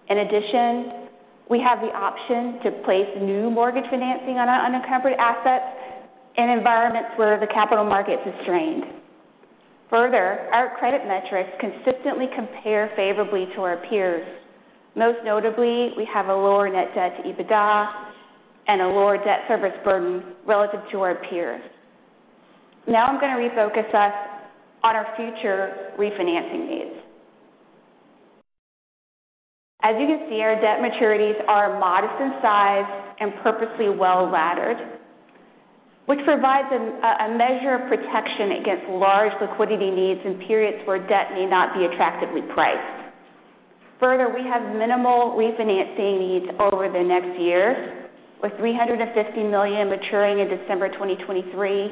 In addition, we have the option to place new mortgage financing on our unencumbered assets in environments where the capital markets are strained. Further, our credit metrics consistently compare favorably to our peers. Most notably, we have a lower net debt to EBITDA and a lower debt service burden relative to our peers. Now I'm going to refocus us on our future refinancing needs. As you can see, our debt maturities are modest in size and purposely well-laddered, which provides a measure of protection against large liquidity needs in periods where debt may not be attractively priced. Further, we have minimal refinancing needs over the next year, with $350 million maturing in December 2023,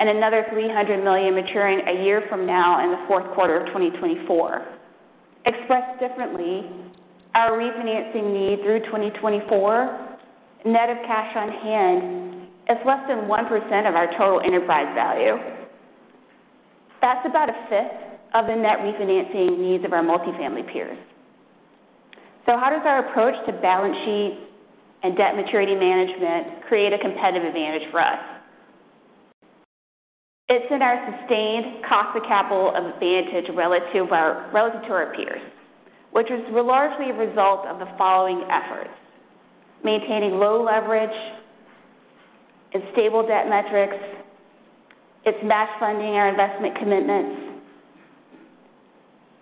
and another $300 million maturing a year from now in the fourth quarter of 2024. Expressed differently, our refinancing need through 2024, net of cash on hand, is less than 1% of our total enterprise value. That's about a fifth of the net refinancing needs of our multifamily peers. So how does our approach to balance sheet and debt maturity management create a competitive advantage for us? It's in our sustained cost of capital advantage relative to our peers, which is largely a result of the following efforts: maintaining low leverage and stable debt metrics. It's match funding our investment commitments.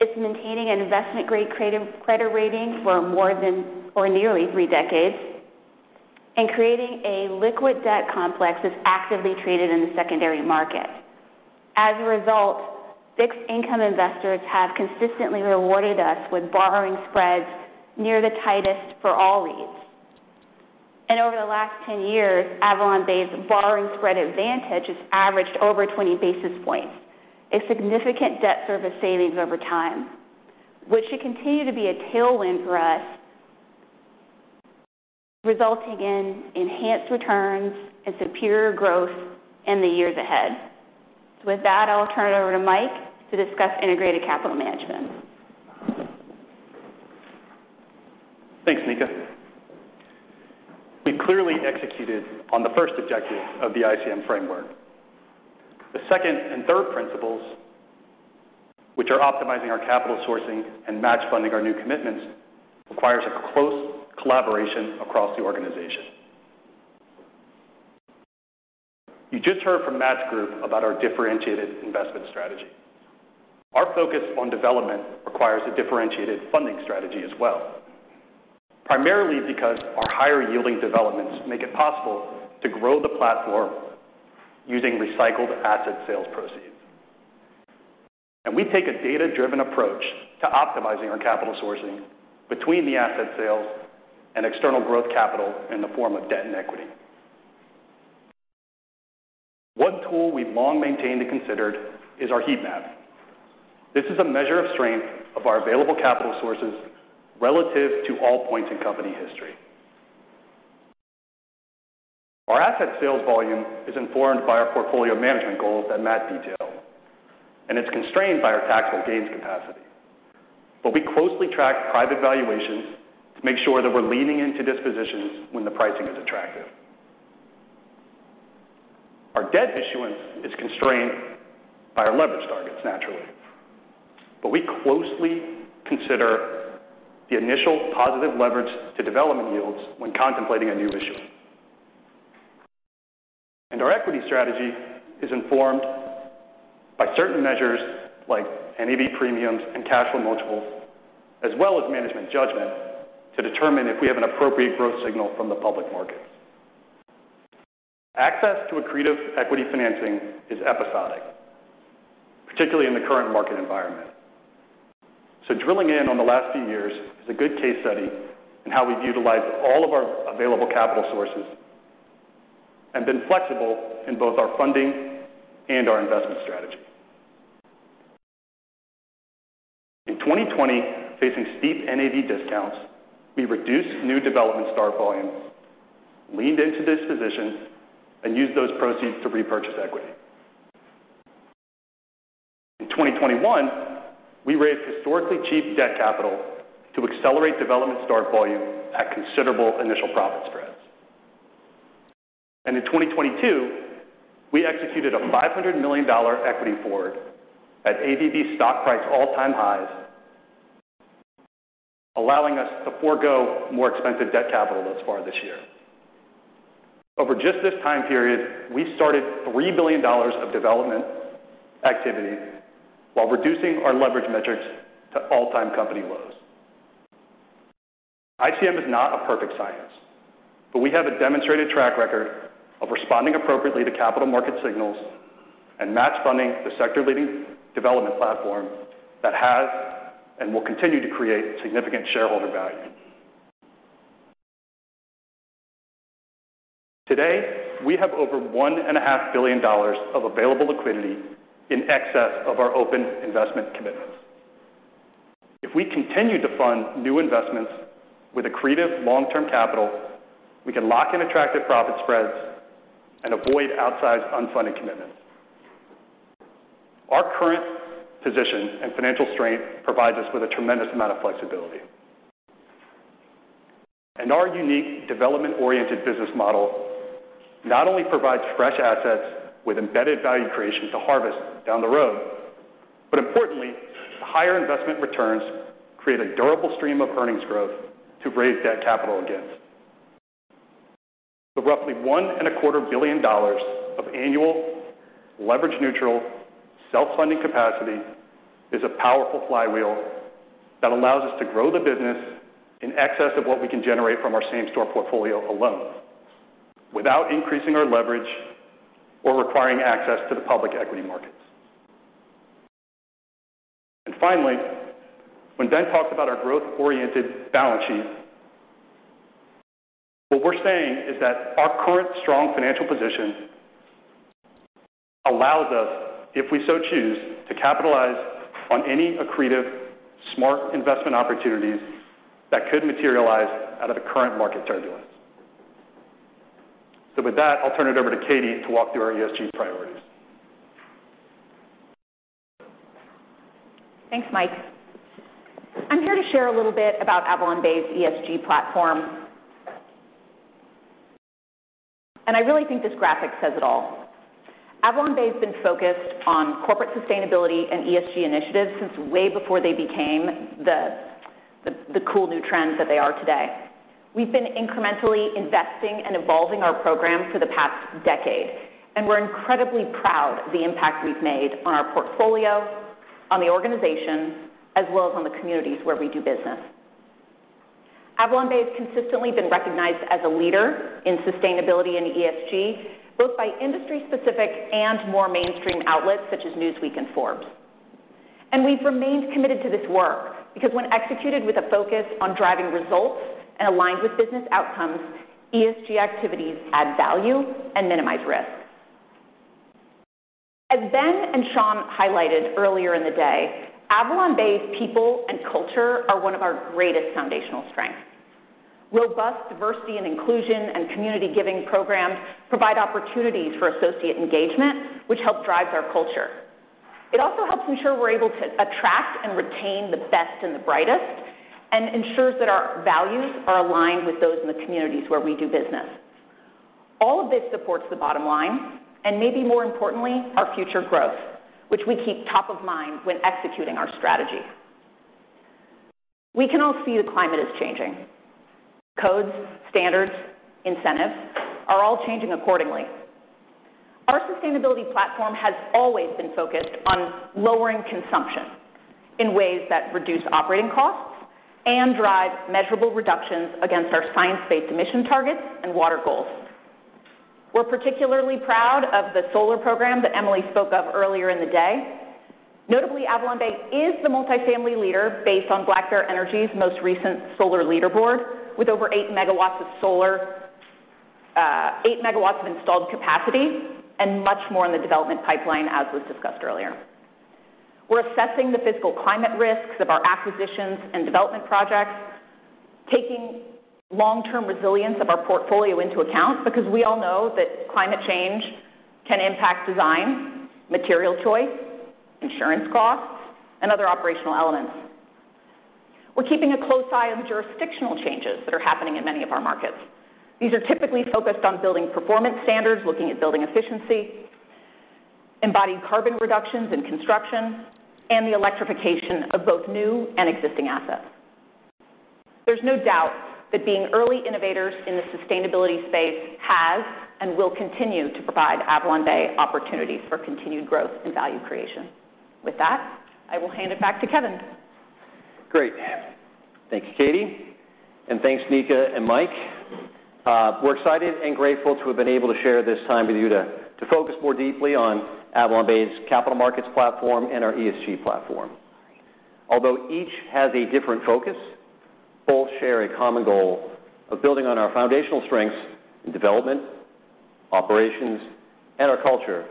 It's maintaining an investment-grade credit rating for more than, or nearly three decades, and creating a liquid debt complex that's actively traded in the secondary market. As a result, fixed income investors have consistently rewarded us with borrowing spreads near the tightest for all leads. Over the last 10 years, AvalonBay's borrowing spread advantage has averaged over 20 basis points, a significant debt service savings over time, which should continue to be a tailwind for us, resulting in enhanced returns and superior growth in the years ahead. With that, I'll turn it over to Mike to discuss integrated capital management. Thanks, Nika. We clearly executed on the first objective of the ICM framework. The second and third principles, which are optimizing our capital sourcing and match funding our new commitments, requires a close collaboration across the organization. You just heard from Matt's group about our differentiated investment strategy. Our focus on development requires a differentiated funding strategy as well, primarily because our higher-yielding developments make it possible to grow the platform using recycled asset sales proceeds. We take a data-driven approach to optimizing our capital sourcing between the asset sales and external growth capital in the form of debt and equity. One tool we've long maintained and considered is our heat map. This is a measure of strength of our available capital sources relative to all points in company history. Our asset sales volume is informed by our portfolio management goals that Matt detailed, and it's constrained by our taxable gains capacity. But we closely track private valuations to make sure that we're leaning into dispositions when the pricing is attractive. Our debt issuance is constrained by our leverage targets, naturally, but we closely consider the initial positive leverage to development yields when contemplating a new issue. And our equity strategy is informed by certain measures like NAV premiums and cash flow multiples, as well as management judgment, to determine if we have an appropriate growth signal from the public markets. Access to accretive equity financing is episodic, particularly in the current market environment. So drilling in on the last few years is a good case study in how we've utilized all of our available capital sources and been flexible in both our funding and our investment strategy. In 2020, facing steep NAV discounts, we reduced new development start volumes, leaned into dispositions, and used those proceeds to repurchase equity. In 2021, we raised historically cheap debt capital to accelerate development start volume at considerable initial profit spreads. In 2022, we executed a $500 million equity forward at AVB stock price all-time highs, allowing us to forego more expensive debt capital thus far this year. Over just this time period, we started $3 billion of development activity while reducing our leverage metrics to all-time company lows. ICM is not a perfect science, but we have a demonstrated track record of responding appropriately to capital market signals and match funding the sector-leading development platform that has and will continue to create significant shareholder value. Today, we have over $1.5 billion of available liquidity in excess of our open investment commitments. If we continue to fund new investments with accretive long-term capital, we can lock in attractive profit spreads and avoid outsized unfunded commitments. Our current position and financial strength provides us with a tremendous amount of flexibility. Our unique development-oriented business model not only provides fresh assets with embedded value creation to harvest down the road, but importantly, the higher investment returns create a durable stream of earnings growth to raise debt capital against. The roughly $1.25 billion of annual leverage-neutral, self-funding capacity is a powerful flywheel that allows us to grow the business in excess of what we can generate from our same-store portfolio alone, without increasing our leverage or requiring access to the public equity markets. And finally, when Ben talks about our growth-oriented balance sheet, what we're saying is that our current strong financial position allows us, if we so choose, to capitalize on any accretive, smart investment opportunities that could materialize out of the current market turbulence. So with that, I'll turn it over to Katie to walk through our ESG priorities. Thanks, Mike. I'm here to share a little bit about AvalonBay's ESG platform. I really think this graphic says it all. AvalonBay's been focused on corporate sustainability and ESG initiatives since way before they became the cool new trends that they are today. We've been incrementally investing and evolving our program for the past decade, and we're incredibly proud of the impact we've made on our portfolio, on the organization, as well as on the communities where we do business. AvalonBay has consistently been recognized as a leader in sustainability and ESG, both by industry specific and more mainstream outlets, such as Newsweek and Forbes. We've remained committed to this work, because when executed with a focus on driving results and aligned with business outcomes, ESG activities add value and minimize risk. As Ben and Sean highlighted earlier in the day, AvalonBay's people and culture are one of our greatest foundational strengths. Robust diversity and inclusion and community giving programs provide opportunities for associate engagement, which helps drive our culture. It also helps ensure we're able to attract and retain the best and the brightest, and ensures that our values are aligned with those in the communities where we do business. All of this supports the bottom line, and maybe more importantly, our future growth, which we keep top of mind when executing our strategy. We can all see the climate is changing. Codes, standards, incentives are all changing accordingly. Our sustainability platform has always been focused on lowering consumption in ways that reduce operating costs and drive measurable reductions against our science-based emission targets and water goals. We're particularly proud of the solar program that Emily spoke of earlier in the day. Notably, AvalonBay is the multifamily leader based on Black Bear Energy's most recent solar leaderboard, with over 8 MW of solar, 8 MW of installed capacity and much more in the development pipeline, as was discussed earlier. We're assessing the physical climate risks of our acquisitions and development projects, taking long-term resilience of our portfolio into account, because we all know that climate change can impact design, material choice, insurance costs, and other operational elements. We're keeping a close eye on jurisdictional changes that are happening in many of our markets. These are typically focused on building performance standards, looking at building efficiency, embodied carbon reductions in construction, and the electrification of both new and existing assets. There's no doubt that being early innovators in the sustainability space has and will continue to provide AvalonBay opportunities for continued growth and value creation. With that, I will hand it back to Kevin. Great. Thank you, Katie, and thanks, Nika and Mike. We're excited and grateful to have been able to share this time with you to, to focus more deeply on AvalonBay's capital markets platform and our ESG platform. Although each has a different focus, both share a common goal of building on our foundational strengths in development, operations, and our culture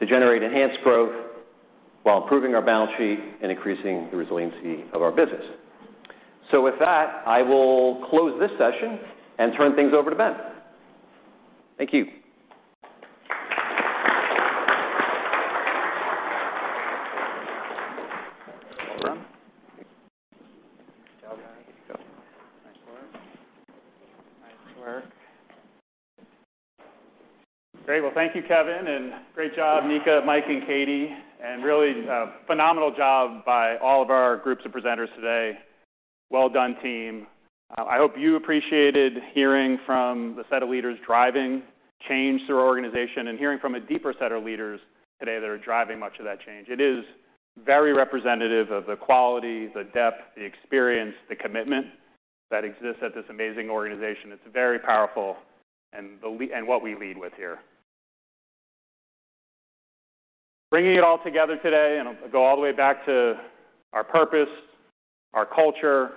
to generate enhanced growth while improving our balance sheet and increasing the resiliency of our business. With that, I will close this session and turn things over to Ben. Thank you. Nice work. Nice work. Great. Well, thank you, Kevin, and great job, Nika, Mike, and Katie, and really a phenomenal job by all of our groups of presenters today. Well done, team. I hope you appreciated hearing from the set of leaders driving change through our organization and hearing from a deeper set of leaders today that are driving much of that change. It is very representative of the quality, the depth, the experience, the commitment that exists at this amazing organization. It's very powerful and what we lead with here. Bringing it all together today, and I'll go all the way back to our purpose, our culture,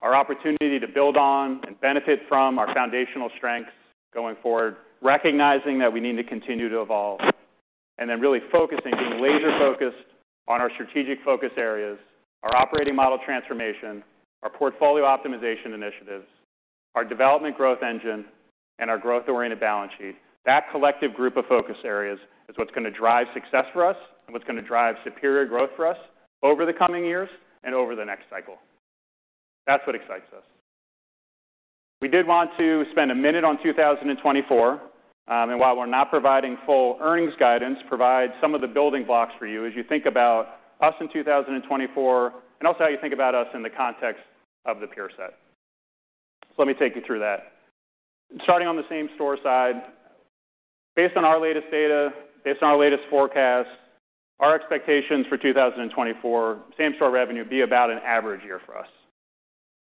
our opportunity to build on and benefit from our foundational strengths going forward, recognizing that we need to continue to evolve, and then really focusing, being laser-focused on our strategic focus areas, our operating model transformation, our portfolio optimization initiatives, our development growth engine, and our growth-oriented balance sheet. That collective group of focus areas is what's going to drive success for us and what's going to drive superior growth for us over the coming years and over the next cycle. That's what excites us. We did want to spend a minute on 2024, and while we're not providing full earnings guidance, provide some of the building blocks for you as you think about us in 2024 and also how you think about us in the context of the peer set. So let me take you through that. Starting on the same-store side, based on our latest data, based on our latest forecast, our expectations for 2024, same-store revenue will be about an average year for us.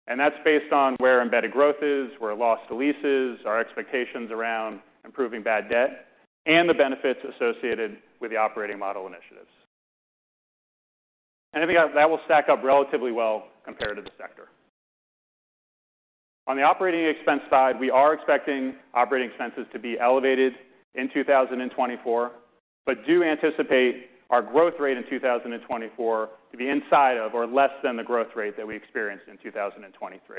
And that's based on where embedded growth is, where loss to lease is, our expectations around improving bad debt, and the benefits associated with the operating model initiatives. And I think that will stack up relatively well compared to the sector. On the operating expense side, we are expecting operating expenses to be elevated in 2024, but do anticipate our growth rate in 2024 to be inside of or less than the growth rate that we experienced in 2023.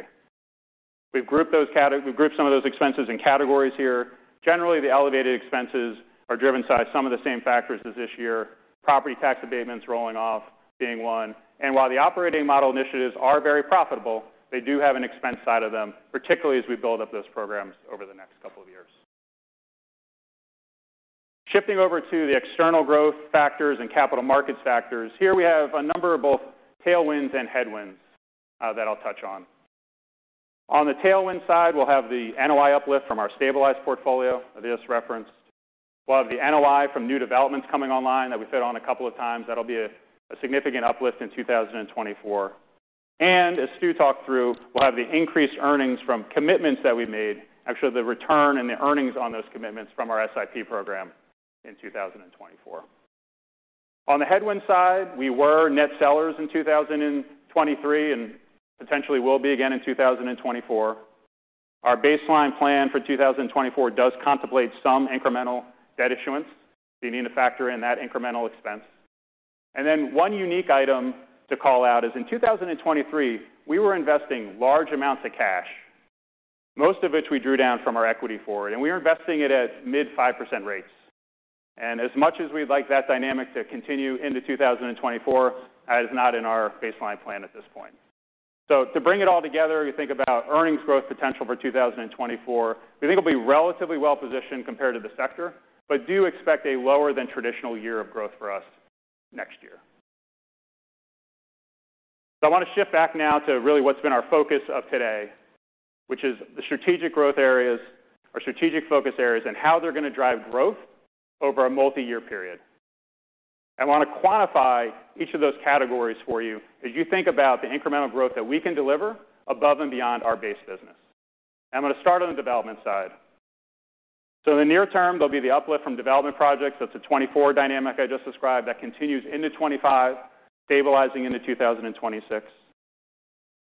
We've grouped some of those expenses in categories here. Generally, the elevated expenses are driven by some of the same factors as this year, property tax abatements rolling off being one. And while the operating model initiatives are very profitable, they do have an expense side of them, particularly as we build up those programs over the next couple of years. Shifting over to the external growth factors and capital markets factors, here we have a number of both tailwinds and headwinds that I'll touch on. On the tailwind side, we'll have the NOI uplift from our stabilized portfolio that just referenced. We'll have the NOI from new developments coming online that we've hit on a couple of times. That'll be a significant uplift in 2024. And as Stew talked through, we'll have the increased earnings from commitments that we made, actually, the return and the earnings on those commitments from our SIP program in 2024. On the headwind side, we were net sellers in 2023 and potentially will be again in 2024. Our baseline plan for 2024 does contemplate some incremental debt issuance, so you need to factor in that incremental expense. Then one unique item to call out is in 2023, we were investing large amounts of cash, most of which we drew down from our equity forward, and we were investing it at mid-5% rates. As much as we'd like that dynamic to continue into 2024, that is not in our baseline plan at this point. To bring it all together, you think about earnings growth potential for 2024. We think it'll be relatively well positioned compared to the sector, but do expect a lower than traditional year of growth for us next year. I want to shift back now to really what's been our focus of today, which is the strategic growth areas, our strategic focus areas, and how they're going to drive growth over a multi-year period. I want to quantify each of those categories for you as you think about the incremental growth that we can deliver above and beyond our base business. I'm going to start on the development side. So in the near term, there'll be the uplift from development projects. That's a 2024 dynamic I just described that continues into 2025, stabilizing into 2026.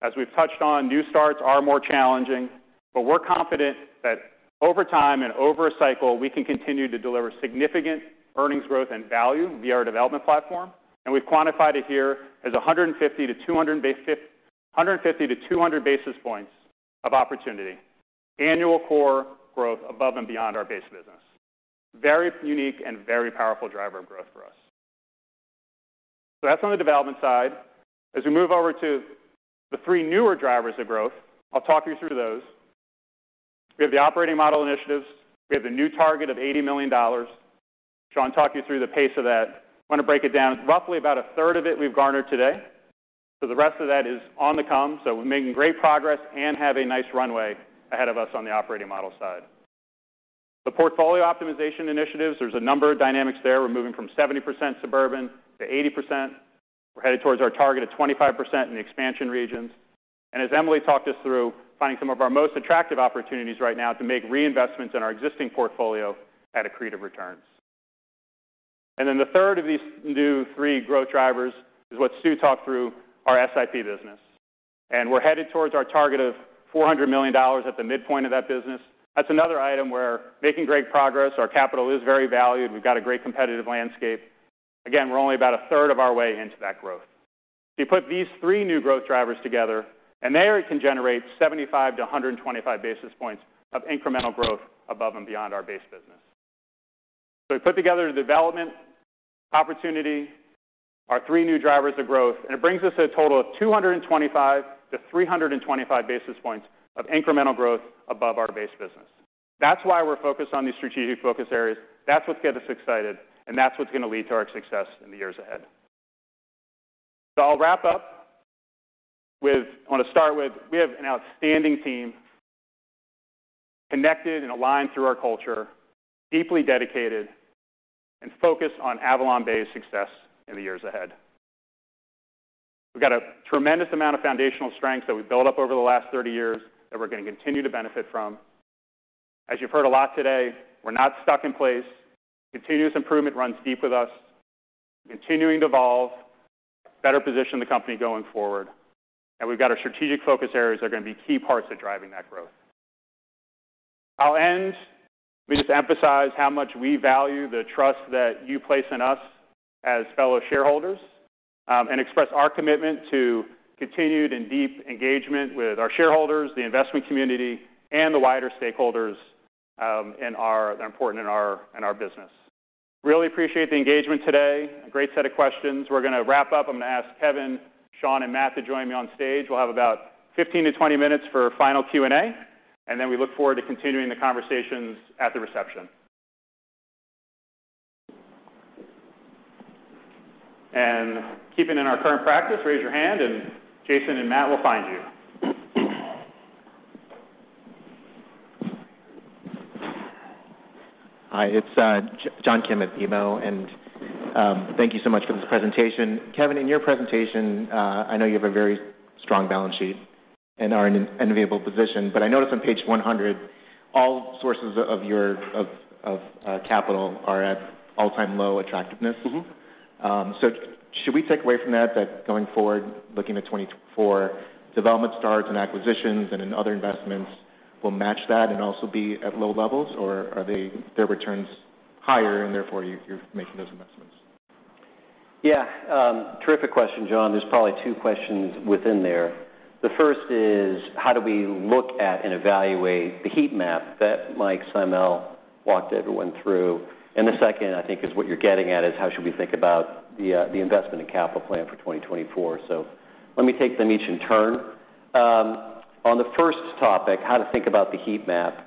As we've touched on, new starts are more challenging, but we're confident that over time and over a cycle, we can continue to deliver significant earnings growth and value via our development platform. And we've quantified it here as 150-250 basis points of opportunity, annual core growth above and beyond our base business. Very unique and very powerful driver of growth for us. So that's on the development side. As we move over to the three newer drivers of growth, I'll talk you through those. We have the operating model initiatives. We have the new target of $80 million. So I'll talk you through the pace of that. I'm going to break it down. Roughly about a third of it we've garnered today, so the rest of that is on the come. So we're making great progress and have a nice runway ahead of us on the operating model side. The portfolio optimization initiatives, there's a number of dynamics there. We're moving from 70% suburban to 80%. We're headed towards our target of 25% in the expansion regions. And as Emily talked us through, finding some of our most attractive opportunities right now to make reinvestments in our existing portfolio at accretive returns. Then the third of these new three growth drivers is what Stew talked through our SIP business, and we're headed towards our target of $400 million at the midpoint of that business. That's another item where making great progress. Our capital is very valued. We've got a great competitive landscape. Again, we're only about a third of our way into that growth. So you put these three new growth drivers together, and they can generate 75-125 basis points of incremental growth above and beyond our base business. So we put together the development opportunity, our three new drivers of growth, and it brings us a total of 225-325 basis points of incremental growth above our base business. That's why we're focused on these strategic focus areas. That's what gets us excited, and that's what's going to lead to our success in the years ahead. So I'll wrap up with—I want to start with, we have an outstanding team, connected and aligned through our culture, deeply dedicated, and focused on AvalonBay's success in the years ahead. We've got a tremendous amount of foundational strength that we've built up over the last 30 years that we're going to continue to benefit from. As you've heard a lot today, we're not stuck in place. Continuous improvement runs deep with us, continuing to evolve, better position the company going forward, and we've got our strategic focus areas are going to be key parts of driving that growth. I'll end with just to emphasize how much we value the trust that you place in us as fellow shareholders, and express our commitment to continued and deep engagement with our shareholders, the investment community, and the wider stakeholders in our business that are important in our business. Really appreciate the engagement today. A great set of questions. We're going to wrap up. I'm going to ask Kevin, Sean, and Matt to join me on stage. We'll have about 15-20 minutes for a final Q&A, and then we look forward to continuing the conversations at the reception. And keeping in our current practice, raise your hand, and Jason and Matt will find you. Hi, it's John Kim at BMO, and thank you so much for this presentation. Kevin, in your presentation, I know you have a very strong balance sheet and are in an enviable position, but I noticed on page 100, all sources of your capital are at all-time low attractiveness. Mm-hmm. So should we take away from that, that going forward, looking at 2024, development starts and acquisitions and in other investments will match that and also be at low levels? Or are they, their returns higher and therefore you, you're making those investments? Yeah. Terrific question, John. There's probably two questions within there. The first is: How do we look at and evaluate the heat map that Mike Simel walked everyone through? And the second, I think, is what you're getting at is: How should we think about the, the investment and capital plan for 2024? So let me take them each in turn. On the first topic, how to think about the heat map,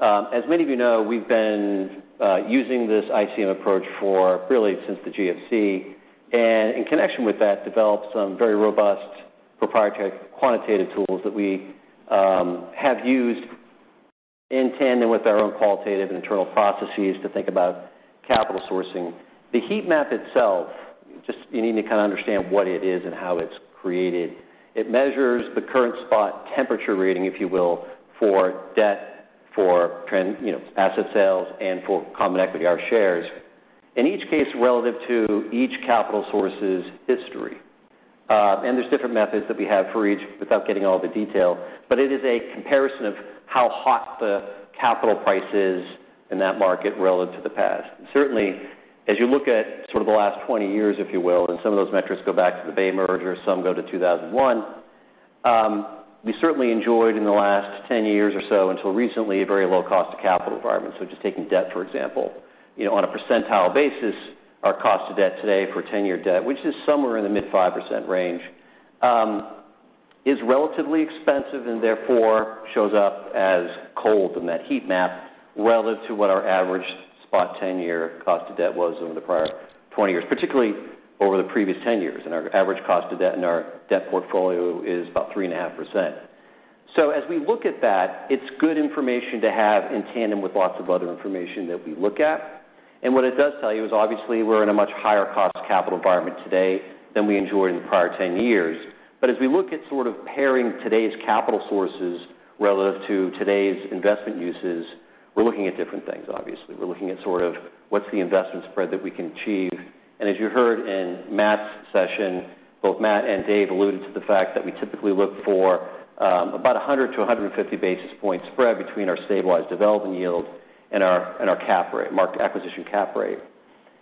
as many of you know, we've been using this ICM approach for really since the GFC, and in connection with that, developed some very robust proprietary quantitative tools that we have used in tandem with our own qualitative and internal processes to think about capital sourcing. The heat map itself, just you need to kind of understand what it is and how it's created. It measures the current spot temperature reading, if you will, for debt, for trend, you know, asset sales, and for common equity, our shares. In each case, relative to each capital source's history. And there's different methods that we have for each without getting all the detail, but it is a comparison of how hot the capital price is in that market relative to the past. And certainly, as you look at sort of the last 20 years, if you will, and some of those metrics go back to the Bay merger, some go to 2001, we certainly enjoyed in the last 10 years or so, until recently, a very low cost of capital environment. So just taking debt, for example, you know, on a percentile basis, our cost of debt today for 10-year debt, which is somewhere in the mid-5% range, is relatively expensive and therefore shows up as cold in that heat map relative to what our average spot 10-year cost of debt was over the prior 20 years, particularly over the previous 10 years. Our average cost of debt in our debt portfolio is about 3.5%. So as we look at that, it's good information to have in tandem with lots of other information that we look at. And what it does tell you is, obviously, we're in a much higher cost capital environment today than we enjoyed in the prior 10 years. But as we look at sort of pairing today's capital sources relative to today's investment uses, we're looking at different things, obviously. We're looking at sort of what's the investment spread that we can achieve. And as you heard in Matt's session, both Matt and Dave alluded to the fact that we typically look for about 100-150 basis point spread between our stabilized development yield and our cap rate-market acquisition cap rate.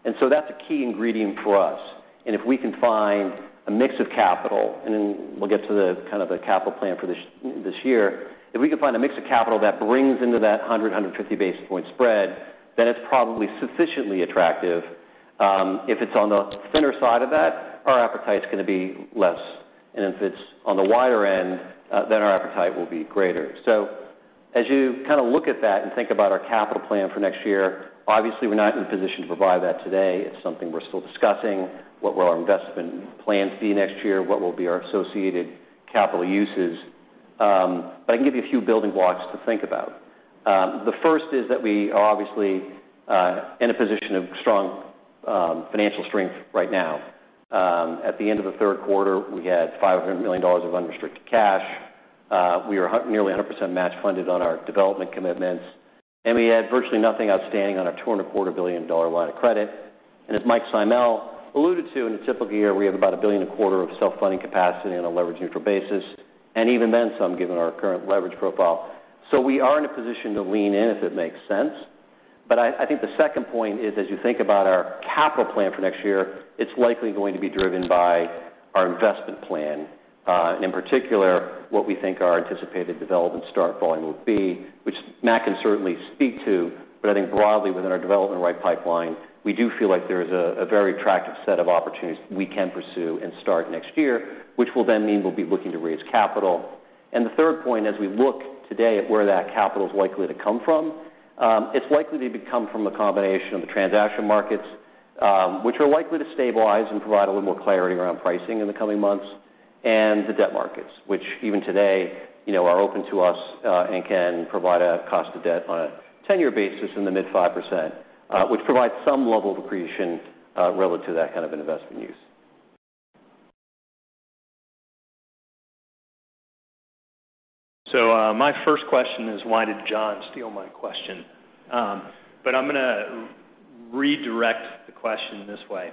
And so that's a key ingredient for us. And if we can find a mix of capital, and then we'll get to the kind of capital plan for this year. If we can find a mix of capital that brings into that 100-150 basis point spread, then it's probably sufficiently attractive. If it's on the thinner side of that, our appetite is going to be less, and if it's on the wider end, then our appetite will be greater. So as you kind of look at that and think about our capital plan for next year, obviously, we're not in a position to provide that today. It's something we're still discussing. What will our investment plans be next year? What will be our associated capital uses? But I can give you a few building blocks to think about. The first is that we are obviously in a position of strong financial strength right now. At the end of the third quarter, we had $500 million of unrestricted cash. We are nearly 100% match funded on our development commitments, and we had virtually nothing outstanding on our $2.25 billion line of credit. And as Mike Simel alluded to, in a typical year, we have about $1.25 billion of self-funding capacity on a leverage neutral basis, and even then, some given our current leverage profile. So we are in a position to lean in, if it makes sense. But I think the second point is, as you think about our capital plan for next year, it's likely going to be driven by our investment plan, in particular, what we think our anticipated development start volume will be, which Matt can certainly speak to, but I think broadly within our development right pipeline, we do feel like there is a very attractive set of opportunities we can pursue and start next year, which will then mean we'll be looking to raise capital. And the third point, as we look today at where that capital is likely to come from, it's likely to come from a combination of the transaction markets, which are likely to stabilize and provide a little more clarity around pricing in the coming months, and the debt markets, which even today, you know, are open to us, and can provide a cost of debt on a 10-year basis in the mid-5%, which provides some level of accretion, relative to that kind of investment use. So, my first question is, why did John steal my question? But I'm gonna redirect the question this way.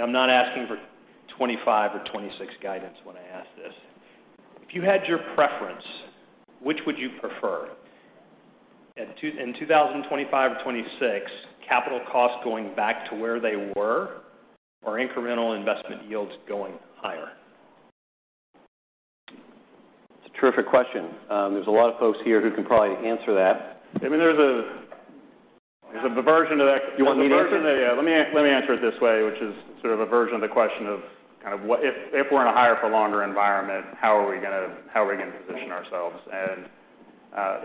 I'm not asking for 25 or 26 guidance when I ask this. If you had your preference, which would you prefer? In 2025 or 2026, capital costs going back to where they were, or incremental investment yields going higher? It's a terrific question. There's a lot of folks here who can probably answer that. I mean, there's a version of that- You want the version? Let me answer it this way, which is sort of a version of the question of kind of what if, if we're in a higher for longer environment, how are we gonna, how are we going to position ourselves? And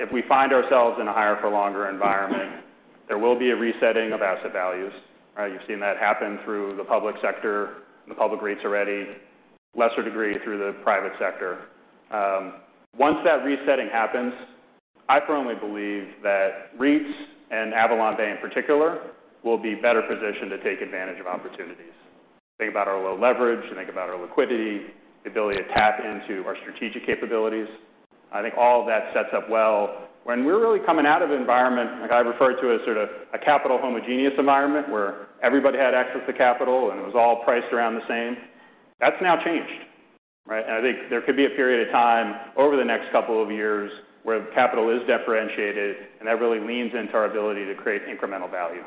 if we find ourselves in a higher for longer environment, there will be a resetting of asset values, right? You've seen that happen through the public sector, the public rates already, lesser degree through the private sector. Once that resetting happens, I firmly believe that REITs and AvalonBay, in particular, will be better positioned to take advantage of opportunities. Think about our low leverage, and think about our liquidity, the ability to tap into our strategic capabilities. I think all of that sets up well. When we're really coming out of an environment, like I referred to, as sort of a capital homogeneous environment, where everybody had access to capital and it was all priced around the same, that's now changed, right? And I think there could be a period of time over the next couple of years where capital is differentiated, and that really leans into our ability to create incremental value.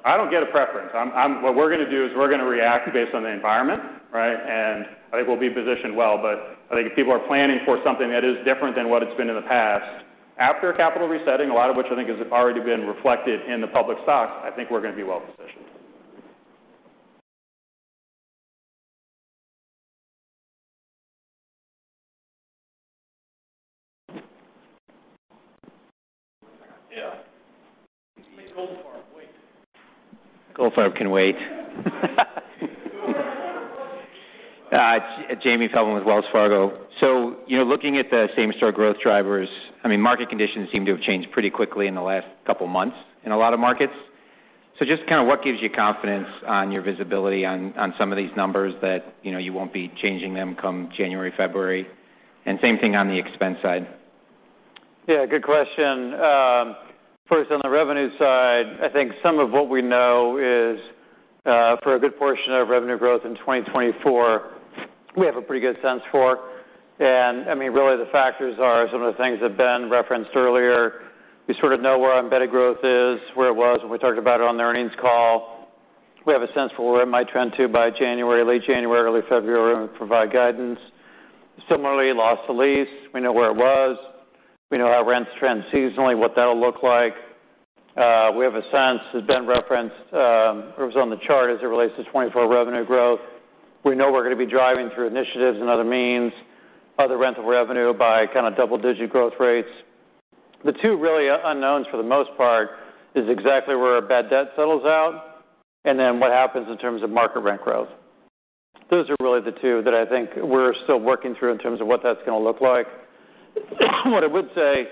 So, I'm reading your preference there, your preference would be for capital costs to go back to last year's capital costs. I don't get a preference. I'm. What we're going to do is we're going to react based on the environment, right? And I think we'll be positioned well, but I think if people are planning for something that is different than what it's been in the past, after a capital resetting, a lot of which I think has already been reflected in the public stocks, I think we're going to be well positioned. Yeah. Make Goldfarb wait. Goldfarb can wait. Jamie Feldman with Wells Fargo. So, you know, looking at the same-store growth drivers, I mean, market conditions seem to have changed pretty quickly in the last couple of months in a lot of markets. So just kind of what gives you confidence on your visibility on some of these numbers that, you know, you won't be changing them come January, February, and same thing on the expense side? Yeah, good question. First, on the revenue side, I think some of what we know is for a good portion of revenue growth in 2024, we have a pretty good sense for. And I mean, really, the factors are some of the things that Ben referenced earlier. We sort of know where embedded growth is, where it was, and we talked about it on the earnings call. We have a sense for where it might trend to by January, late January, early February, and provide guidance. Similarly, loss to lease, we know where it was. We know how rents trend seasonally, what that'll look like. We have a sense, as Ben referenced, it was on the chart as it relates to 2024 revenue growth. We know we're going to be driving through initiatives and other means, other rental revenue by kind of double-digit growth rates. The two real unknowns, for the most part, is exactly where our bad debt settles out, and then what happens in terms of market rent growth. Those are really the two that I think we're still working through in terms of what that's going to look like. What I would say,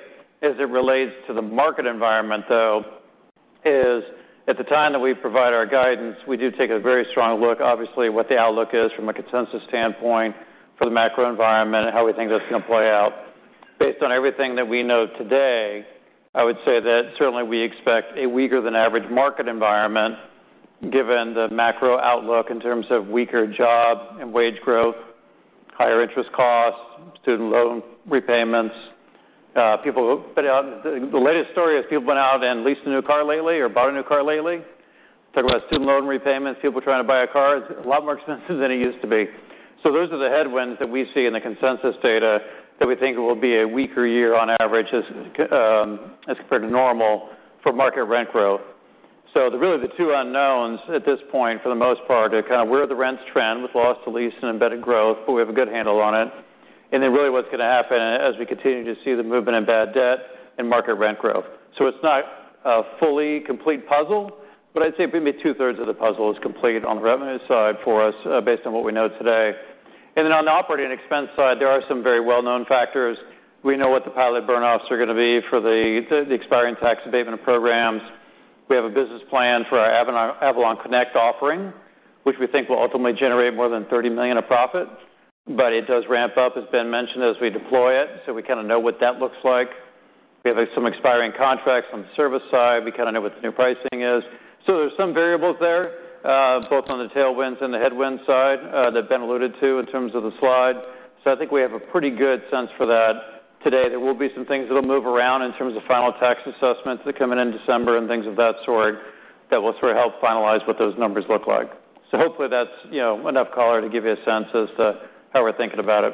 as it relates to the market environment, though, is at the time that we provide our guidance, we do take a very strong look, obviously, what the outlook is from a consensus standpoint for the macro environment and how we think that's going to play out. Based on everything that we know today, I would say that certainly we expect a weaker than average market environment, given the macro outlook in terms of weaker job and wage growth, higher interest costs, student loan repayments. People. But the latest story is people went out and leased a new car lately or bought a new car lately. Talk about student loan repayments, people trying to buy a car, it's a lot more expensive than it used to be. So those are the headwinds that we see in the consensus data that we think it will be a weaker year on average, as, as compared to normal for market rent growth. So really, the two unknowns at this point, for the most part, are kind of where the rents trend with loss to lease and embedded growth, but we have a good handle on it. And then really, what's going to happen as we continue to see the movement in bad debt and market rent growth. So it's not a fully complete puzzle, but I'd say maybe two-thirds of the puzzle is complete on the revenue side for us, based on what we know today. And then on the operating expense side, there are some very well-known factors. We know what the PILOT burnoffs are going to be for the, the expiring tax abatement programs. We have a business plan for our AvalonConnect offering, which we think will ultimately generate more than $30 million of profit, but it does ramp up, as Ben mentioned, as we deploy it, so we kind of know what that looks like. We have some expiring contracts on the service side. We kind of know what the new pricing is. So there's some variables there, both on the tailwinds and the headwind side, that Ben alluded to in terms of the slide. I think we have a pretty good sense for that. Today, there will be some things that'll move around in terms of final tax assessments coming in December and things of that sort, that will sort of help finalize what those numbers look like. So hopefully, that's, you know, enough color to give you a sense as to how we're thinking about it.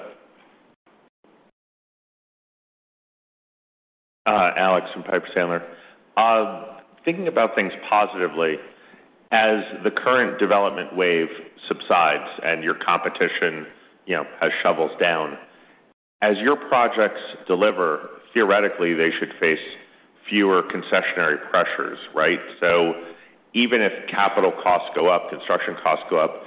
Alex from Piper Sandler. Thinking about things positively, as the current development wave subsides and your competition, you know, has shovels down, as your projects deliver, theoretically, they should face fewer concessionary pressures, right? So even if capital costs go up, construction costs go up,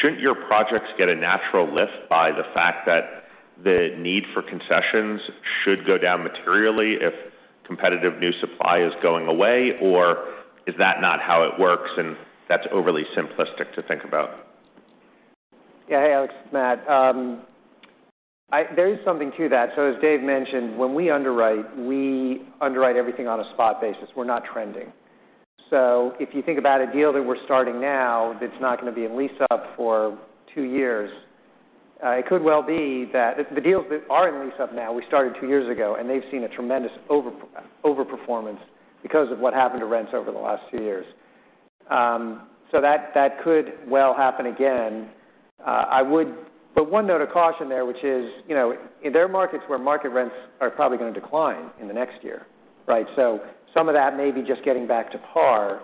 shouldn't your projects get a natural lift by the fact that the need for concessions should go down materially if competitive new supply is going away? Or is that not how it works, and that's overly simplistic to think about? Yeah. Hey, Alex, Matt. There is something to that. So as Dave mentioned, when we underwrite, we underwrite everything on a spot basis. We're not trending. So if you think about a deal that we're starting now, that's not going to be in lease up for two years, it could well be that the deals that are in lease up now, we started two years ago, and they've seen a tremendous overperformance because of what happened to rents over the last two years. So that could well happen again. But one note of caution there, which is, you know, there are markets where market rents are probably going to decline in the next year, right? So some of that may be just getting back to par,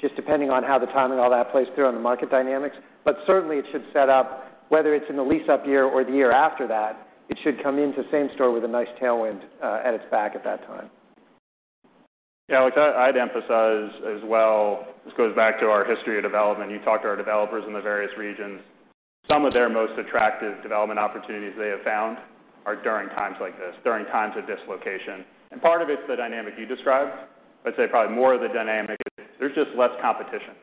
just depending on how the timing, all that plays through on the market dynamics. Certainly, it should set up, whether it's in the lease-up year or the year after that, it should come into same-store with a nice tailwind at its back at that time. Yeah, Alex, I'd emphasize as well, this goes back to our history of development. You talk to our developers in the various regions, some of their most attractive development opportunities they have found are during times like this, during times of dislocation. And part of it is the dynamic you described. I'd say probably more of the dynamic, there's just less competition,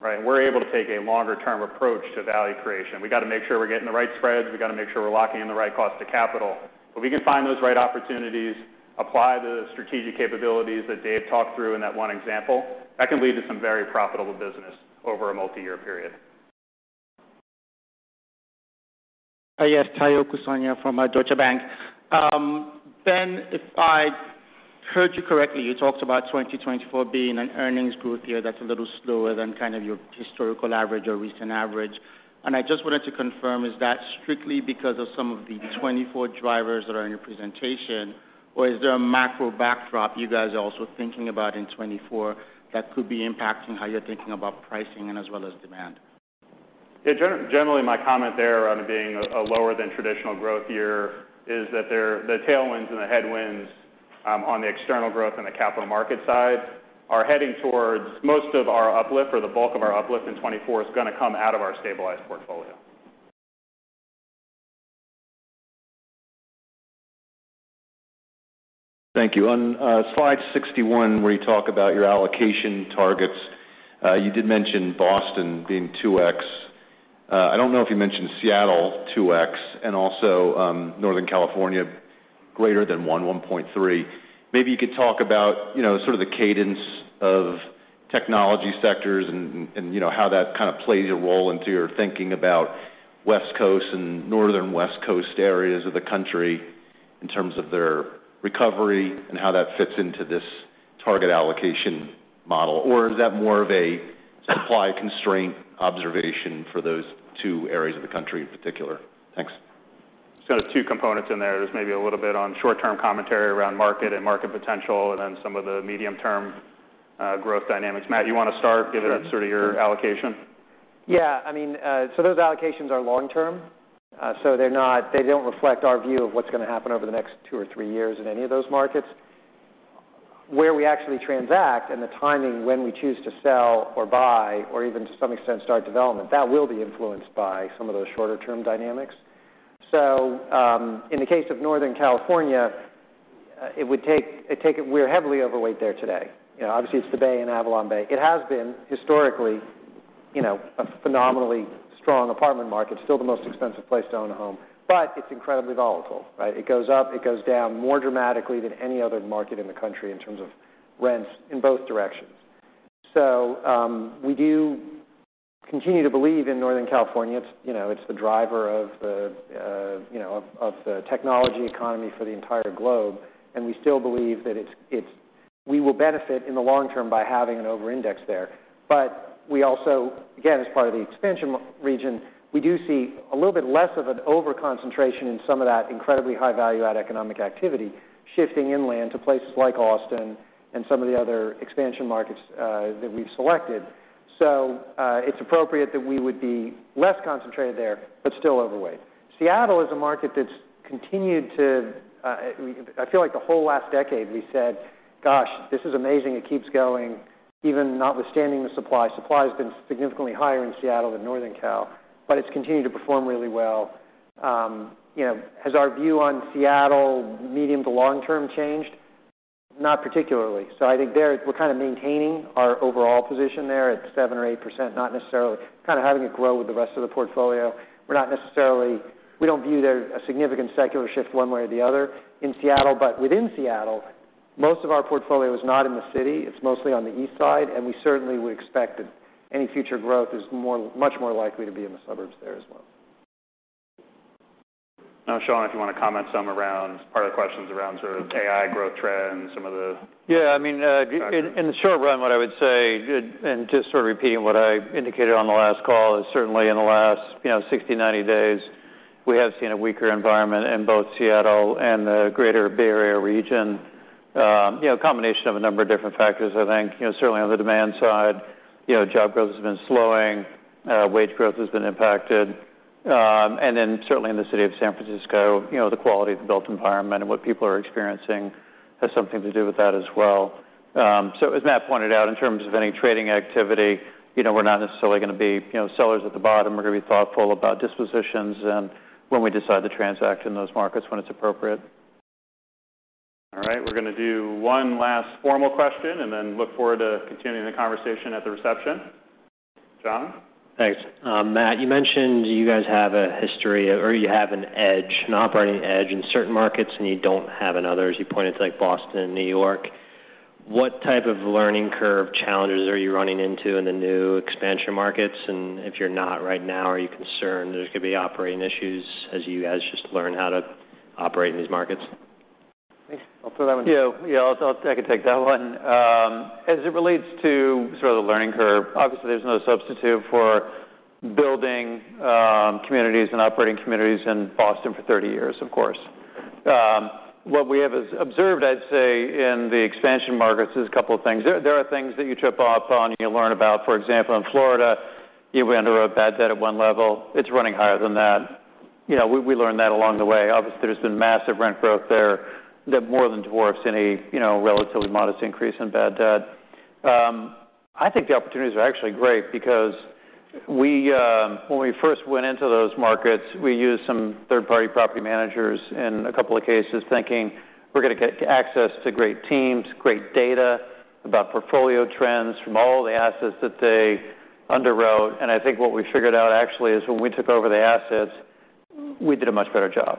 right? We're able to take a longer-term approach to value creation. We got to make sure we're getting the right spreads. We got to make sure we're locking in the right cost of capital. But we can find those right opportunities, apply the strategic capabilities that Dave talked through in that one example, that can lead to some very profitable business over a multi-year period. Yes, Tayo Okusanya from Deutsche Bank. Ben, if I heard you correctly, you talked about 2024 being an earnings growth year that's a little slower than kind of your historical average or recent average. I just wanted to confirm, is that strictly because of some of the 2024 drivers that are in your presentation? Or is there a macro backdrop you guys are also thinking about in 2024 that could be impacting how you're thinking about pricing and as well as demand? Yeah, generally, my comment there around it being a lower than traditional growth year is that there are the tailwinds and the headwinds on the external growth and the capital market side are heading towards most of our uplift, or the bulk of our uplift in 2024 is going to come out of our stabilized portfolio. Thank you. On slide 61, where you talk about your allocation targets, you did mention Boston being 2x. I don't know if you mentioned Seattle, 2x, and also, Northern California, greater than 1.3. Maybe you could talk about, you know, sort of the cadence of technology sectors and, and you know, how that kind of plays a role into your thinking about West Coast and northern West Coast areas of the country in terms of their recovery and how that fits into this target allocation model. Or is that more of a supply constraint observation for those two areas of the country in particular? Thanks. So there's two components in there. There's maybe a little bit on short-term commentary around market and market potential and then some of the medium-term, growth dynamics. Matt, you want to start, given that's sort of your allocation? Yeah, I mean, so those allocations are long-term. So, they're not--they don't reflect our view of what's going to happen over the next two or three years in any of those markets. Where we actually transact and the timing when we choose to sell or buy or even to some extent, start development, that will be influenced by some of those shorter-term dynamics. So, in the case of Northern California, it would take. We're heavily overweight there today. You know, obviously, it's the Bay and AvalonBay. It has been historically, you know, a phenomenally strong apartment market, still the most expensive place to own a home, but it's incredibly volatile, right? It goes up, it goes down more dramatically than any other market in the country in terms of rents in both directions. So, we do continue to believe in Northern California. It's, you know, it's the driver of the, you know, of the technology economy for the entire globe, and we still believe that it's, it's—we will benefit in the long term by having an overindex there. But we also, again, as part of the expansion region, we do see a little bit less of an overconcentration in some of that incredibly high value add economic activity, shifting inland to places like Austin and some of the other expansion markets, that we've selected. So, it's appropriate that we would be less concentrated there, but still overweight. Seattle is a market that's continued to... I feel like the whole last decade, we said, "Gosh, this is amazing. It keeps going, even notwithstanding the supply. Supply has been significantly higher in Seattle than Northern Cal, but it's continued to perform really well. You know, has our view on Seattle medium to long-term changed? Not particularly. So I think there, we're kind of maintaining our overall position there at 7% or 8%, not necessarily kind of having it grow with the rest of the portfolio. We're not necessarily-- We don't view there a significant secular shift one way or the other in Seattle, but within Seattle. Most of our portfolio is not in the city. It's mostly on the Eastside, and we certainly would expect that any future growth is more-- much more likely to be in the suburbs there as well. Now, Sean, if you want to comment some around, part of the questions around sort of AI growth trends, some of the- Yeah, I mean, in the short run, what I would say, and just sort of repeating what I indicated on the last call, is certainly in the last, you know, 60, 90 days, we have seen a weaker environment in both Seattle and the Greater Bay Area region. You know, a combination of a number of different factors, I think. You know, certainly on the demand side, you know, job growth has been slowing, wage growth has been impacted. And then certainly in the city of San Francisco, you know, the quality of the built environment and what people are experiencing has something to do with that as well. So as Matt pointed out, in terms of any trading activity, you know, we're not necessarily going to be, you know, sellers at the bottom. We're going to be thoughtful about dispositions and when we decide to transact in those markets, when it's appropriate. All right, we're going to do one last formal question, and then look forward to continuing the conversation at the reception. John? Thanks. Matt, you mentioned you guys have a history or you have an edge, an operating edge in certain markets, and you don't have in others. You pointed to, like, Boston and New York. What type of learning curve challenges are you running into in the new expansion markets? And if you're not right now, are you concerned there's going to be operating issues as you guys just learn how to operate in these markets? I'll throw that one- Yeah, yeah, I'll, I could take that one. As it relates to sort of the learning curve, obviously, there's no substitute for building communities and operating communities in Boston for 30 years, of course. What we have observed, I'd say, in the expansion markets, is a couple of things. There are things that you trip up on, you learn about. For example, in Florida, you went into a bad debt at one level. It's running higher than that. You know, we learned that along the way. Obviously, there's been massive rent growth there that more than dwarfs any, you know, relatively modest increase in bad debt. I think the opportunities are actually great because we, when we first went into those markets, we used some third-party property managers in a couple of cases, thinking we're going to get access to great teams, great data about portfolio trends from all the assets that they underwrote. I think what we figured out actually is when we took over the assets, we did a much better job.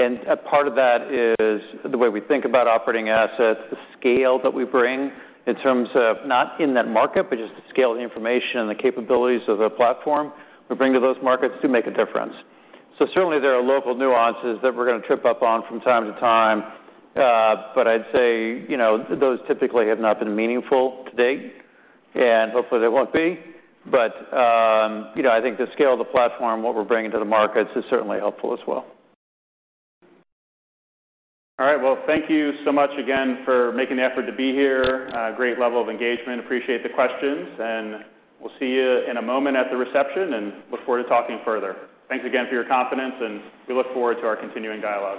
A part of that is the way we think about operating assets, the scale that we bring in terms of not in that market, but just the scale of the information and the capabilities of the platform we bring to those markets do make a difference. So certainly, there are local nuances that we're going to trip up on from time to time, but I'd say, you know, those typically have not been meaningful to date, and hopefully they won't be. But, you know, I think the scale of the platform, what we're bringing to the markets, is certainly helpful as well. All right, well, thank you so much again for making the effort to be here. Great level of engagement. Appreciate the questions, and we'll see you in a moment at the reception, and look forward to talking further. Thanks again for your confidence, and we look forward to our continuing dialogue.